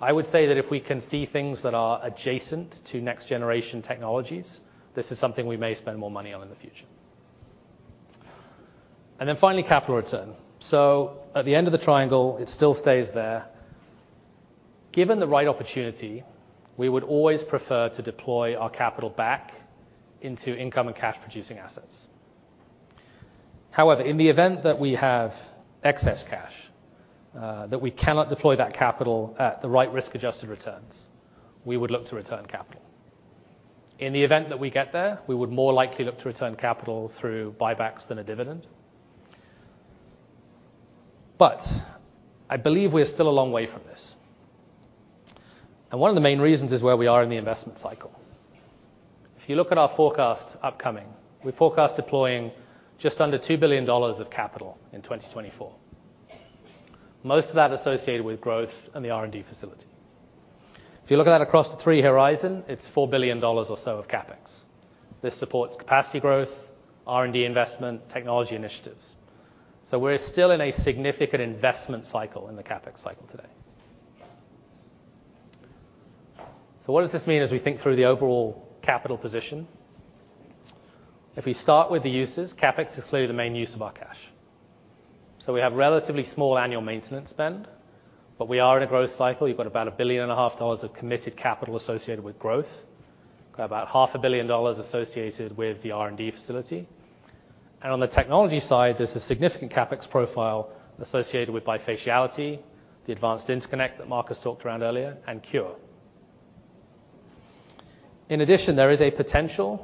I would say that if we can see things that are adjacent to next-generation technologies, this is something we may spend more money on in the future. And then finally, capital return. So at the end of the triangle, it still stays there. Given the right opportunity, we would always prefer to deploy our capital back into income and cash-producing assets. However, in the event that we have excess cash that we cannot deploy that capital at the right risk-adjusted returns, we would look to return capital. In the event that we get there, we would more likely look to return capital through buybacks than a dividend. But I believe we're still a long way from this. One of the main reasons is where we are in the investment cycle. If you look at our forecast upcoming, we forecast deploying just under $2 billion of capital in 2024. Most of that associated with growth and the R&D facility. If you look at that across the three horizon, it's $4 billion or so of CapEx. This supports capacity growth, R&D investment, technology initiatives. We're still in a significant investment cycle in the CapEx cycle today. What does this mean as we think through the overall capital position? If we start with the uses, CapEx is clearly the main use of our cash. So we have relatively small annual maintenance spend, but we are in a growth cycle. You've got about $1.5 billion of committed capital associated with growth. Got about $500 million associated with the R&D facility. And on the technology side, there's a significant CapEx profile associated with bifaciality, the Advanced Interconnect that Marcus talked around earlier, and CuRe. In addition, there is a potential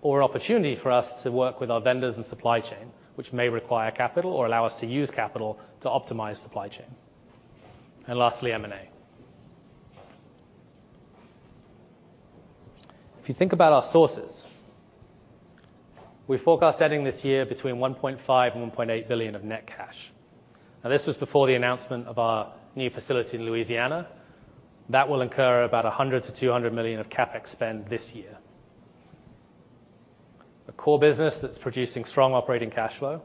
or opportunity for us to work with our vendors and supply chain, which may require capital or allow us to use capital to optimize supply chain. And lastly, M&A. If you think about our sources, we forecast ending this year between $1.5 billion and $1.8 billion of net cash. Now, this was before the announcement of our new facility in Louisiana. That will incur about $100 million-$200 million of CapEx spend this year. A core business that's producing strong operating cash flow.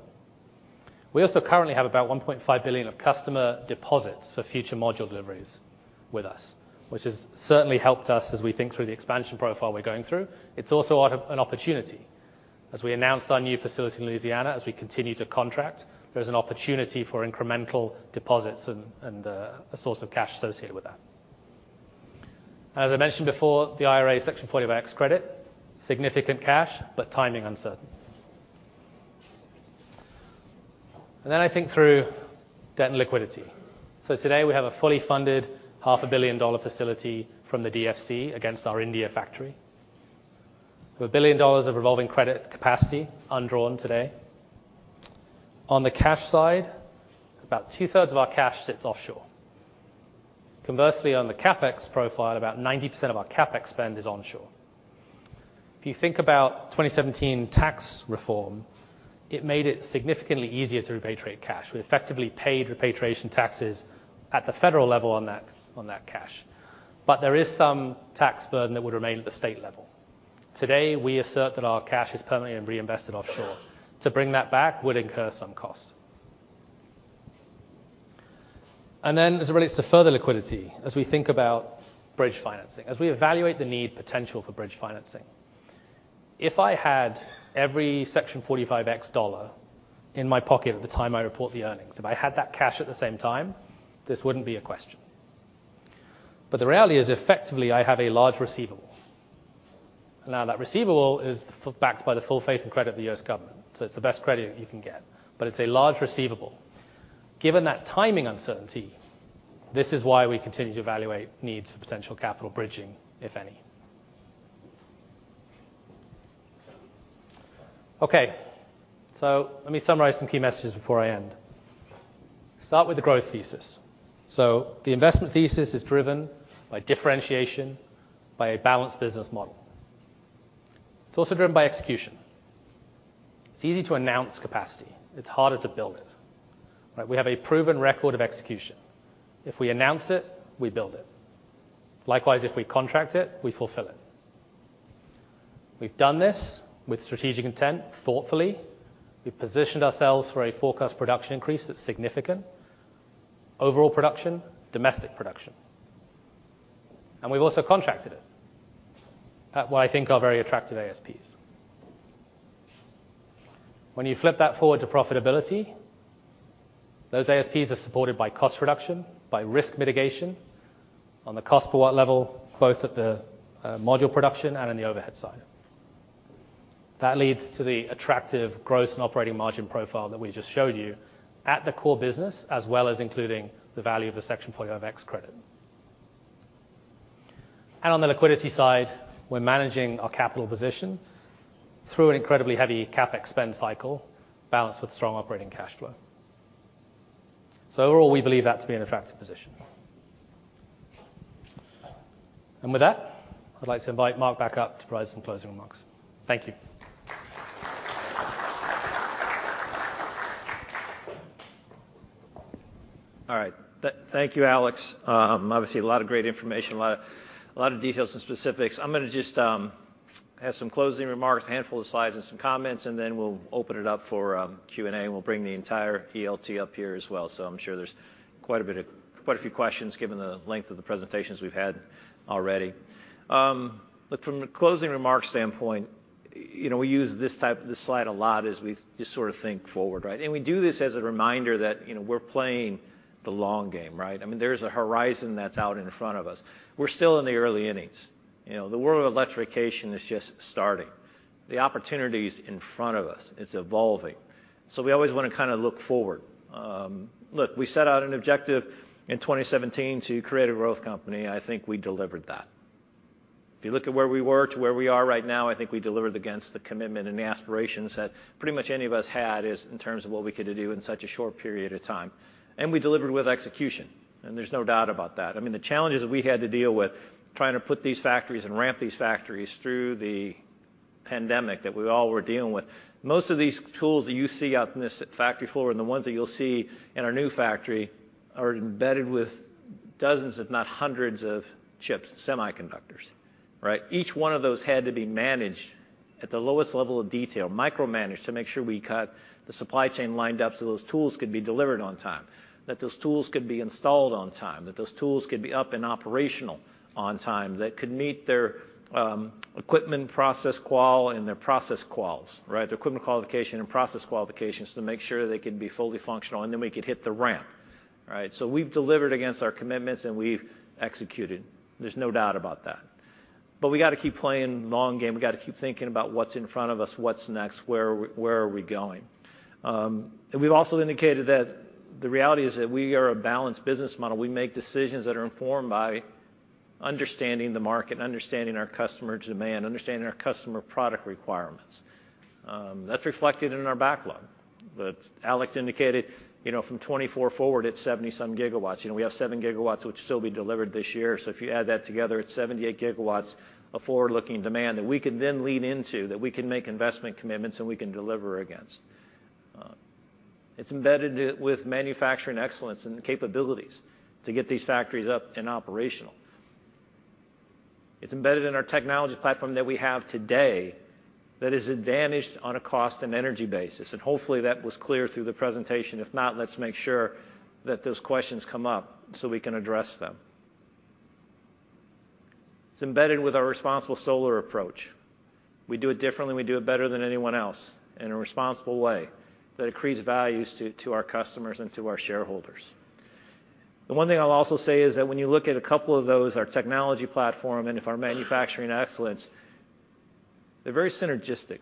We also currently have about $1.5 billion of customer deposits for future module deliveries with us, which has certainly helped us as we think through the expansion profile we're going through. It's also an opportunity. As we announced our new facility in Louisiana, as we continue to contract, there's an opportunity for incremental deposits and, and, a source of cash associated with that. As I mentioned before, the IRA Section 45X credit, significant cash, but timing uncertain. Then I think through debt and liquidity. So today, we have a fully funded $500 million facility from the DFC against our India factory, with $1 billion of revolving credit capacity undrawn today. On the cash side, about two-thirds of our cash sits offshore. Conversely, on the CapEx profile, about 90% of our CapEx spend is onshore. If you think about 2017 tax reform, it made it significantly easier to repatriate cash. We effectively paid repatriation taxes at the federal level on that, on that cash, but there is some tax burden that would remain at the state level. Today, we assert that our cash is permanently and reinvested offshore. To bring that back would incur some cost. And then as it relates to further liquidity, as we think about bridge financing, as we evaluate the need potential for bridge financing. If I had every Section 45X dollar in my pocket at the time I report the earnings, if I had that cash at the same time, this wouldn't be a question. But the reality is, effectively, I have a large receivable. Now, that receivable is backed by the full faith and credit of the U.S. government, so it's the best credit you can get, but it's a large receivable. Given that timing uncertainty, this is why we continue to evaluate needs for potential capital bridging, if any. Okay, so let me summarize some key messages before I end. Start with the growth thesis. So the investment thesis is driven by differentiation, by a balanced business model. It's also driven by execution. It's easy to announce capacity. It's harder to build it, right? We have a proven record of execution. If we announce it, we build it. Likewise, if we contract it, we fulfill it. We've done this with strategic intent, thoughtfully. We've positioned ourselves for a forecast production increase that's significant. Overall production, domestic production, and we've also contracted it at what I think are very attractive ASPs. When you flip that forward to profitability, those ASPs are supported by cost reduction, by risk mitigation on the cost per watt level, both at the module production and on the overhead side. That leads to the attractive gross and operating margin profile that we just showed you at the core business, as well as including the value of the Section 45X credit. And on the liquidity side, we're managing our capital position through an incredibly heavy CapEx spend cycle, balanced with strong operating cash flow. So overall, we believe that to be an attractive position. And with that, I'd like to invite Mark back up to provide some closing remarks. Thank you. All right. Thank you, Alex. Obviously, a lot of great information, a lot of details and specifics. I'm gonna just have some closing remarks, a handful of slides and some comments, and then we'll open it up for Q&A, and we'll bring the entire ELT up here as well. So I'm sure there's quite a bit of... Quite a few questions given the length of the presentations we've had already. But from a closing remarks standpoint, you know, we use this type, this slide a lot as we just sort of think forward, right? And we do this as a reminder that, you know, we're playing the long game, right? I mean, there's a horizon that's out in front of us. We're still in the early innings. You know, the world of electrification is just starting. The opportunity's in front of us, it's evolving, so we always wanna kind of look forward. Look, we set out an objective in 2017 to create a growth company. I think we delivered that. If you look at where we were to where we are right now, I think we delivered against the commitment and the aspirations that pretty much any of us had, is in terms of what we could do in such a short period of time. And we delivered with execution, and there's no doubt about that. I mean, the challenges that we had to deal with trying to put these factories and ramp these factories through the pandemic that we all were dealing with. Most of these tools that you see out in this factory floor, and the ones that you'll see in our new factory, are embedded with dozens, if not hundreds of chips, semiconductors, right? Each one of those had to be managed at the lowest level of detail, micromanaged, to make sure we got the supply chain lined up so those tools could be delivered on time, that those tools could be installed on time, that those tools could be up and operational on time, that could meet their, equipment process qual and their process quals, right? Their equipment qualification and process qualifications to make sure they could be fully functional, and then we could hit the ramp. Right? So we've delivered against our commitments, and we've executed. There's no doubt about that. But we gotta keep playing the long game. We gotta keep thinking about what's in front of us, what's next, where are we, where are we going? And we've also indicated that the reality is that we are a balanced business model. We make decisions that are informed by understanding the market and understanding our customer demand, understanding our customer product requirements. That's reflected in our backlog. But Alex indicated, you know, from 2024 forward, it's 70-some GW. You know, we have 7 GW, which will still be delivered this year. So if you add that together, it's 78 GW of forward-looking demand that we can then lean into, that we can make investment commitments, and we can deliver against. It's embedded with manufacturing excellence and the capabilities to get these factories up and operational. It's embedded in our technology platform that we have today that is advantaged on a cost and energy basis, and hopefully, that was clear through the presentation. If not, let's make sure that those questions come up so we can address them. It's embedded with our Responsible Solar approach. We do it differently, we do it better than anyone else in a responsible way that creates values to our customers and to our shareholders. The one thing I'll also say is that when you look at a couple of those, our technology platform and of our manufacturing excellence, they're very synergistic,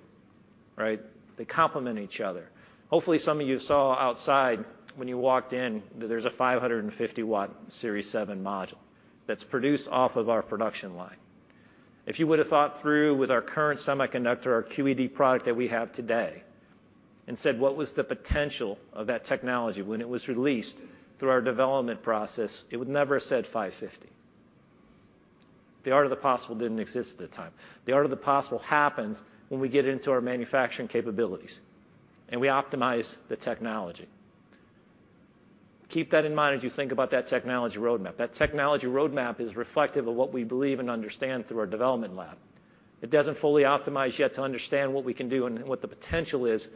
right? They complement each other. Hopefully, some of you saw outside when you walked in, that there's a 550-watt Series 7 module that's produced off of our production line. If you would have thought through with our current semiconductor, our QED product that we have today, and said, what was the potential of that technology when it was released through our development process, it would never have said 550. The art of the possible didn't exist at the time. The art of the possible happens when we get into our manufacturing capabilities, and we optimize the technology. Keep that in mind as you think about that technology roadmap. That technology roadmap is reflective of what we believe and understand through our development lab. It doesn't fully optimize yet to understand what we can do and what the potential is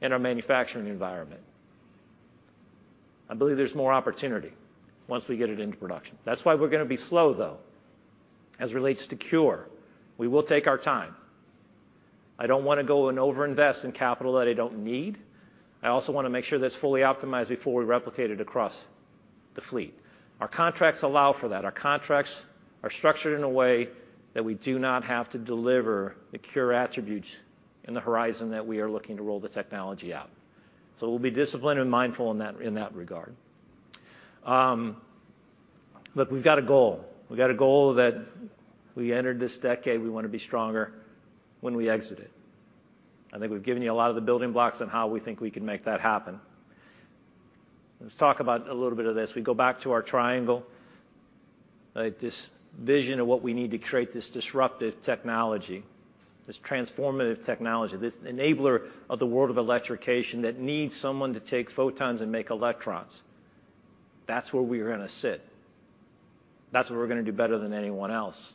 in our manufacturing environment. I believe there's more opportunity once we get it into production. That's why we're gonna be slow, though, as it relates to CuRe. We will take our time. I don't wanna go and overinvest in capital that I don't need. I also wanna make sure that it's fully optimized before we replicate it across the fleet. Our contracts allow for that. Our contracts are structured in a way that we do not have to deliver the CuRe attributes in the horizon that we are looking to roll the technology out. So we'll be disciplined and mindful in that regard. Look, we've got a goal. We've got a goal that we entered this decade, we wanna be stronger when we exit it. I think we've given you a lot of the building blocks on how we think we can make that happen. Let's talk about a little bit of this. We go back to our triangle, this vision of what we need to create this disruptive technology, this transformative technology, this enabler of the world of electrification that needs someone to take photons and make electrons. That's where we're gonna sit. That's what we're gonna do better than anyone else,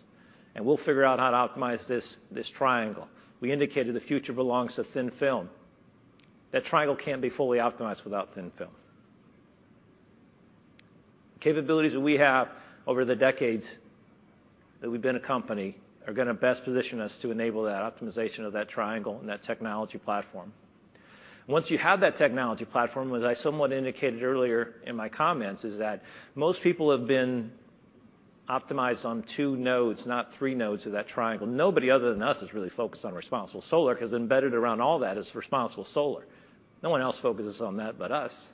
and we'll figure out how to optimize this, this triangle. We indicated the future belongs to thin-film. That triangle can't be fully optimized without thin-film. Capabilities that we have over the decades that we've been a company are gonna best position us to enable that optimization of that triangle and that technology platform. Once you have that technology platform, as I somewhat indicated earlier in my comments, is that most people have been optimized on two nodes, not three nodes of that triangle. Nobody other than us is really focused on Responsible Solar, 'cause embedded around all that is Responsible Solar. No one else focuses on that but us,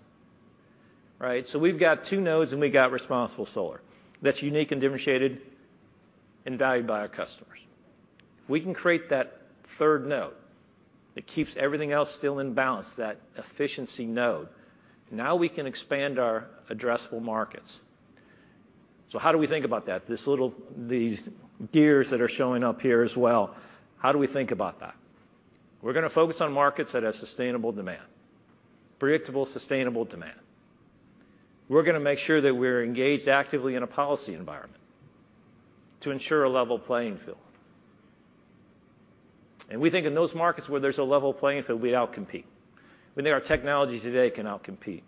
right? So we've got two nodes, and we've got Responsible Solar. That's unique and differentiated and valued by our customers. We can create that third node. It keeps everything else still in balance, that efficiency node. Now we can expand our addressable markets. So how do we think about that? These gears that are showing up here as well, how do we think about that? We're gonna focus on markets that have sustainable demand. Predictable, sustainable demand. We're gonna make sure that we're engaged actively in a policy environment to ensure a level playing field. And we think in those markets where there's a level playing field, we outcompete. We think our technology today can outcompete.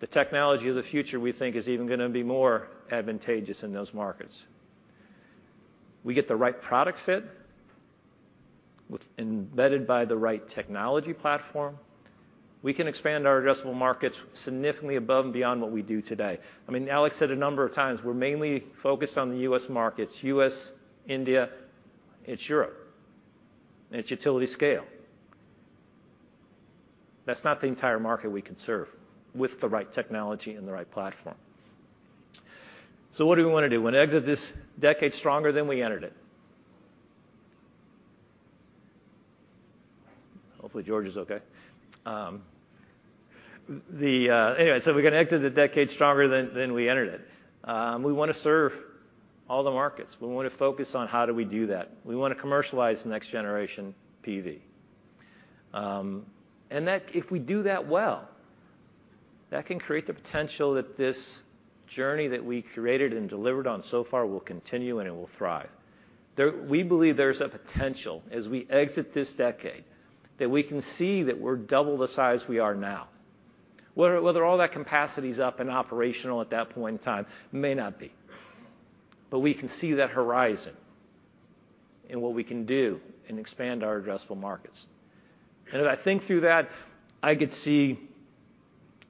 The technology of the future, we think, is even gonna be more advantageous in those markets. We get the right product fit with... Embedded by the right technology platform, we can expand our addressable markets significantly above and beyond what we do today. I mean, Alex said a number of times, we're mainly focused on the U.S. markets, U.S., India, and Europe, and it's utility scale.... That's not the entire market we can serve with the right technology and the right platform. So what do we wanna do? We wanna exit this decade stronger than we entered it. Hopefully, Georges sis okay. Anyway, so we're gonna exit the decade stronger than, than we entered it. We wanna serve all the markets. We wanna focus on how do we do that? We wanna commercialize the next generation PV. and that if we do that well, that can create the potential that this journey that we created and delivered on so far will continue, and it will thrive. We believe there's a potential, as we exit this decade, that we can see that we're double the size we are now. Whether all that capacity is up and operational at that point in time, may not be. But we can see that horizon and what we can do and expand our addressable markets. And as I think through that, I could see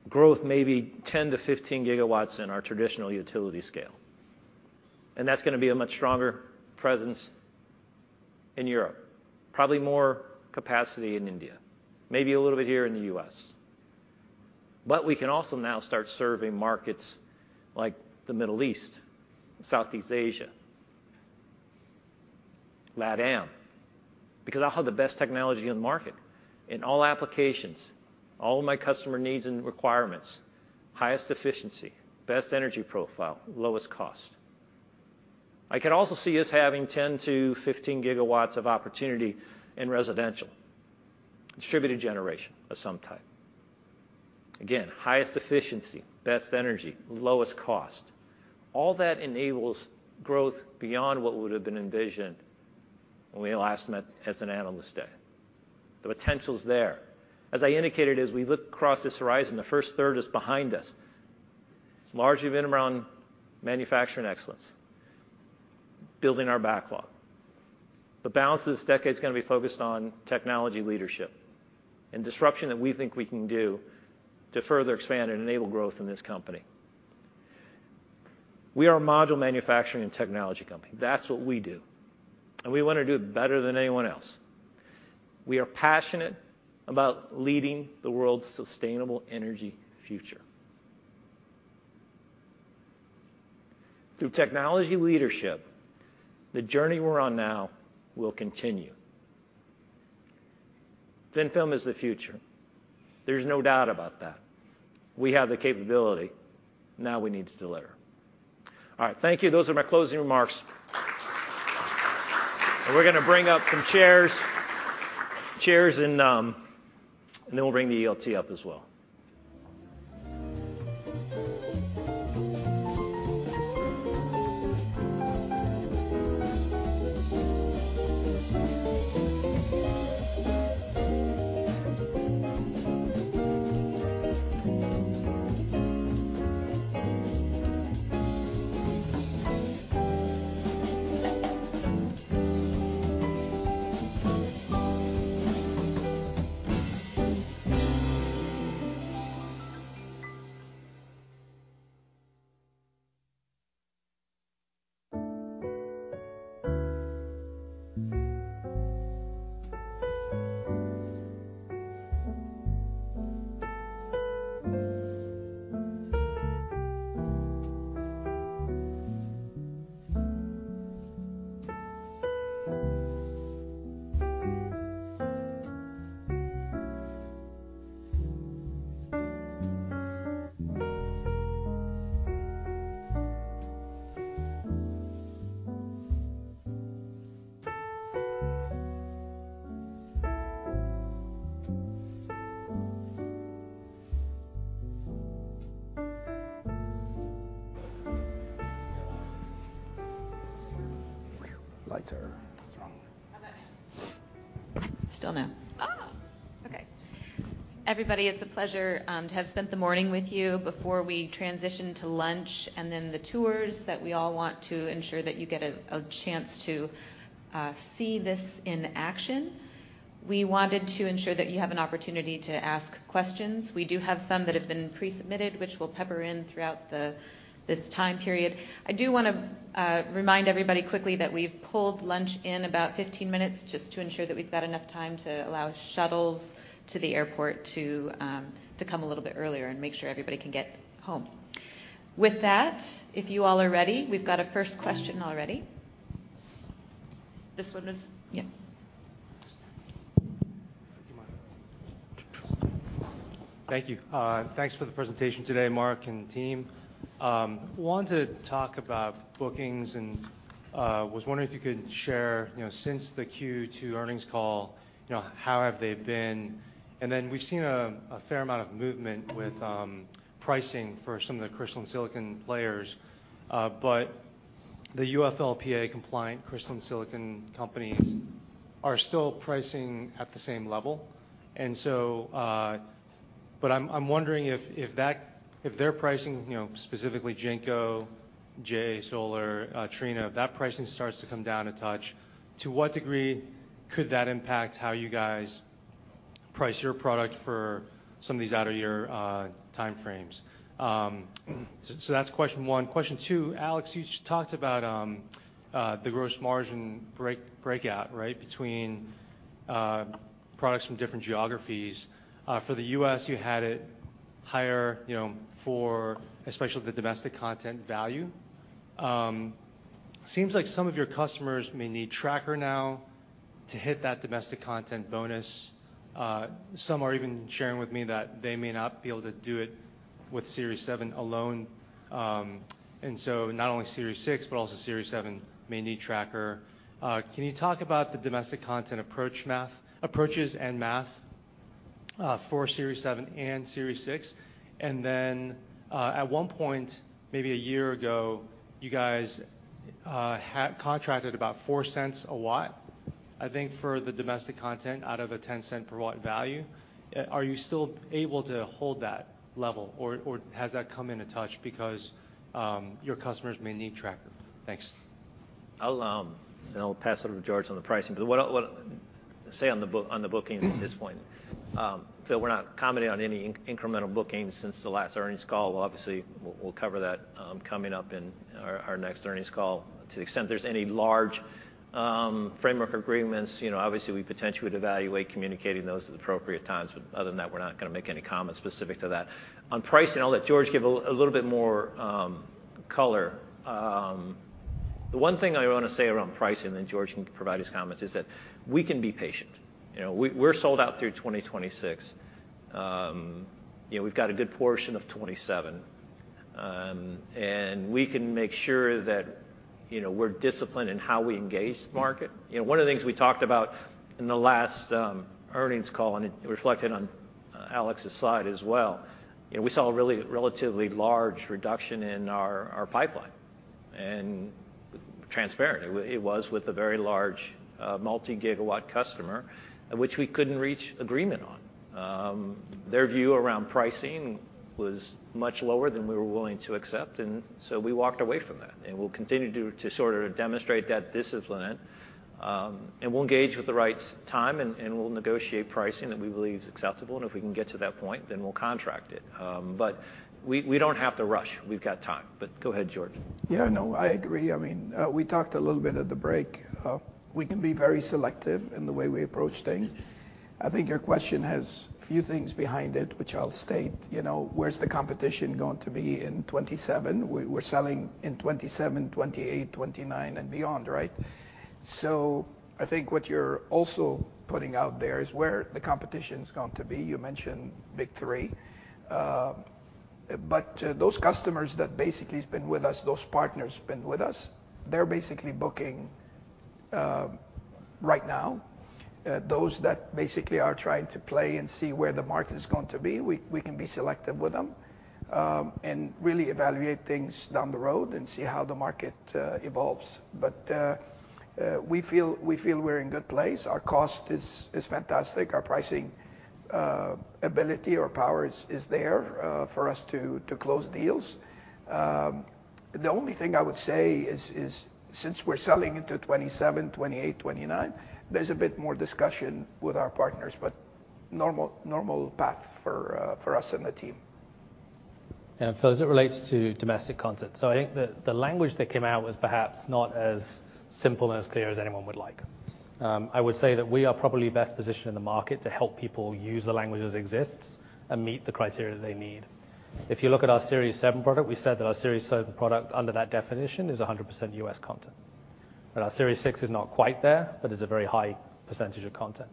growth maybe 10-15 gigawatts in our traditional utility scale, and that's gonna be a much stronger presence in Europe, probably more capacity in India, maybe a little bit here in the U.S. But we can also now start serving markets like the Middle East, Southeast Asia, LATAM, because I'll have the best technology on the market in all applications, all of my customer needs and requirements, highest efficiency, best energy profile, lowest cost. I can also see us having 10-15 gigawatts of opportunity in residential, distributed generation of some type. Again, highest efficiency, best energy, lowest cost. All that enables growth beyond what would have been envisioned when we last met as an analyst day. The potential's there. As I indicated, as we look across this horizon, the first third is behind us. It's largely been around manufacturing excellence, building our backlog. The balance of this decade's gonna be focused on technology leadership and disruption that we think we can do to further expand and enable growth in this company. We are a module manufacturing and technology company. That's what we do, and we wanna do it better than anyone else. We are passionate about leading the world's sustainable energy future. Through technology leadership, the journey we're on now will continue. Thin film is the future. There's no doubt about that. We have the capability, now we need to deliver. All right. Thank you. Those are my closing remarks. And we're gonna bring up some chairs, chairs, and, and then we'll bring the ELT up as well. Lights are strong. How about me? Still no. Oh! Okay. Everybody, it's a pleasure to have spent the morning with you. Before we transition to lunch and then the tours, that we all want to ensure that you get a chance to see this in action. We wanted to ensure that you have an opportunity to ask questions. We do have some that have been pre-submitted, which we'll pepper in throughout this time period. I do wanna remind everybody quickly that we've pulled lunch in about 15 minutes just to ensure that we've got enough time to allow shuttles to the airport to come a little bit earlier and make sure everybody can get home. With that, if you all are ready, we've got a first question already. This one is... Yeah. Thank you, Mark. Thank you. Thanks for the presentation today, Mark and team. Wanted to talk about bookings and was wondering if you could share, you know, since the Q2 earnings call, you know, how have they been? And then we've seen a fair amount of movement with pricing for some of the crystalline silicon players, but the UFLPA-compliant crystalline silicon companies are still pricing at the same level. And so, but I'm wondering if, if that—if their pricing, you know, specifically JinkoSolar, JA Solar, Trina Solar, if that pricing starts to come down a touch, to what degree could that impact how you guys price your product for-... Some of these out of your time frames. So that's question one. Question two, Alex, you talked about the gross margin break, breakout, right? Between products from different geographies. For the U.S., you had it higher, you know, for especially the domestic content value. Seems like some of your customers may need Tracker now to hit that domestic content bonus. Some are even sharing with me that they may not be able to do it with Series 7 alone. And so not only Series 6, but also Series 7 may need Tracker. Can you talk about the domestic content approach math-- approaches and math for Series 7 and Series 6? At one point, maybe a year ago, you guys had contracted about $0.04 per watt, I think, for the domestic content out of a $0.10 per watt value. Are you still able to hold that level, or has that come in a touch? Because your customers may need trackers. Thanks. I'll... Then I'll pass it over to George on the pricing. But what I say on the bookings at this point, Phil, we're not commenting on any incremental bookings since the last earnings call. Obviously, we'll cover that coming up in our next earnings call. To the extent there's any large framework agreements, you know, obviously, we potentially would evaluate communicating those at appropriate times. But other than that, we're not gonna make any comments specific to that. On pricing, I'll let George give a little bit more color. The one thing I wanna say around pricing, then George can provide his comments, is that we can be patient. You know, we're sold out through 2026. You know, we've got a good portion of 2027. And we can make sure that, you know, we're disciplined in how we engage the market. You know, one of the things we talked about in the last earnings call, and it reflected on Alex's slide as well, you know, we saw a really relatively large reduction in our, our pipeline, and transparently. It was with a very large, multi-gigawatt customer, which we couldn't reach agreement on. Their view around pricing was much lower than we were willing to accept, and so we walked away from that. And we'll continue to, to sort of demonstrate that discipline, and we'll engage with the right time, and, and we'll negotiate pricing that we believe is acceptable, and if we can get to that point, then we'll contract it. But we, we don't have to rush. We've got time. But go ahead, George. Yeah, no, I agree. I mean, we talked a little bit at the break. We can be very selective in the way we approach things. I think your question has a few things behind it, which I'll state. You know, where's the competition going to be in 2027? We're selling in 2027, 2028, 2029 and beyond, right? So I think what you're also putting out there is where the competition's going to be. You mentioned Big Three. But, those customers that basically has been with us, those partners been with us, they're basically booking right now. Those that basically are trying to play and see where the market is going to be, we can be selective with them, and really evaluate things down the road and see how the market evolves. But we feel, we feel we're in good place. Our cost is fantastic. Our pricing ability or power is there for us to close deals. The only thing I would say is since we're selling into 2027, 2028, 2029, there's a bit more discussion with our partners, but normal, normal path for us and the team. Phil, as it relates to domestic content, so I think the language that came out was perhaps not as simple and as clear as anyone would like. I would say that we are probably best positioned in the market to help people use the language as it exists and meet the criteria they need. If you look at our Series 7 product, we said that our Series 7 product, under that definition, is 100% US content. Our Series 6 is not quite there, but is a very high percentage of content.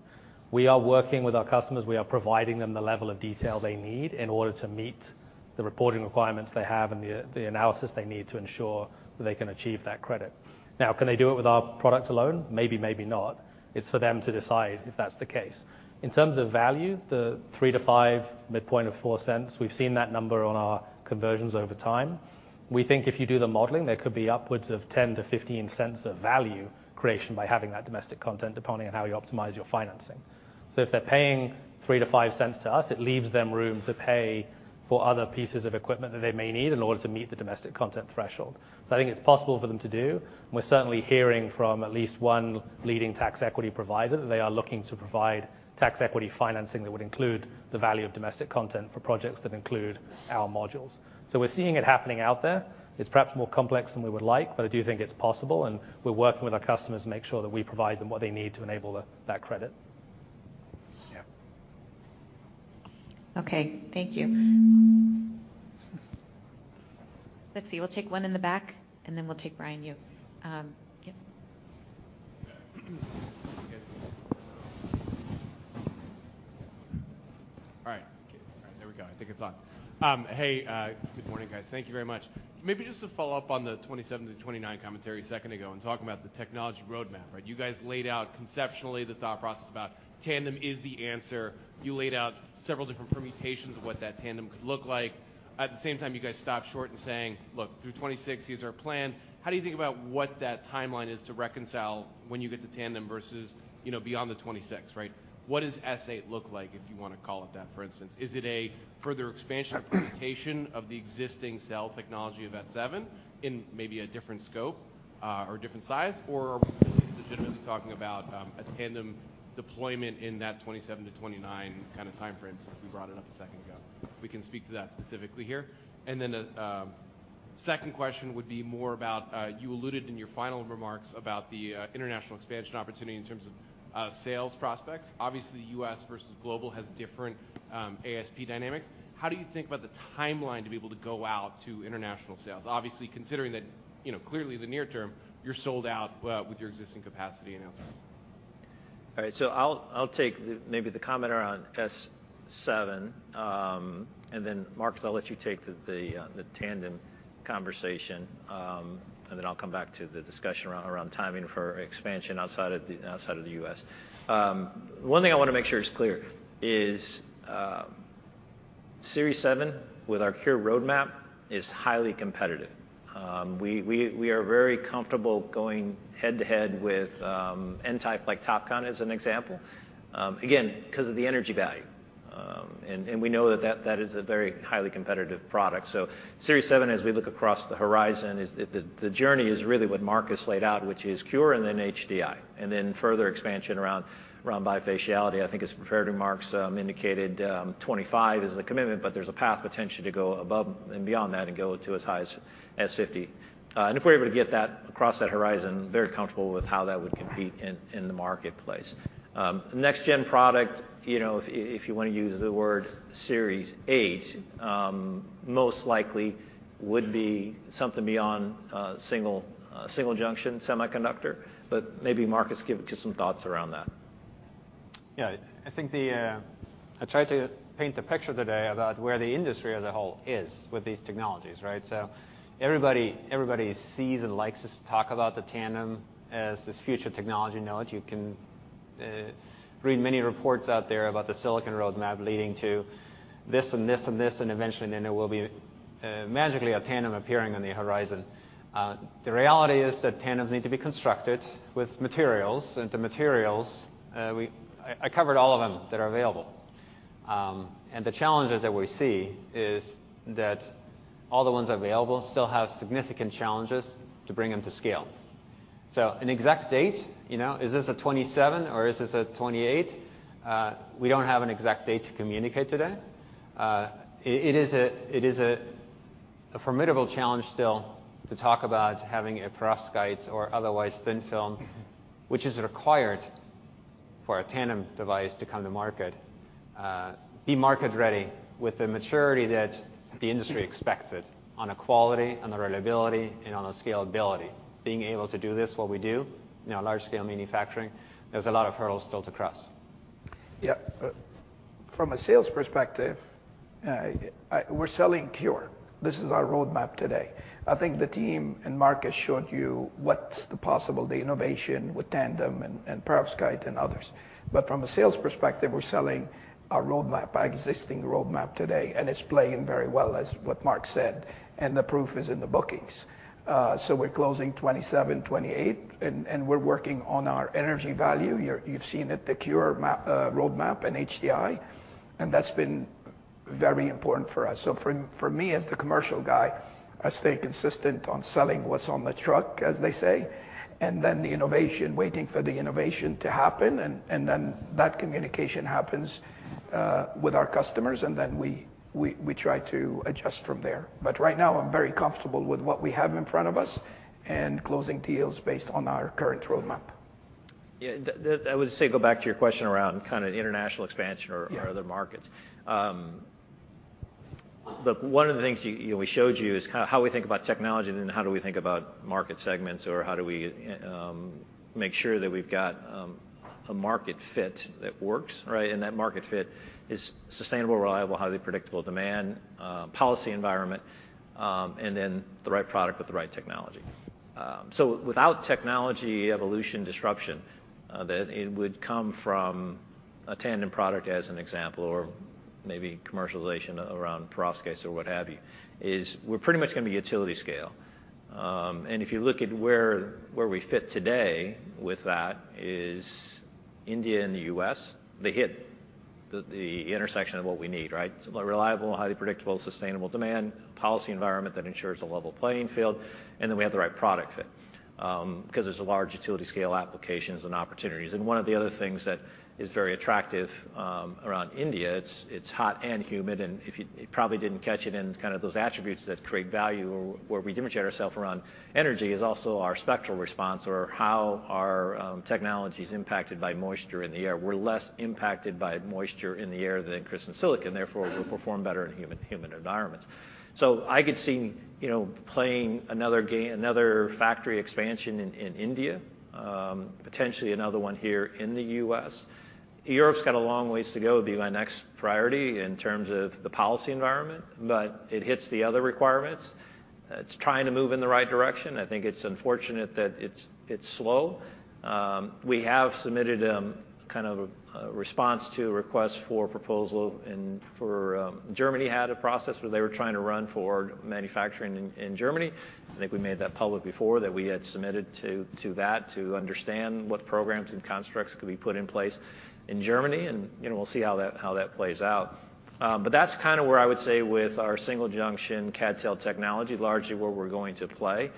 We are working with our customers. We are providing them the level of detail they need in order to meet the reporting requirements they have and the analysis they need to ensure that they can achieve that credit. Now, can they do it with our product alone? Maybe, maybe not. It's for them to decide if that's the case. In terms of value, the $0.03-$0.05, midpoint of $0.04, we've seen that number on our conversions over time. We think if you do the modeling, there could be upwards of $0.10-$0.15 of value creation by having that domestic content, depending on how you optimize your financing. So if they're paying $0.03-$0.05 to us, it leaves them room to pay for other pieces of equipment that they may need in order to meet the domestic content threshold. So I think it's possible for them to do. We're certainly hearing from at least one leading tax equity provider, they are looking to provide tax equity financing that would include the value of domestic content for projects that include our modules. So we're seeing it happening out there. It's perhaps more complex than we would like, but I do think it's possible, and we're working with our customers to make sure that we provide them what they need to enable that credit. Yeah. Okay, thank you. Let's see. We'll take one in the back, and then we'll take Ryan, you. Yeah. All right. Okay. All right, there we go. I think it's on. Hey, good morning, guys. Thank you very much. Maybe just to follow up on the 27-29 commentary a second ago and talking about the technology roadmap, right? You guys laid out conceptually the thought process about tandem is the answer. You laid out several different permutations of what that tandem could look like. At the same time, you guys stopped short in saying: "Look, through 26, here's our plan." How do you think about what that timeline is to reconcile when you get to tandem versus, you know, beyond the 26, right? What does S8 look like, if you want to call it that, for instance? Is it a further expansion or permutation of the existing cell technology of S7 in maybe a different scope, or a different size? Or are we legitimately talking about, a tandem deployment in that 27-29 kind of timeframe, since we brought it up a second ago? We can speak to that specifically here. And then, Second question would be more about, you alluded in your final remarks about the, international expansion opportunity in terms of, sales prospects. Obviously, U.S. versus global has different, ASP dynamics. How do you think about the timeline to be able to go out to international sales? Obviously, considering that, you know, clearly the near term, you're sold out, with your existing capacity announcements. All right. So I'll take the comment around S7, and then, Marcus, I'll let you take the tandem conversation, and then I'll come back to the discussion around timing for expansion outside of the U.S. One thing I want to make sure is clear is, Series 7, with our CuRe roadmap, is highly competitive. We are very comfortable going head-to-head with N-type, like TOPCon as an example, again, because of the energy value. And we know that that is a very highly competitive product. So Series 7, as we look across the horizon, the journey is really what Marcus laid out, which is CuRe and then HDI, and then further expansion around bifaciality. I think, as prepared remarks indicated, 25 is the commitment, but there's a path potentially to go above and beyond that and go to as high as 50. And if we're able to get that across that horizon, very comfortable with how that would compete in the marketplace. Next gen product, you know, if you wanna use the word Series 8, most likely would be something beyond single-junction semiconductor, but maybe Marcus give just some thoughts around that. Yeah. I think the... I tried to paint the picture today about where the industry as a whole is with these technologies, right? So everybody, everybody sees and likes us to talk about the tandem as this future technology. I know that you can, read many reports out there about the silicon roadmap leading to this and this and this, and eventually, then there will be, magically a tandem appearing on the horizon. The reality is that tandems need to be constructed with materials, and the materials, we—I, I covered all of them that are available. And the challenges that we see is that all the ones available still have significant challenges to bring them to scale. So an exact date, you know, is this a 2027 or is this a 2028? We don't have an exact date to communicate today. It is a formidable challenge still to talk about having perovskites or otherwise thin-film, which is required for a tandem device to come to market, be market ready with the maturity that the industry expects it on a quality, on the reliability, and on the scalability. Being able to do this, what we do, you know, large-scale manufacturing, there's a lot of hurdles still to cross. Yeah. From a sales perspective, we're selling CuRe. This is our roadmap today. I think the team and Marcus showed you what's the possible, the innovation with tandem and perovskite and others. But from a sales perspective, we're selling our roadmap, our existing roadmap today, and it's playing very well, as what Marcus said, and the proof is in the bookings. So we're closing 2027, 2028, and we're working on our energy value. You've seen it, the CuRe map, roadmap and HDI, and that's been very important for us. So for me, as the commercial guy, I stay consistent on selling what's on the truck, as they say, and then the innovation, waiting for the innovation to happen, and then that communication happens with our customers, and then we try to adjust from there. But right now, I'm very comfortable with what we have in front of us and closing deals based on our current roadmap. Yeah. I would say go back to your question around kind of international expansion or- Yeah... other markets. Look, one of the things you, you know, we showed you is kind of how we think about technology and how do we think about market segments, or how do we, make sure that we've got, a market fit that works, right? And that market fit is sustainable, reliable, highly predictable demand, policy environment, and then the right product with the right technology. So without technology evolution disruption, that it would come from a tandem product, as an example, or maybe commercialization around perovskites or what have you, is we're pretty much gonna be utility scale. And if you look at where, where we fit today with that is India and the U.S., they hit the, the intersection of what we need, right? Reliable, highly predictable, sustainable demand, policy environment that ensures a level playing field, and then we have the right product fit, because there's a large utility scale applications and opportunities. And one of the other things that is very attractive around India, it's hot and humid, and if you... You probably didn't catch it in kind of those attributes that create value, where we differentiate ourselves around energy, is also our spectral response or how our technology is impacted by moisture in the air. We're less impacted by moisture in the air than crystalline silicon, therefore, we'll perform better in humid environments. So I could see, you know, another factory expansion in India, potentially another one here in the U.S. Europe's got a long ways to go. It'll be my next priority in terms of the policy environment, but it hits the other requirements. It's trying to move in the right direction. I think it's unfortunate that it's slow. We have submitted a response to request for proposal, and for Germany had a process where they were trying to run for manufacturing in Germany. I think we made that public before, that we had submitted to that to understand what programs and constructs could be put in place in Germany, and, you know, we'll see how that plays out. But that's kind of where I would say with our single-junction CadTel technology, largely where we're going to play.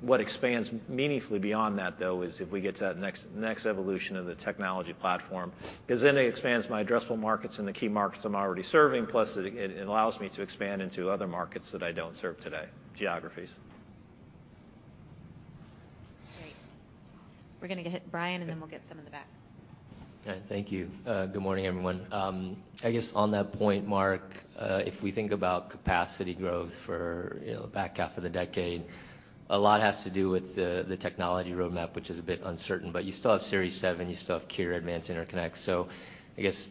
What expands meaningfully beyond that, though, is if we get to that next, next evolution of the technology platform, because then it expands my addressable markets and the key markets I'm already serving, plus it, it allows me to expand into other markets that I don't serve today, geographies.... We're gonna hit Brian, and then we'll get some in the back. Okay, thank you. Good morning, everyone. I guess on that point, Mark, if we think about capacity growth for, you know, the back half of the decade, a lot has to do with the technology roadmap, which is a bit uncertain. But you still have Series 7, you still have CuRe, Advanced Interconnect. So I guess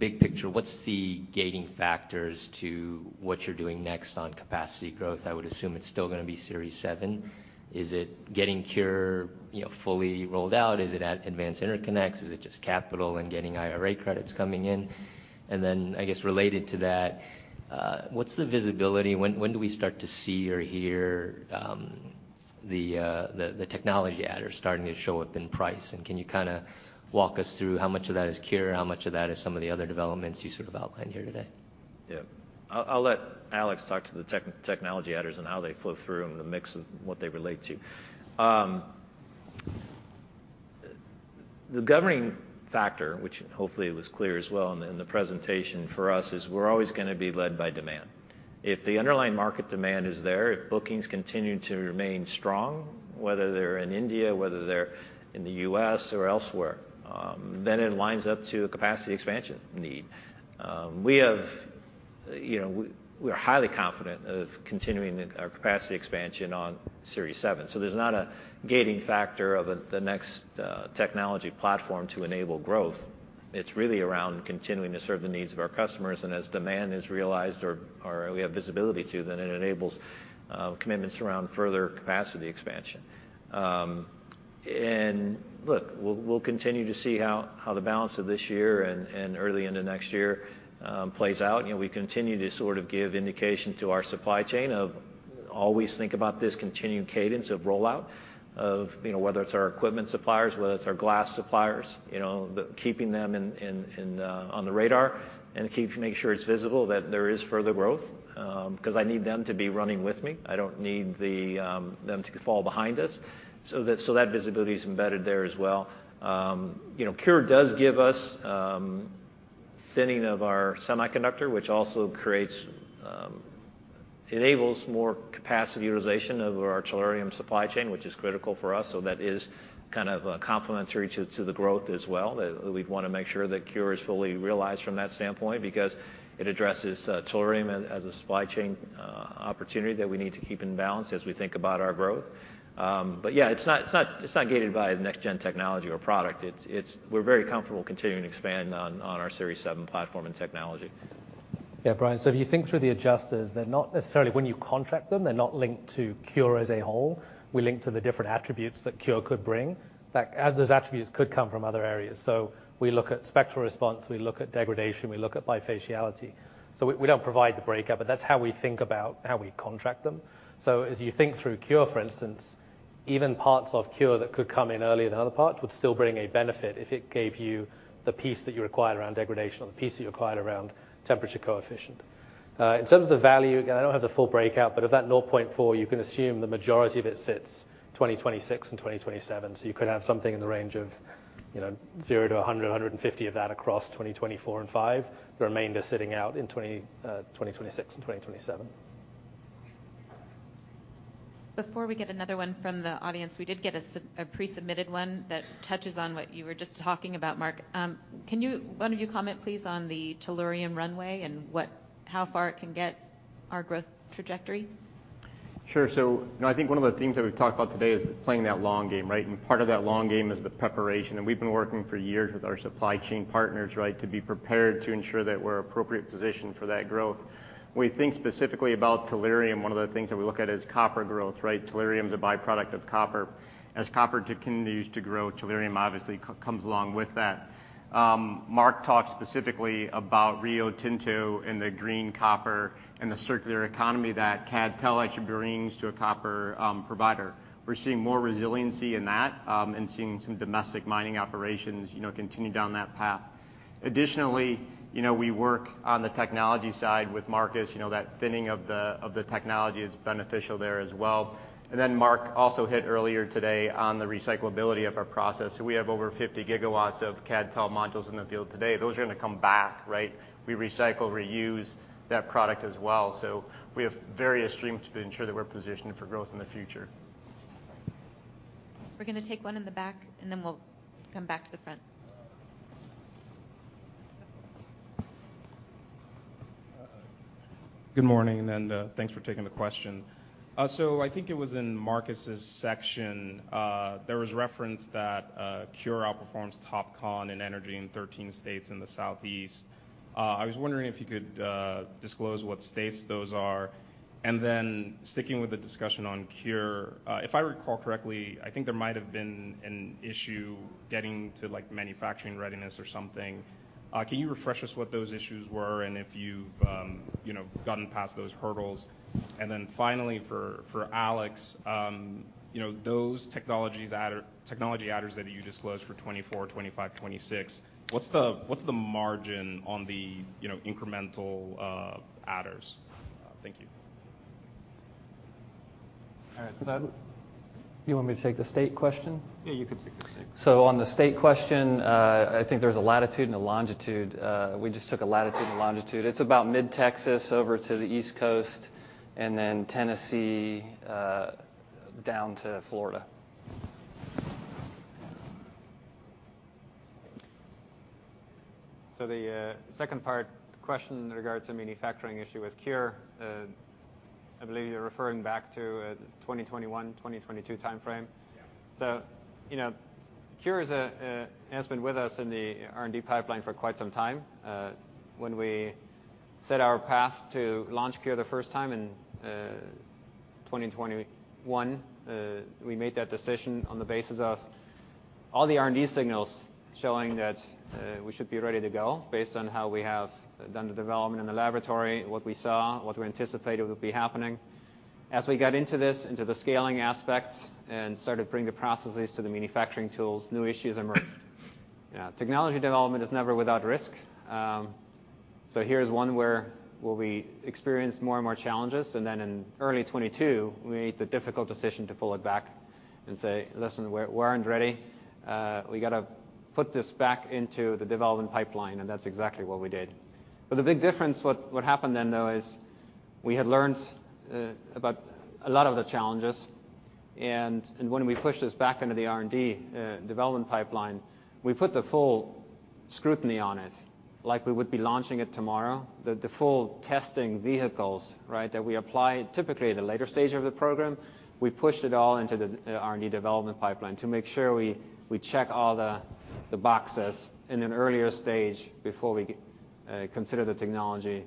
big picture, what's the gating factors to what you're doing next on capacity growth? I would assume it's still gonna be Series 7. Is it getting CuRe, you know, fully rolled out? Is it at Advanced Interconnect? Is it just capital and getting IRA credits coming in? And then, I guess related to that, what's the visibility? When do we start to see or hear the technology adders starting to show up in price? Can you kinda walk us through how much of that is CuRe, and how much of that is some of the other developments you sort of outlined here today? Yeah. I'll let Alex talk to the technology adders and how they flow through and the mix of what they relate to. The governing factor, which hopefully was clear as well in the presentation for us, is we're always gonna be led by demand. If the underlying market demand is there, if bookings continue to remain strong, whether they're in India, whether they're in the U.S. or elsewhere, then it lines up to a capacity expansion need. We have, you know, we're highly confident of continuing our capacity expansion on Series 7, so there's not a gating factor of the next technology platform to enable growth. It's really around continuing to serve the needs of our customers, and as demand is realized or we have visibility to, then it enables commitments around further capacity expansion. And look, we'll continue to see how the balance of this year and early into next year plays out. You know, we continue to sort of give indication to our supply chain of always think about this continued cadence of rollout, of, you know, whether it's our equipment suppliers, whether it's our glass suppliers, you know, the keeping them in, on the radar and keep making sure it's visible, that there is further growth, 'cause I need them to be running with me. I don't need them to fall behind us, so that visibility is embedded there as well. You know, CuRe does give us thinning of our semiconductor, which also creates enables more capacity utilisation of our tellurium supply chain, which is critical for us. So that is kind of complementary to the growth as well. We'd wanna make sure that CuRe is fully realized from that standpoint because it addresses tellurium as a supply chain opportunity that we need to keep in balance as we think about our growth. But yeah, it's not gated by next gen technology or product. It's we're very comfortable continuing to expand on our Series 7 platform and technology. Yeah, Brian, so if you think through the adjusters, they're not necessarily... When you contract them, they're not linked to CuRe as a whole. We link to the different attributes that CuRe could bring. In fact, those attributes could come from other areas. So we look at spectral response, we look at degradation, we look at bifaciality. So we don't provide the breakout, but that's how we think about how we contract them. So as you think through CuRe, for instance, even parts of CuRe that could come in earlier than other parts, would still bring a benefit if it gave you the piece that you require around degradation or the piece that you require around temperature coefficient. In terms of the value, again, I don't have the full breakout, but of that $0.4, you can assume the majority of it sits 2026 and 2027. So you could have something in the range of, you know, $0-$100, $150 of that across 2024 and 2025. The remainder sitting out in 2026 and 2027. Before we get another one from the audience, we did get a pre-submitted one that touches on what you were just talking about, Mark. Can you, one of you, comment, please, on the tellurium runway and how far it can get our growth trajectory? Sure. So, you know, I think one of the things that we've talked about today is playing that long game, right? And part of that long game is the preparation, and we've been working for years with our supply chain partners, right, to be prepared to ensure that we're appropriately positioned for that growth. When we think specifically about tellurium, one of the things that we look at is copper growth, right? Tellurium is a by-product of copper. As copper continues to grow, tellurium obviously comes along with that. Mark talked specifically about Rio Tinto and the green copper and the circular economy that CadTel actually brings to a copper provider. We're seeing more resiliency in that, and seeing some domestic mining operations, you know, continue down that path. Additionally, you know, we work on the technology side with Marcus. You know, that thinning of the technology is beneficial there as well. And then Mark also hit earlier today on the recyclability of our process. So we have over 50 gigawatts of CadTel modules in the field today. Those are gonna come back, right? We recycle, reuse that product as well, so we have various streams to ensure that we're positioned for growth in the future. We're gonna take one in the back, and then we'll come back to the front. Uh- Good morning, and, thanks for taking the question. So I think it was in Marcus's section, there was reference that, CuRe outperforms TOPCon in energy in 13 states in the Southeast. I was wondering if you could, disclose what states those are. And then sticking with the discussion on CuRe, if I recall correctly, I think there might have been an issue getting to, like, manufacturing readiness or something. Can you refresh us what those issues were and if you've, you know, gotten past those hurdles? And then finally, for Alex, you know, those technologies adder- technology adders that you disclosed for 2024, 2025, 2026, what's the, what's the margin on the, you know, incremental, adders? Thank you. All right. You want me to take the state question? Yeah, you can take the state. So on the state question, I think there's a latitude and a longitude. We just took a latitude and longitude. It's about mid-Texas over to the East Coast, and then Tennessee, down to Florida.... So the second part question in regards to manufacturing issue with CuRe, I believe you're referring back to 2021, 2022 time frame? Yeah. So, you know, CuRe has been with us in the R&D pipeline for quite some time. When we set our path to launch CuRe the first time in 2021, we made that decision on the basis of all the R&D signals showing that we should be ready to go based on how we have done the development in the laboratory, what we saw, what we anticipated would be happening. As we got into this, into the scaling aspects and started to bring the processes to the manufacturing tools, new issues emerged. Technology development is never without risk. So here's one where we experienced more and more challenges, and then in early 2022, we made the difficult decision to pull it back and say: "Listen, we're aren't ready. We gotta put this back into the development pipeline," and that's exactly what we did. But the big difference, what, what happened then, though, is we had learned about a lot of the challenges, and, and when we pushed this back into the R&D development pipeline, we put the full scrutiny on it, like we would be launching it tomorrow. The, the full testing vehicles, right, that we apply typically at a later stage of the program, we pushed it all into the R&D development pipeline to make sure we check all the boxes in an earlier stage before we g- consider the technology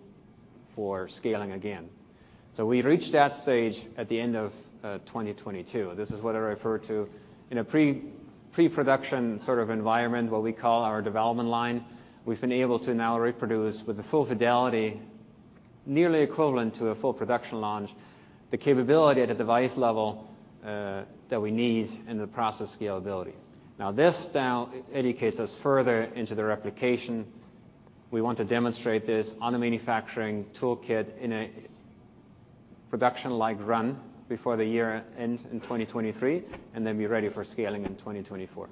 for scaling again. So we reached that stage at the end of 2022. This is what I refer to in a pre-production sort of environment, what we call our development line. We've been able to now reproduce with the full fidelity, nearly equivalent to a full production launch, the capability at the device level, that we need and the process scalability. Now, this now educates us further into the replication. We want to demonstrate this on a manufacturing toolkit in a production-like run before the year end in 2023, and then be ready for scaling in 2024.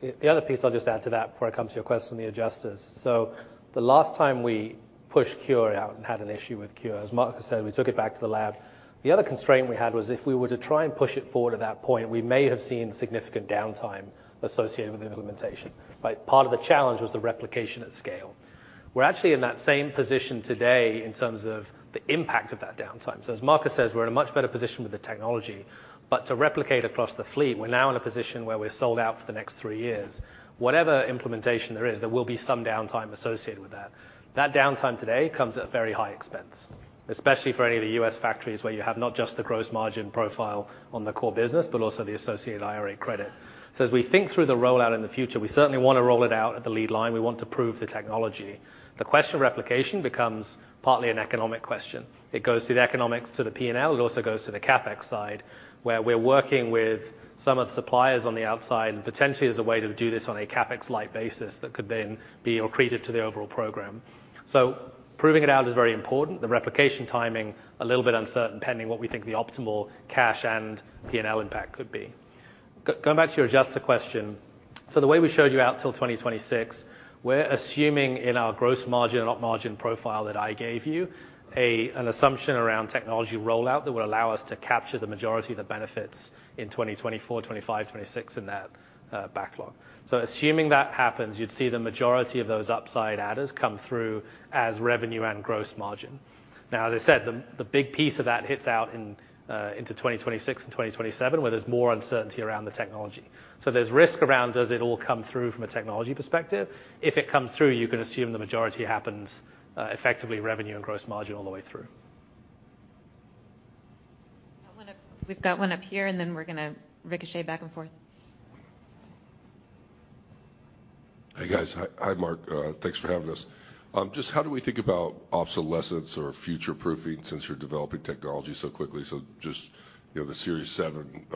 The other piece I'll just add to that before I come to your question on the adjusters. So the last time we pushed CuRe out and had an issue with CuRe, as Marcus said, we took it back to the lab. The other constraint we had was if we were to try and push it forward at that point, we may have seen significant downtime associated with the implementation. But part of the challenge was the replication at scale. We're actually in that same position today in terms of the impact of that downtime. So as Marcus says, we're in a much better position with the technology, but to replicate across the fleet, we're now in a position where we're sold out for the next three years. Whatever implementation there is, there will be some downtime associated with that. That downtime today comes at a very high expense, especially for any of the U.S. factories, where you have not just the gross margin profile on the core business, but also the associated IRA credit. So as we think through the rollout in the future, we certainly wanna roll it out at the lead line. We want to prove the technology. The question of replication becomes partly an economic question. It goes through the economics to the P&L. It also goes to the CapEx side, where we're working with some of the suppliers on the outside, and potentially as a way to do this on a CapEx-light basis that could then be accretive to the overall program. So proving it out is very important. The replication timing, a little bit uncertain, pending what we think the optimal cash and P&L impact could be. Going back to your earlier question. So the way we showed you out till 2026, we're assuming in our gross margin and op margin profile that I gave you, an assumption around technology rollout that would allow us to capture the majority of the benefits in 2024, 2025, 2026 in that backlog. So assuming that happens, you'd see the majority of those upside adders come through as revenue and gross margin. Now, as I said, the big piece of that hits out into 2026 and 2027, where there's more uncertainty around the technology. So there's risk around, does it all come through from a technology perspective? If it comes through, you can assume the majority happens effectively revenue and gross margin all the way through. Got one up- We've got one up here, and then we're gonna ricochet back and forth. Hi, guys. Hi, hi, Mark. Thanks for having us. Just how do we think about obsolescence or future-proofing since you're developing technology so quickly? So just, you know, the Series 7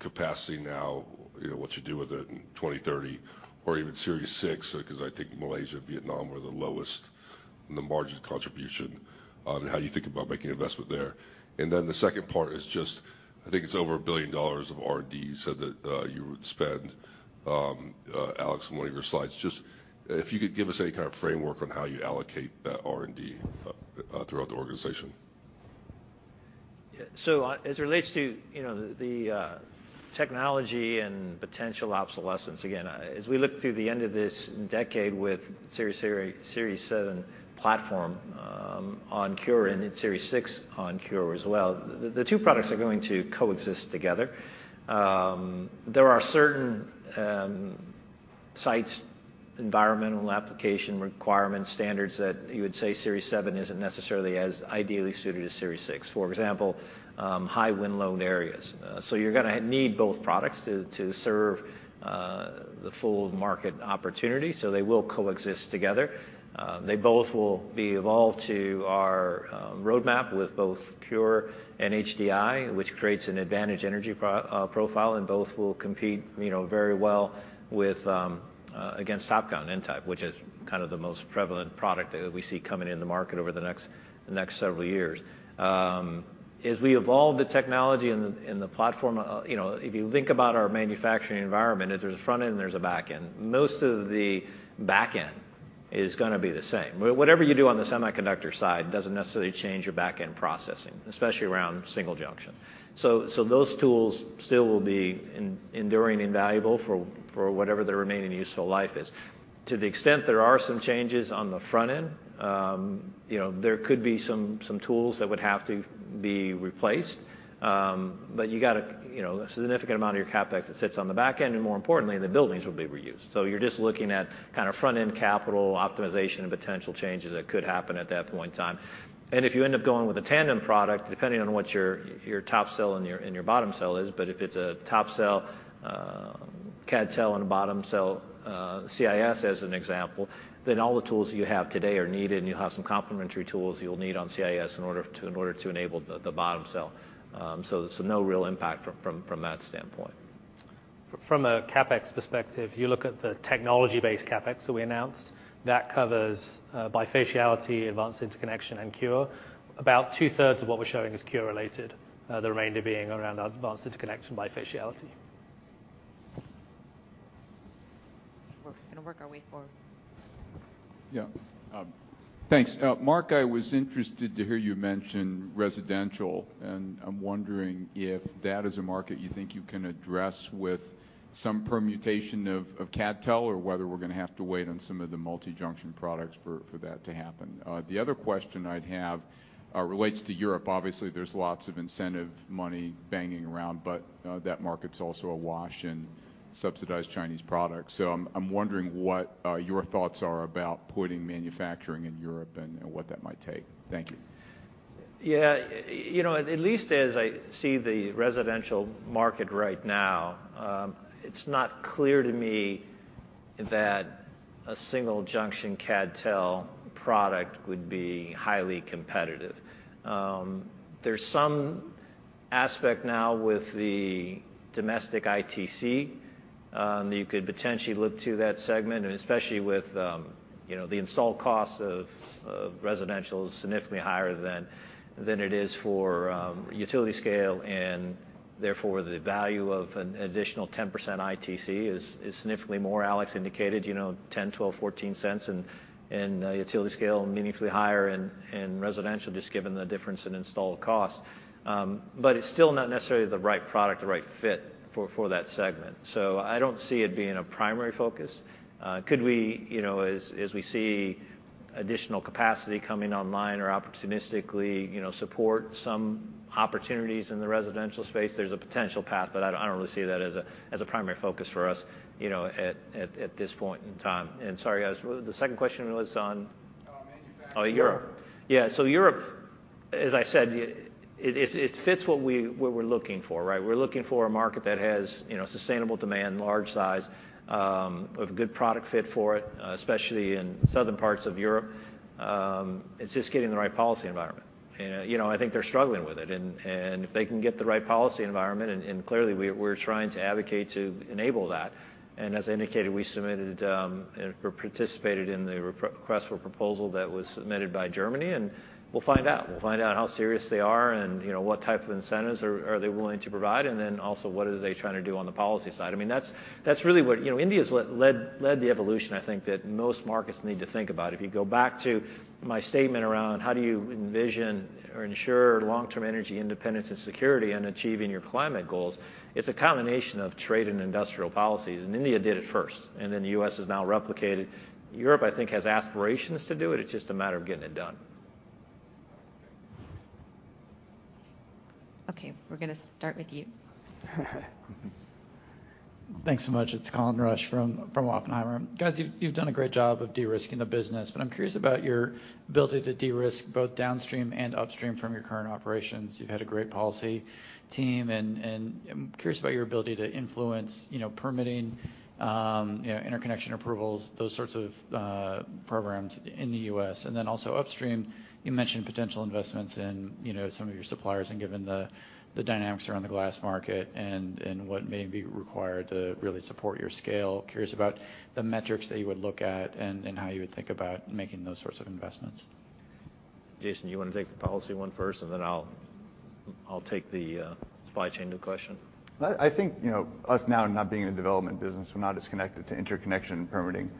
capacity now, you know, what you do with it in 2030, or even Series 6, because I think Malaysia and Vietnam were the lowest in the margin contribution, and how you think about making an investment there. And then the second part is just, I think it's over $1 billion of R&D you said that you would spend, Alex, in one of your slides. Just if you could give us any kind of framework on how you allocate that R&D throughout the organization. Yeah. So, as it relates to, you know, the technology and potential obsolescence, again, as we look through the end of this decade with Series 7 platform, on CuRe and in Series 6 on CuRe as well, the two products are going to coexist together. There are certain sites, environmental application requirements, standards that you would say Series 7 isn't necessarily as ideally suited as Series 6. For example, high wind load areas. So you're gonna need both products to serve the full market opportunity, so they will coexist together. They both will be evolved to our roadmap with both CuRe and HDI, which creates an advantage energy profile, and both will compete, you know, very well with against TOPCon N-type, which is kind of the most prevalent product that we see coming in the market over the next several years. As we evolve the technology and the platform, you know, if you think about our manufacturing environment, there's a front end and there's a back end. Most of the back end is gonna be the same. But whatever you do on the semiconductor side doesn't necessarily change your back-end processing, especially around single-junction. So those tools still will be enduring, invaluable for whatever the remaining useful life is. To the extent there are some changes on the front end, you know, there could be some tools that would have to be replaced. But you got a, you know, a significant amount of your CapEx that sits on the back end, and more importantly, the buildings will be reused. So you're just looking at kind of front-end capital optimization and potential changes that could happen at that point in time. If you end up going with a tandem product, depending on what your top cell and your bottom cell is, but if it's a top cell, CadTel on the bottom cell, CIS as an example, then all the tools you have today are needed, and you'll have some complementary tools you'll need on CIS in order to enable the bottom cell. So no real impact from that standpoint. From a CapEx perspective, you look at the technology-based CapEx that we announced, that covers bifaciality, advanced interconnection, and CuRe. About two-thirds of what we're showing is CuRe related, the remainder being around advanced interconnection bifaciality. We're gonna work our way forward. Yeah. Thanks. Mark, I was interested to hear you mention residential, and I'm wondering if that is a market you think you can address with some permutation of CadTel, or whether we're gonna have to wait on some of the multi-junction products for that to happen. The other question I'd have relates to Europe. Obviously, there's lots of incentive money banging around, but that market's also awash in subsidized Chinese products. So I'm wondering what your thoughts are about putting manufacturing in Europe and what that might take. Thank you. Yeah. You know, at least as I see the residential market right now, it's not clear to me that a single junction CadTel product would be highly competitive. There's some aspect now with the domestic ITC, you could potentially look to that segment, and especially with, you know, the installed cost of residential is significantly higher than it is for utility scale, and therefore, the value of an additional 10% ITC is significantly more. Alex indicated, you know, 10, 12, 14 cents in a utility scale, meaningfully higher in residential, just given the difference in installed cost. But it's still not necessarily the right product, the right fit for that segment. So I don't see it being a primary focus. Could we, you know, as we see additional capacity coming online or opportunistically, you know, support some opportunities in the residential space? There's a potential path, but I don't really see that as a primary focus for us, you know, at this point in time. Sorry, guys, what... The second question was on? Uh, manufacturing. Oh, Europe. Yeah. So Europe, as I said, it fits what we're looking for, right? We're looking for a market that has, you know, sustainable demand, large size, a good product fit for it, especially in southern parts of Europe. It's just getting the right policy environment. And, you know, I think they're struggling with it. And if they can get the right policy environment, and clearly, we're trying to advocate to enable that. And as I indicated, we submitted or participated in the request for a proposal that was submitted by Germany, and we'll find out. We'll find out how serious they are, and, you know, what type of incentives are they willing to provide, and then also what are they trying to do on the policy side. I mean, that's really what... You know, India's led the evolution, I think, that most markets need to think about. If you go back to my statement around how do you envision or ensure long-term energy independence and security and achieving your climate goals, it's a combination of trade and industrial policies, and India did it first, and then the U.S. has now replicated. Europe, I think, has aspirations to do it. It's just a matter of getting it done. Okay, we're gonna start with you. Thanks so much. It's Colin Rush from Oppenheimer. Guys, you've done a great job of de-risking the business, but I'm curious about your ability to de-risk both downstream and upstream from your current operations. You've had a great policy team, and I'm curious about your ability to influence, you know, permitting, you know, interconnection approvals, those sorts of programs in the U.S. And then also upstream, you mentioned potential investments in, you know, some of your suppliers, and given the dynamics around the glass market and what may be required to really support your scale. Curious about the metrics that you would look at and how you would think about making those sorts of investments. Jason, you wanna take the policy one first, and then I'll take the supply chain question? I think, you know, us now not being in the development business, we're not as connected to interconnection permitting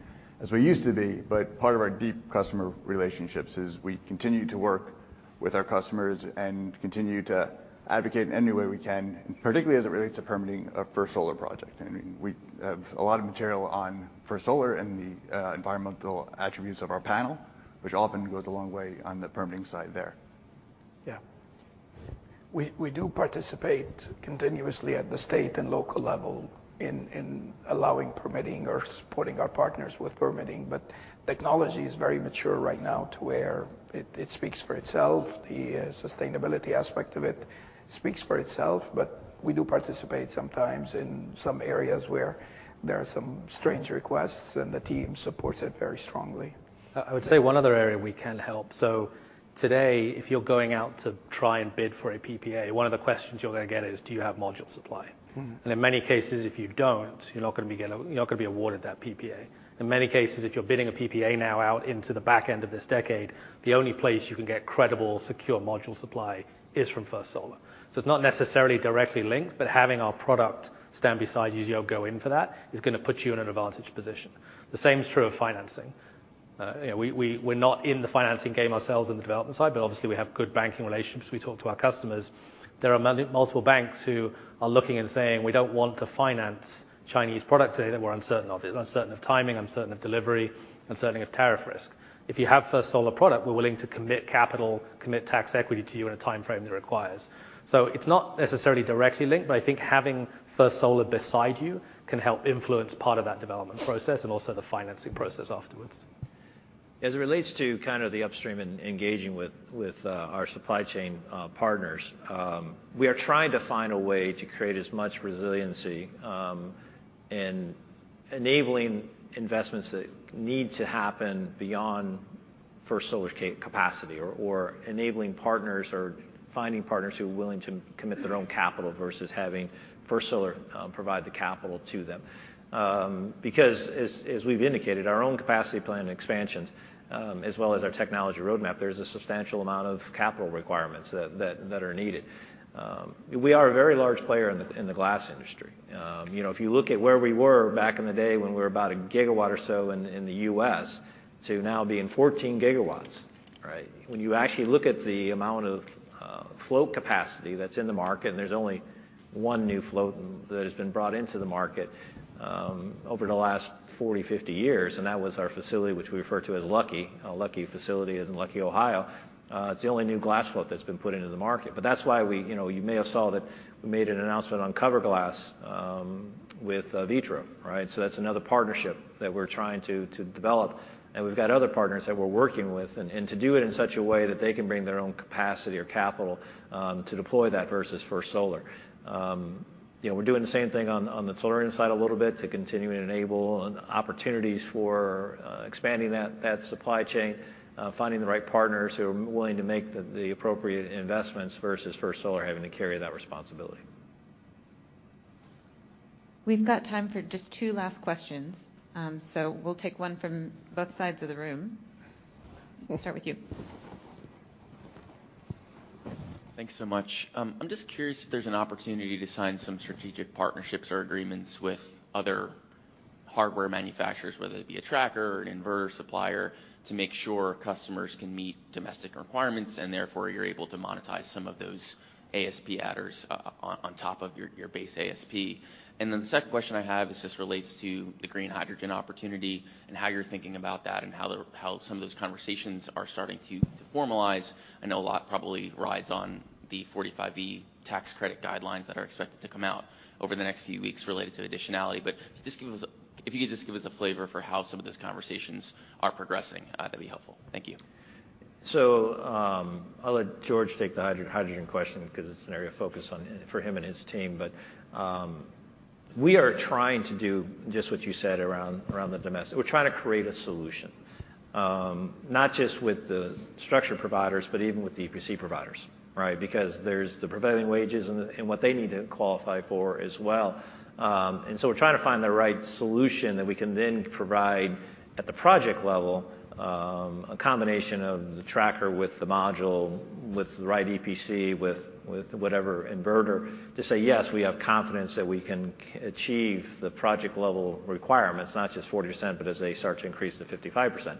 as we used to be. But part of our deep customer relationships is we continue to work with our customers and continue to advocate any way we can, particularly as it relates to permitting for solar project. I mean, we have a lot of material on for solar and the environmental attributes of our panel, which often goes a long way on the permitting side there. Yeah. We, we do participate continuously at the state and local level in, in allowing, permitting, or supporting our partners with permitting. But technology is very mature right now to where it, it speaks for itself. The sustainability aspect of it speaks for itself, but we do participate sometimes in some areas where there are some strange requests, and the team supports it very strongly. I would say one other area we can help. So today, if you're going out to try and bid for a PPA, one of the questions you're gonna get is: Do you have module supply? Mm-hmm. In many cases, if you don't, you're not gonna be awarded that PPA. In many cases, if you're bidding a PPA now out into the back end of this decade, the only place you can get credible, secure module supply is from First Solar. So it's not necessarily directly linked, but having our product stand beside you as you go in for that, is gonna put you in an advantage position. The same is true of financing.... you know, we're not in the financing game ourselves in the development side, but obviously we have good banking relationships. We talk to our customers. There are multiple banks who are looking and saying, "We don't want to finance Chinese product today that we're uncertain of. We're uncertain of timing, uncertain of delivery, uncertain of tariff risk. If you have First Solar product, we're willing to commit capital, commit tax equity to you in a timeframe that requires." So it's not necessarily directly linked, but I think having First Solar beside you can help influence part of that development process and also the financing process afterwards. As it relates to kind of the upstream and engaging with our supply chain partners, we are trying to find a way to create as much resiliency in enabling investments that need to happen beyond First Solar capacity, or enabling partners, or finding partners who are willing to commit their own capital versus having First Solar provide the capital to them. Because as we've indicated, our own capacity plan expansions, as well as our technology roadmap, there's a substantial amount of capital requirements that are needed. We are a very large player in the glass industry. You know, if you look at where we were back in the day when we were about 1 gigawatt or so in the US to now being 14 gigawatts, right? When you actually look at the amount of float capacity that's in the market, and there's only one new float that has been brought into the market over the last 40, 50 years, and that was our facility, which we refer to as Luckey, our Luckey facility in Luckesy, Ohio, it's the only new glass float that's been put into the market. But that's why we... You know, you may have saw that we made an announcement on cover glass with Vitro, right? So that's another partnership that we're trying to develop, and we've got other partners that we're working with, and to do it in such a way that they can bring their own capacity or capital to deploy that versus First Solar. You know, we're doing the same thing on, on the solar side a little bit to continue to enable opportunities for expanding that, that supply chain, finding the right partners who are willing to make the, the appropriate investments versus First Solar having to carry that responsibility. We've got time for just two last questions, so we'll take one from both sides of the room. We'll start with you. Thanks so much. I'm just curious if there's an opportunity to sign some strategic partnerships or agreements with other hardware manufacturers, whether it be a tracker, an inverter, supplier, to make sure customers can meet domestic requirements, and therefore, you're able to monetize some of those ASP adders on top of your, your base ASP. And then, the second question I have is just relates to the green hydrogen opportunity and how you're thinking about that, and how some of those conversations are starting to formalize. I know a lot probably rides on the tax credit guidelines that are expected to come out over the next few weeks related to additionality. But just give us a flavor for how some of those conversations are progressing, that'd be helpful. Thank you. So, I'll let George take the hydrogen question because it's an area of focus on... for him and his team. But, we are trying to do just what you said around, around the domestic. We're trying to create a solution, not just with the structure providers, but even with the EPC providers, right? Because there's the prevailing wages and, and what they need to qualify for as well. And so we're trying to find the right solution that we can then provide at the project level, a combination of the tracker with the module, with the right EPC, with, with whatever inverter, to say, "Yes, we have confidence that we can achieve the project level requirements," not just 40%, but as they start to increase to 55%.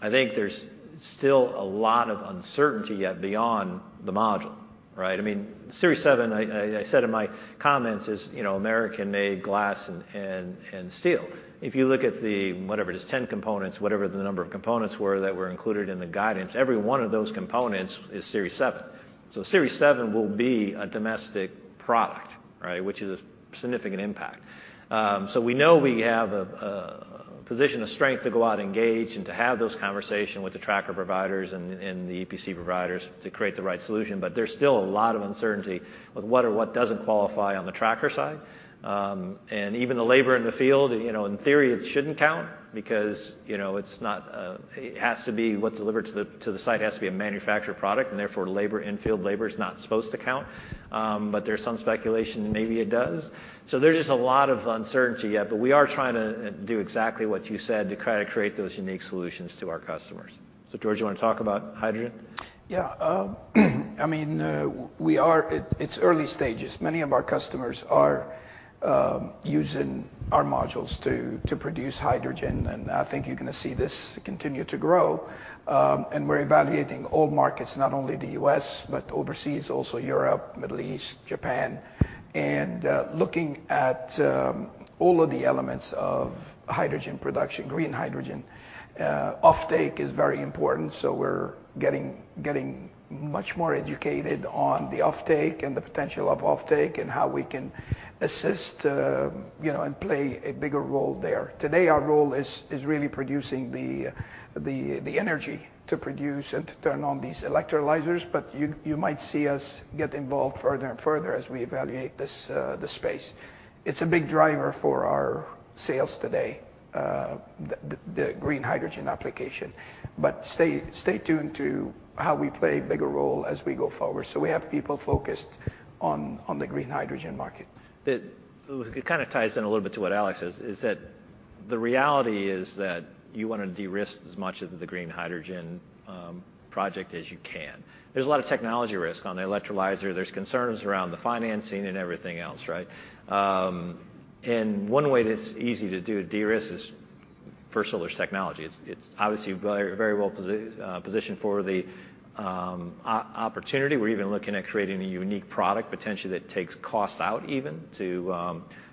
I think there's still a lot of uncertainty yet beyond the module, right? I mean, Series Seven, I said in my comments is, you know, American-made glass and steel. If you look at the, whatever it is, 10 components, whatever the number of components were that were included in the guidance, every one of those components is Series Seven. So Series Seven will be a domestic product, right? Which is a significant impact. So we know we have a position of strength to go out and engage and to have those conversation with the tracker providers and the EPC providers to create the right solution, but there's still a lot of uncertainty with what or what doesn't qualify on the tracker side. And even the labor in the field, you know, in theory, it shouldn't count because, you know, it's not. It has to be what's delivered to the site. It has to be a manufactured product, and therefore labor, in-field labor is not supposed to count, but there's some speculation that maybe it does. So there's just a lot of uncertainty yet, but we are trying to do exactly what you said to try to create those unique solutions to our customers. So George, you want to talk about hydrogen? Yeah, I mean, we are—it's early stages. Many of our customers are using our modules to produce hydrogen, and I think you're gonna see this continue to grow. And we're evaluating all markets, not only the U.S., but overseas, also Europe, Middle East, Japan. And looking at all of the elements of hydrogen production, green hydrogen, offtake is very important, so we're getting much more educated on the offtake and the potential of offtake and how we can assist, you know, and play a bigger role there. Today, our role is really producing the energy to produce and to turn on these electrolyzers, but you might see us get involved further and further as we evaluate this space. It's a big driver for our sales today, the Green Hydrogen application. But stay tuned to how we play a bigger role as we go forward. So we have people focused on the Green Hydrogen market. It kind of ties in a little bit to what Alex says, is that the reality is that you wanna de-risk as much of the green hydrogen project as you can. There's a lot of technology risk on the electrolyzer. There's concerns around the financing and everything else, right? And one way that's easy to do a de-risk is First Solar's technology. It's obviously very, very well positioned for the opportunity. We're even looking at creating a unique product, potentially, that takes cost out even to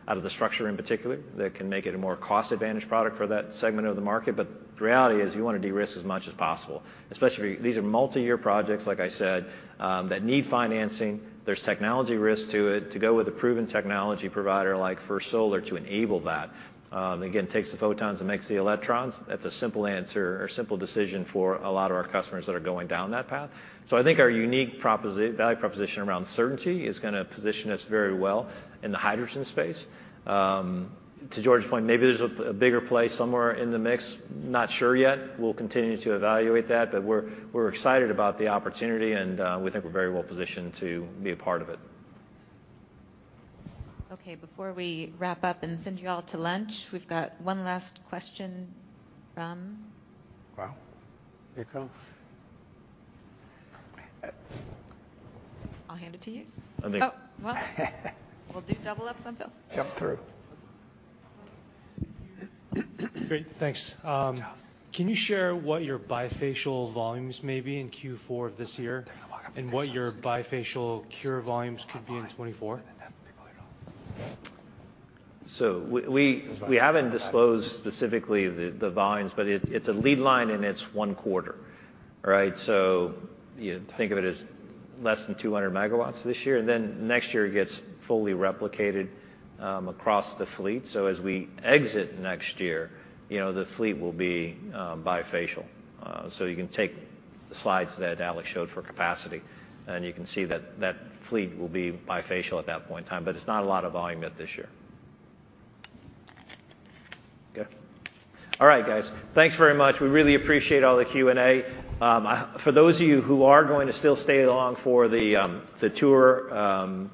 out of the structure in particular, that can make it a more cost-advantage product for that segment of the market. But the reality is, you wanna de-risk as much as possible, especially if these are multi-year projects, like I said, that need financing. There's technology risk to it. To go with a proven technology provider like First Solar to enable that, again, takes the photons and makes the electrons, that's a simple answer or simple decision for a lot of our customers that are going down that path. So I think our unique value proposition around certainty is gonna position us very well in the hydrogen space. To George's point, maybe there's a bigger play somewhere in the mix. Not sure yet. We'll continue to evaluate that, but we're excited about the opportunity, and we think we're very well positioned to be a part of it. Okay, before we wrap up and send you all to lunch, we've got one last question from- Wow! Here it come. I'll hand it to you. I think- Oh, well, we'll double up some, Phil. Come through. Great, thanks. Yeah. Can you share what your bifacial volumes may be in Q4 of this year? They're gonna walk up the stairs.... and what your bifacial CuRe volumes could be in 2024? So we, we haven't disclosed specifically the volumes, but it's a lead line, and it's one quarter. All right? So you think of it as less than 200 megawatts this year, and then next year it gets fully replicated across the fleet. So as we exit next year, you know, the fleet will be bifacial. So you can take the slides that Alex showed for capacity, and you can see that that fleet will be bifacial at that point in time, but it's not a lot of volume yet this year. Okay. All right, guys. Thanks very much. We really appreciate all the Q&A. For those of you who are going to still stay along for the tour,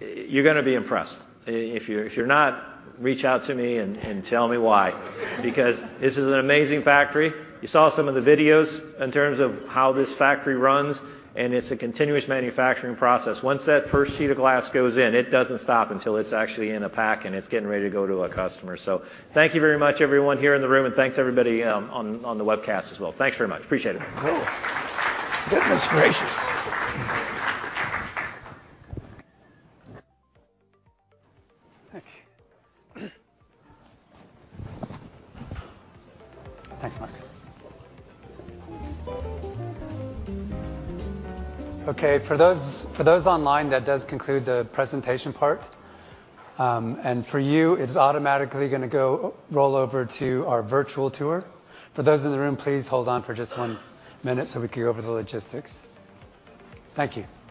you're gonna be impressed. If you're not, reach out to me and tell me why. Because this is an amazing factory. You saw some of the videos in terms of how this factory runs, and it's a continuous manufacturing process. Once that first sheet of glass goes in, it doesn't stop until it's actually in a pack and it's getting ready to go to a customer. So thank you very much, everyone here in the room, and thanks everybody on the webcast as well. Thanks very much. Appreciate it. Cool. Goodness gracious! Thank you. Thanks, Mark. Okay, for those, for those online, that does conclude the presentation part. And for you, it's automatically gonna go, roll over to our virtual tour. For those in the room, please hold on for just one minute so we can go over the logistics. Thank you.